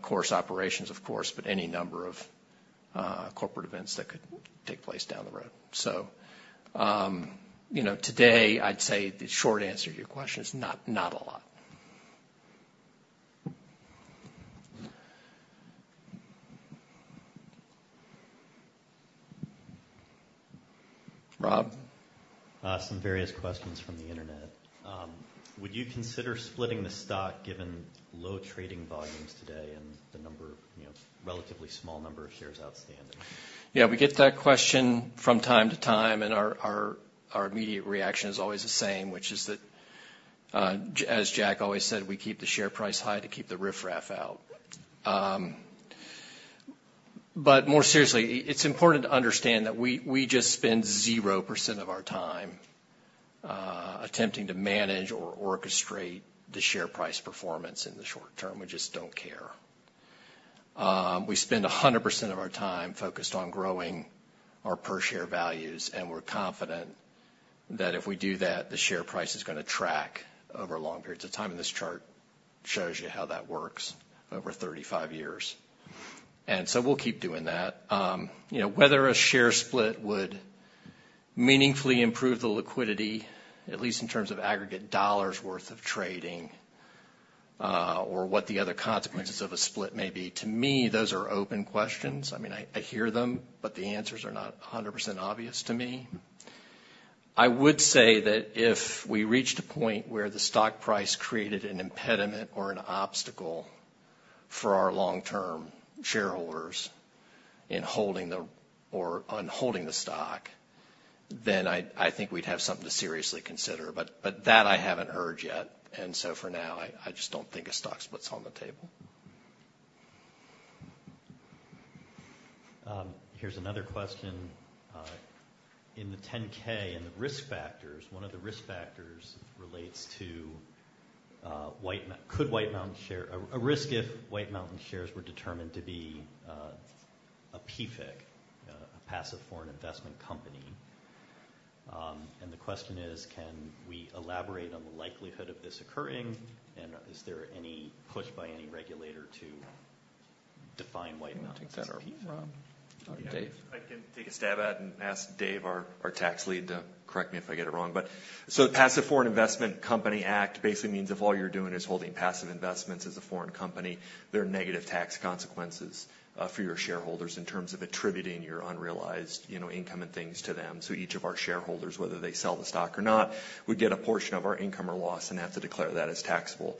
Speaker 2: course operations, of course, but any number of corporate events that could take place down the road. So, you know, today, I'd say the short answer to your question is not a lot. Rob?
Speaker 7: Some various questions from the Internet. Would you consider splitting the stock, given low trading volumes today and the number, you know, relatively small number of shares outstanding?
Speaker 2: Yeah, we get that question from time to time, and our immediate reaction is always the same, which is that, as Jack always said, "We keep the share price high to keep the riffraff out." But more seriously, it's important to understand that we just spend 0% of our time attempting to manage or orchestrate the share price performance in the short term. We just don't care.... We spend 100% of our time focused on growing our per share values, and we're confident that if we do that, the share price is gonna track over long periods of time, and this chart shows you how that works over 35 years. So we'll keep doing that. You know, whether a share split would meaningfully improve the liquidity, at least in terms of aggregate dollars worth of trading, or what the other consequences of a split may be, to me, those are open questions. I mean, I hear them, but the answers are not 100% obvious to me. I would say that if we reached a point where the stock price created an impediment or an obstacle for our long-term shareholders in holding the or on holding the stock, then I think we'd have something to seriously consider, but that I haven't heard yet, and so for now, I just don't think a stock split's on the table.
Speaker 7: Here's another question. In the 10-K, in the risk factors, one of the risk factors relates to a risk if White Mountains shares were determined to be a PFIC, a Passive Foreign Investment Company. And the question is: Can we elaborate on the likelihood of this occurring, and is there any push by any regulator to define White Mountains as a PFIC?
Speaker 2: You want to take that or, Dave?
Speaker 3: I can take a stab at it and ask Dave, our tax lead, to correct me if I get it wrong. So the Passive Foreign Investment Company Act basically means if all you're doing is holding passive investments as a foreign company, there are negative tax consequences for your shareholders in terms of attributing your unrealized, you know, income and things to them. So each of our shareholders, whether they sell the stock or not, would get a portion of our income or loss and have to declare that as taxable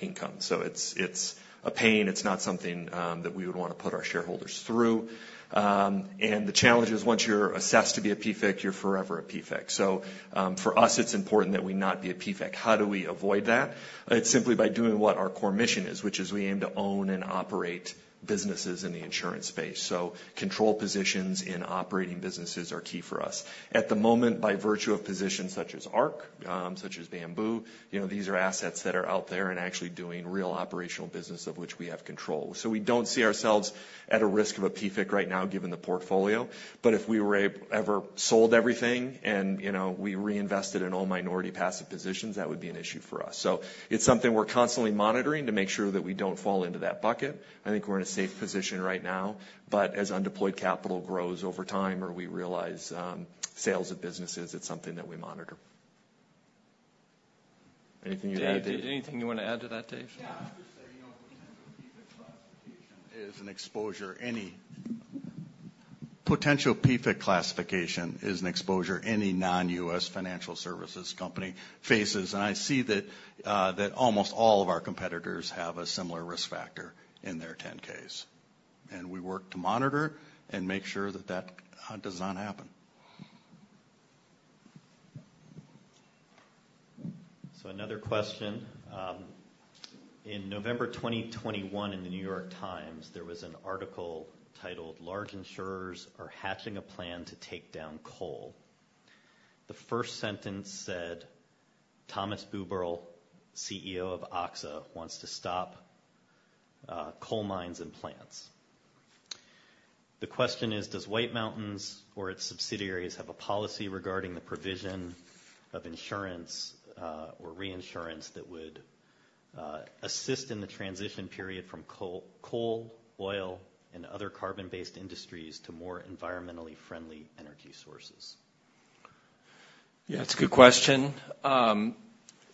Speaker 3: income. So it's a pain. It's not something that we would want to put our shareholders through. And the challenge is, once you're assessed to be a PFIC, you're forever a PFIC. So for us, it's important that we not be a PFIC. How do we avoid that? It's simply by doing what our core mission is, which is we aim to own and operate businesses in the insurance space. So control positions in operating businesses are key for us. At the moment, by virtue of positions such as Ark, such as Bamboo, you know, these are assets that are out there and actually doing real operational business of which we have control. So we don't see ourselves at a risk of a PFIC right now, given the portfolio. But if we were ever sold everything and, you know, we reinvested in all minority passive positions, that would be an issue for us. So it's something we're constantly monitoring to make sure that we don't fall into that bucket. I think we're in a safe position right now, but as undeployed capital grows over time or we realize sales of businesses, it's something that we monitor. Anything you want to add, Dave?
Speaker 2: Dave, anything you want to add to that, Dave?
Speaker 23: Yeah, I'd just say, you know, potential PFIC classification is an exposure any non-US financial services company faces, and I see that almost all of our competitors have a similar risk factor in their 10-Ks. And we work to monitor and make sure that that does not happen.
Speaker 7: Another question: In November 2021, in the New York Times, there was an article titled, "Large Insurers Are Hatching a Plan to Take Down Coal." The first sentence said, "Thomas Buberl, CEO of AXA, wants to stop coal mines and plants." The question is: Does White Mountains or its subsidiaries have a policy regarding the provision of insurance or reinsurance that would assist in the transition period from coal, oil, and other carbon-based industries to more environmentally friendly energy sources?
Speaker 2: Yeah, it's a good question.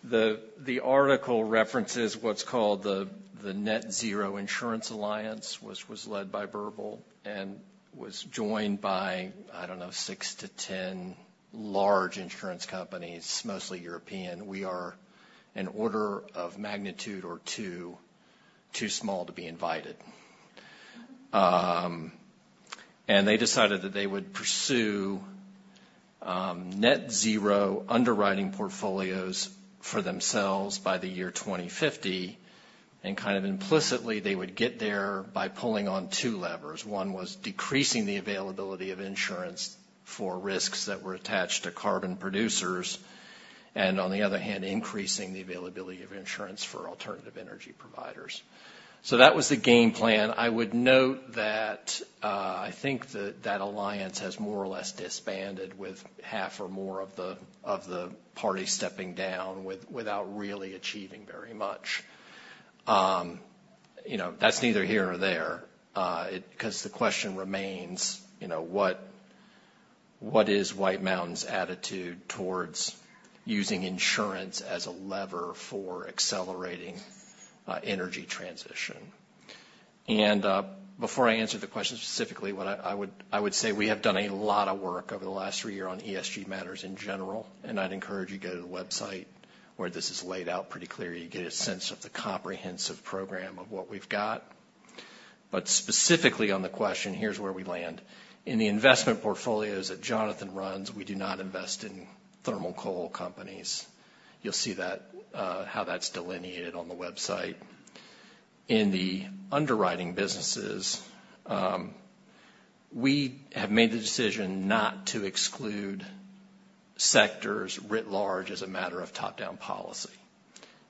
Speaker 2: The article references what's called the Net-Zero Insurance Alliance, which was led by Buberl and was joined by, I don't know, 6-10 large insurance companies, mostly European. We are an order of magnitude or two too small to be invited. They decided that they would pursue net zero underwriting portfolios for themselves by the year 2050, and kind of implicitly, they would get there by pulling on 2 levers. One was decreasing the availability of insurance for risks that were attached to carbon producers, and on the other hand, increasing the availability of insurance for alternative energy providers. That was the game plan. I would note that I think that alliance has more or less disbanded with half or more of the parties stepping down without really achieving very much. You know, that's neither here nor there, because the question remains, you know, what is White Mountains' attitude towards using insurance as a lever for accelerating energy transition? And before I answer the question specifically, I would say we have done a lot of work over the last three years on ESG matters in general, and I'd encourage you to go to the website, where this is laid out pretty clearly. You get a sense of the comprehensive program of what we've got. But specifically on the question, here's where we land. In the investment portfolios that Jonathan runs, we do not invest in thermal coal companies. You'll see that, how that's delineated on the website. In the underwriting businesses,... We have made the decision not to exclude sectors writ large as a matter of top-down policy,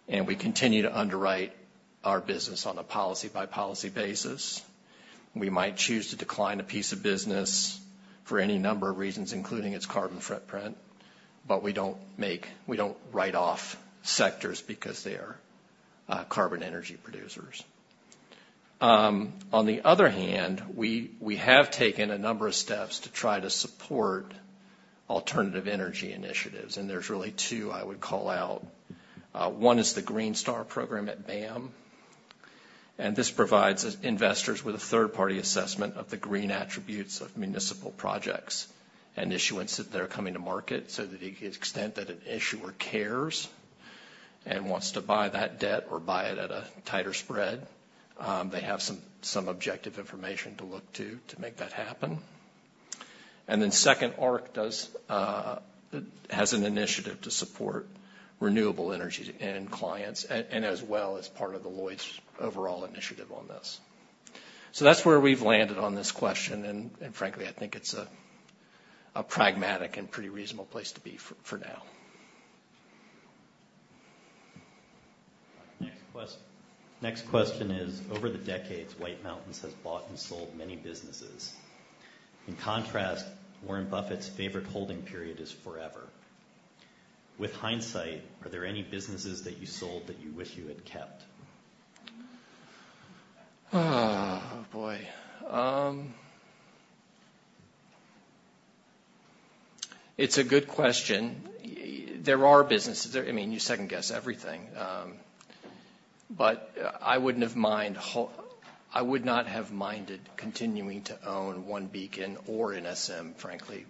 Speaker 2: and we continue to underwrite our business on a policy-by-policy basis. We might choose to decline a piece of business for any number of reasons, including its carbon footprint, but we don't write off sectors because they are carbon energy producers. On the other hand, we have taken a number of steps to try to support alternative energy initiatives, and there's really two I would call out. One is the GreenStar program at BAM, and this provides investors with a third-party assessment of the green attributes of municipal projects and issuance that they're coming to market, so that the extent that an issuer cares and wants to buy that debt or buy it at a tighter spread, they have some objective information to look to, to make that happen. And then second, Ark does has an initiative to support renewable energy and clients, and as well as part of the Lloyd's overall initiative on this. So that's where we've landed on this question, and frankly, I think it's a pragmatic and pretty reasonable place to be for now.
Speaker 7: Next question is: Over the decades, White Mountains has bought and sold many businesses. In contrast, Warren Buffett's favorite holding period is forever. With hindsight, are there any businesses that you sold that you wish you had kept?
Speaker 2: Oh, boy. It's a good question. There are businesses there—I mean, you second-guess everything, but I wouldn't have minded continuing to own OneBeacon or NSM, frankly,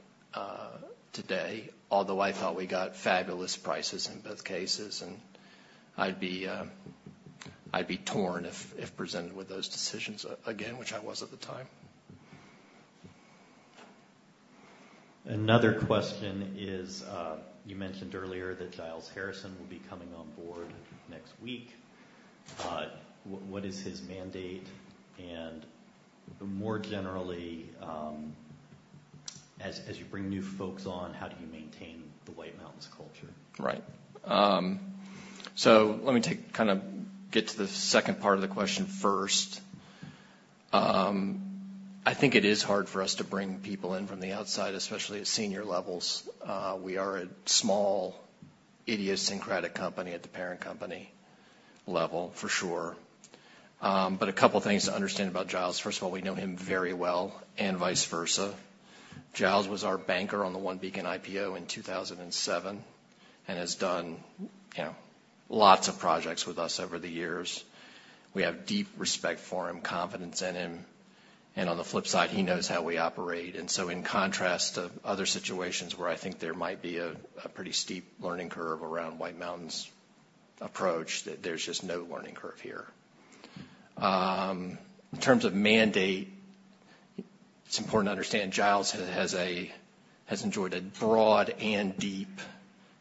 Speaker 2: today, although I thought we got fabulous prices in both cases, and I'd be torn if presented with those decisions again, which I was at the time.
Speaker 7: Another question is, you mentioned earlier that Giles Harrison will be coming on board next week. What is his mandate? More generally, as you bring new folks on, how do you maintain the White Mountains culture?
Speaker 2: Right. So let me take—kind of get to the second part of the question first. I think it is hard for us to bring people in from the outside, especially at senior levels. We are a small, idiosyncratic company at the parent company level, for sure. But a couple of things to understand about Giles. First of all, we know him very well and vice versa. Giles was our banker on the OneBeacon IPO in 2007, and has done, you know, lots of projects with us over the years. We have deep respect for him, confidence in him, and on the flip side, he knows how we operate. And so, in contrast to other situations where I think there might be a pretty steep learning curve around White Mountains' approach, that there's just no learning curve here. In terms of mandate, it's important to understand Giles has enjoyed a broad and deep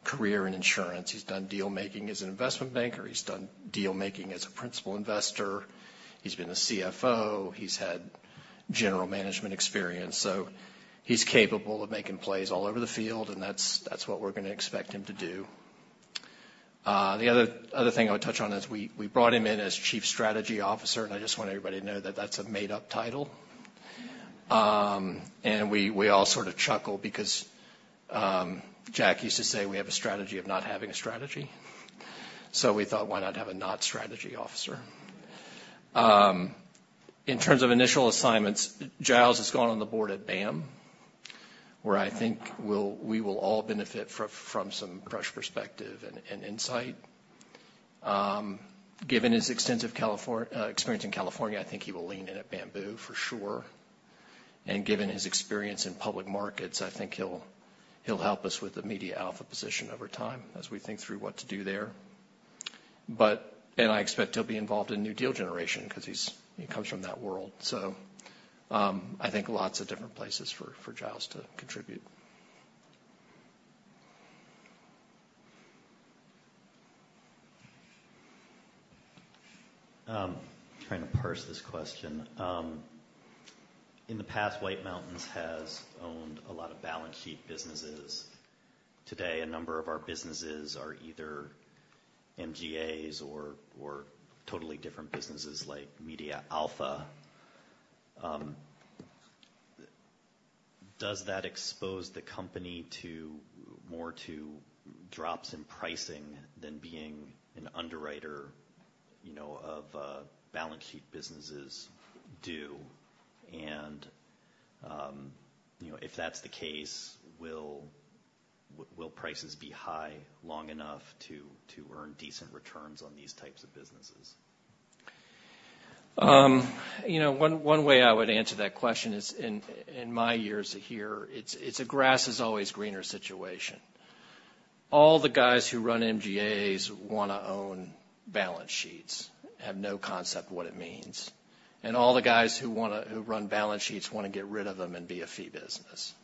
Speaker 2: career in insurance. He's done deal making as an investment banker, he's done deal making as a principal investor, he's been a CFO, he's had general management experience, so he's capable of making plays all over the field, and that's, that's what we're going to expect him to do. The other, other thing I would touch on is we, we brought him in as Chief Strategy Officer, and I just want everybody to know that that's a made-up title. And we, we all sort of chuckle because, Jack used to say, "We have a strategy of not having a strategy." So we thought, why not have a not strategy officer? In terms of initial assignments, Giles has gone on the board at BAM, where I think we will all benefit from some fresh perspective and insight. Given his extensive experience in California, I think he will lean in at Bamboo for sure. Given his experience in public markets, I think he'll help us with the MediaAlpha position over time as we think through what to do there. I expect he'll be involved in new deal generation because he comes from that world. I think lots of different places for Giles to contribute.
Speaker 7: Trying to parse this question. In the past, White Mountains has owned a lot of balance sheet businesses. Today, a number of our businesses are either MGAs or, or totally different businesses, like MediaAlpha. Does that expose the company to more to drops in pricing than being an underwriter, you know, of balance sheet businesses do? And, you know, if that's the case, will prices be high long enough to earn decent returns on these types of businesses?
Speaker 2: You know, one way I would answer that question is in my years here, it's a grass is always greener situation. All the guys who run MGAs who wanna own balance sheets have no concept of what it means. And all the guys who wanna who run balance sheets want to get rid of them and be a fee business....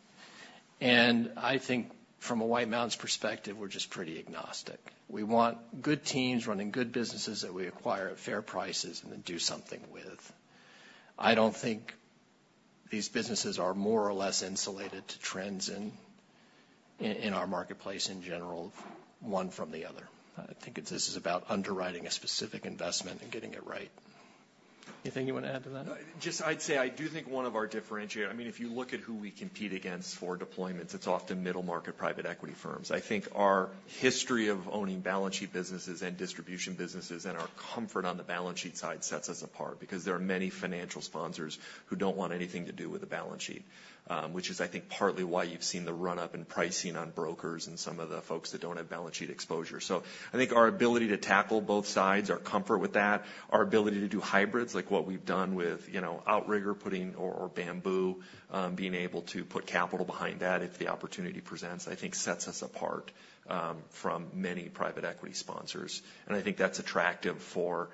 Speaker 2: And I think from a White Mountains perspective, we're just pretty agnostic. We want good teams running good businesses that we acquire at fair prices, and then do something with. I don't think these businesses are more or less insulated to trends in our marketplace in general, one from the other. I think it's this is about underwriting a specific investment and getting it right. Anything you want to add to that?
Speaker 3: Just, I'd say I do think one of our differentiator—I mean, if you look at who we compete against for deployments, it's often middle-market private equity firms. I think our history of owning balance sheet businesses and distribution businesses, and our comfort on the balance sheet side sets us apart. Because there are many financial sponsors who don't want anything to do with a balance sheet, which is, I think, partly why you've seen the run-up in pricing on brokers and some of the folks that don't have balance sheet exposure. So I think our ability to tackle both sides, our comfort with that, our ability to do hybrids, like what we've done with, you know, Outrigger putting or, or Bamboo, being able to put capital behind that if the opportunity presents, I think sets us apart, from many private equity sponsors. I think that's attractive for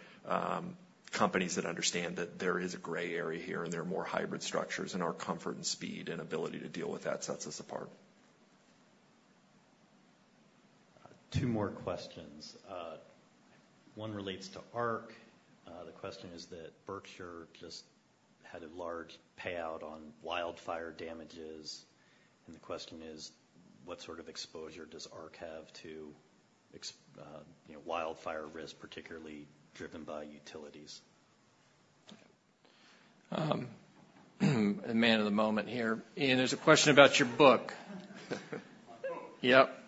Speaker 3: companies that understand that there is a gray area here, and there are more hybrid structures, and our comfort and speed and ability to deal with that sets us apart.
Speaker 7: Two more questions. One relates to Ark. The question is that Berkshire just had a large payout on wildfire damages, and the question is: what sort of exposure does Ark have to ex- you know, wildfire risk, particularly driven by utilities?
Speaker 2: The man of the moment here. Ian, there's a question about your book.
Speaker 4: My book?
Speaker 2: Yep.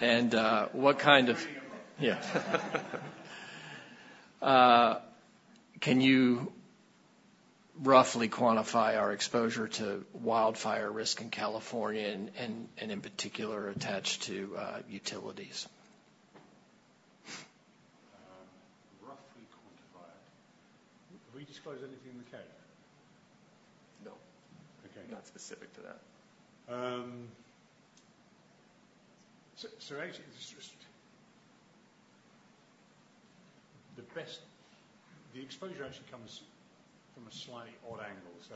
Speaker 2: And, what kind of-
Speaker 4: Reading a book.
Speaker 2: Can you roughly quantify our exposure to wildfire risk in California, and in particular, attached to utilities?
Speaker 4: Roughly quantify it. Have we disclosed anything in the K?
Speaker 3: No.
Speaker 4: Okay.
Speaker 3: Not specific to that.
Speaker 4: The exposure actually comes from a slightly odd angle. So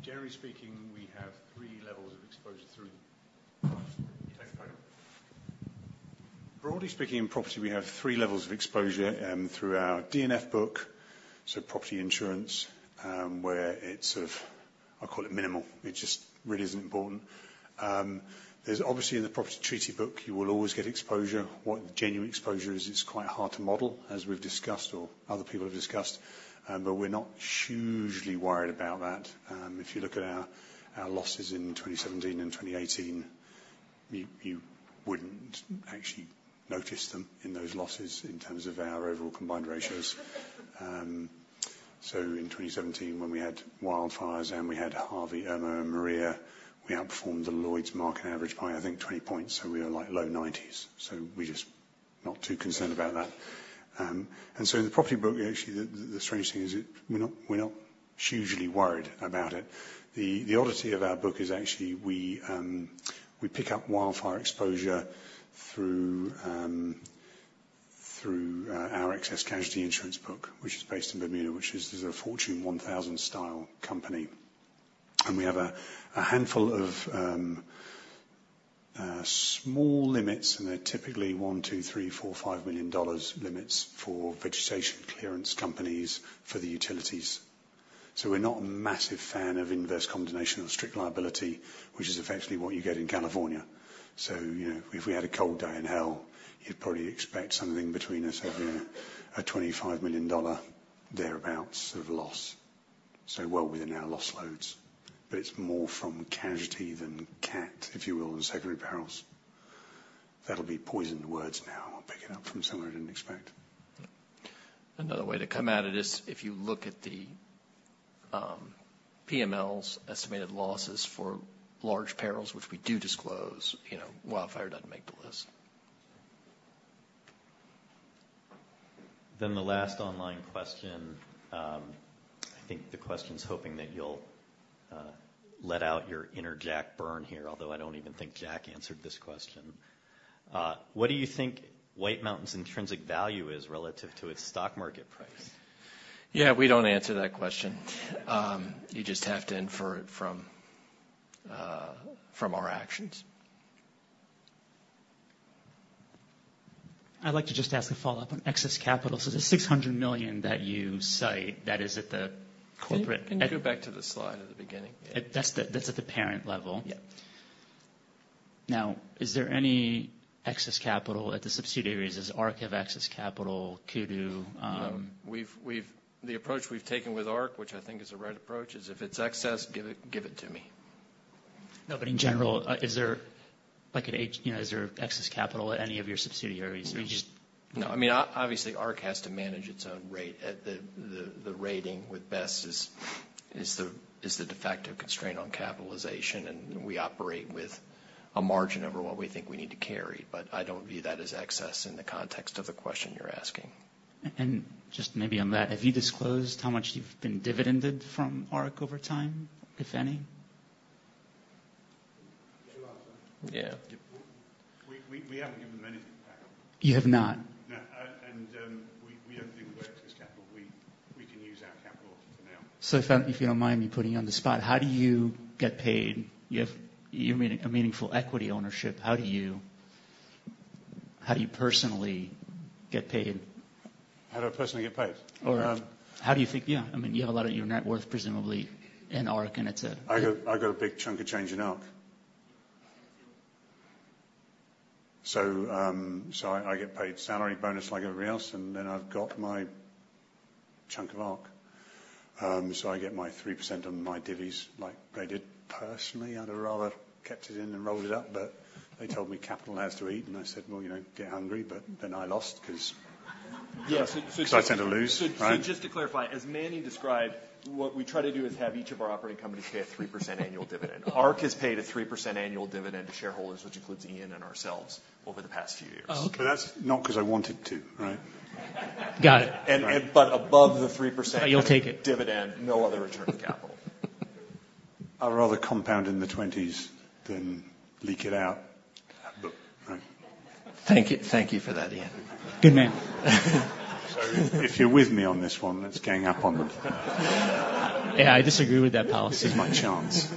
Speaker 4: generally speaking, we have three levels of exposure through-
Speaker 3: Next slide.
Speaker 4: Broadly speaking, in property, we have three levels of exposure, through our DNF book, so property insurance, where it's of, I call it minimal. It just really isn't important. There's obviously in the property treaty book, you will always get exposure. What genuine exposure is, it's quite hard to model, as we've discussed or other people have discussed, but we're not hugely worried about that. If you look at our losses in 2017 and 2018, you wouldn't actually notice them in those losses in terms of our overall combined ratios. So in 2017, when we had wildfires, and we had Harvey, Irma, and Maria, we outperformed the Lloyd's market average by, I think, 20 points, so we were, like, low 90s. So we're just not too concerned about that. And so in the property book, actually, the strange thing is we're not hugely worried about it. The oddity of our book is actually, we pick up wildfire exposure through our excess casualty insurance book, which is based in Bermuda, which is a Fortune 1000-style company. And we have a handful of small limits, and they're typically $1 million, $2 million, $3 million, $4 million, $5 million limits for vegetation clearance companies, for the utilities. So we're not a massive fan of inverse condemnation or strict liability, which is effectively what you get in California. So, you know, if we had a cold day in hell, you'd probably expect something between a sort of $25 million thereabouts of loss, so well within our loss loads. But it's more from casualty than cat, if you will, and secondary perils. That'll be poisoned words now. I'll pick it up from somewhere I didn't expect.
Speaker 2: Another way to come at it is, if you look at the, PMLs estimated losses for large perils, which we do disclose, you know, wildfire doesn't make the list.
Speaker 7: Then the last online question. I think the question's hoping that you'll let out your inner Jack Byrne here, although I don't even think Jack answered this question. What do you think White Mountains' intrinsic value is relative to its stock market price?
Speaker 2: Yeah, we don't answer that question. You just have to infer it from our actions.
Speaker 13: I'd like to just ask a follow-up on excess capital. So the $600 million that you cite, that is at the corporate-
Speaker 2: Can you go back to the slide at the beginning?
Speaker 13: That's at the parent level.
Speaker 2: Yep.
Speaker 13: Now, is there any excess capital at the subsidiaries? Does Ark have excess capital, Kudu?
Speaker 2: The approach we've taken with Ark, which I think is the right approach, is if it's excess, give it to me.
Speaker 13: No, but in general, is there like, you know, is there excess capital at any of your subsidiaries? Or you just-
Speaker 2: No. I mean, obviously, Ark has to manage its own rate. At the rating with Best is the de facto constraint on capitalization, and we operate with a margin over what we think we need to carry, but I don't view that as excess in the context of the question you're asking.
Speaker 13: And just maybe on that, have you disclosed how much you've been dividended from Ark over time, if any?
Speaker 4: You answer.
Speaker 2: Yeah.
Speaker 4: We haven't given them anything back.
Speaker 13: You have not?
Speaker 4: No. We don't think we work as capital. We can use our capital for now.
Speaker 13: So if you don't mind me putting you on the spot, how do you get paid? You have, you mean a meaningful equity ownership. How do you personally get paid?
Speaker 4: How do I personally get paid?
Speaker 13: Or, how do you think... Yeah, I mean, you have a lot of your net worth, presumably, in Ark, and it's a-
Speaker 4: I got a big chunk of change in Ark. So I get paid salary bonus like everybody else, and then I've got my chunk of Ark. So I get my 3% on my divvies like they did. Personally, I'd have rather kept it in and rolled it up, but they told me capital has to eat, and I said: "Well, you know, get hungry," but then I lost, 'cause-
Speaker 3: Yes.
Speaker 4: 'Cause I tend to lose, right?
Speaker 3: So, just to clarify, as Manny described, what we try to do is have each of our operating companies pay a 3% annual dividend. Ark has paid a 3% annual dividend to shareholders, which includes Ian and ourselves, over the past few years.
Speaker 13: Oh, okay.
Speaker 4: But that's not 'cause I wanted to, right?
Speaker 13: Got it.
Speaker 3: But above the 3%-
Speaker 13: But you'll take it....
Speaker 3: dividend, no other return of capital.
Speaker 4: I'd rather compound in the twenties than leak it out, but right?
Speaker 3: Thank you, thank you for that, Ian.
Speaker 13: Good man.
Speaker 4: If you're with me on this one, let's gang up on them.
Speaker 13: Yeah, I disagree with that policy.
Speaker 4: This is my chance.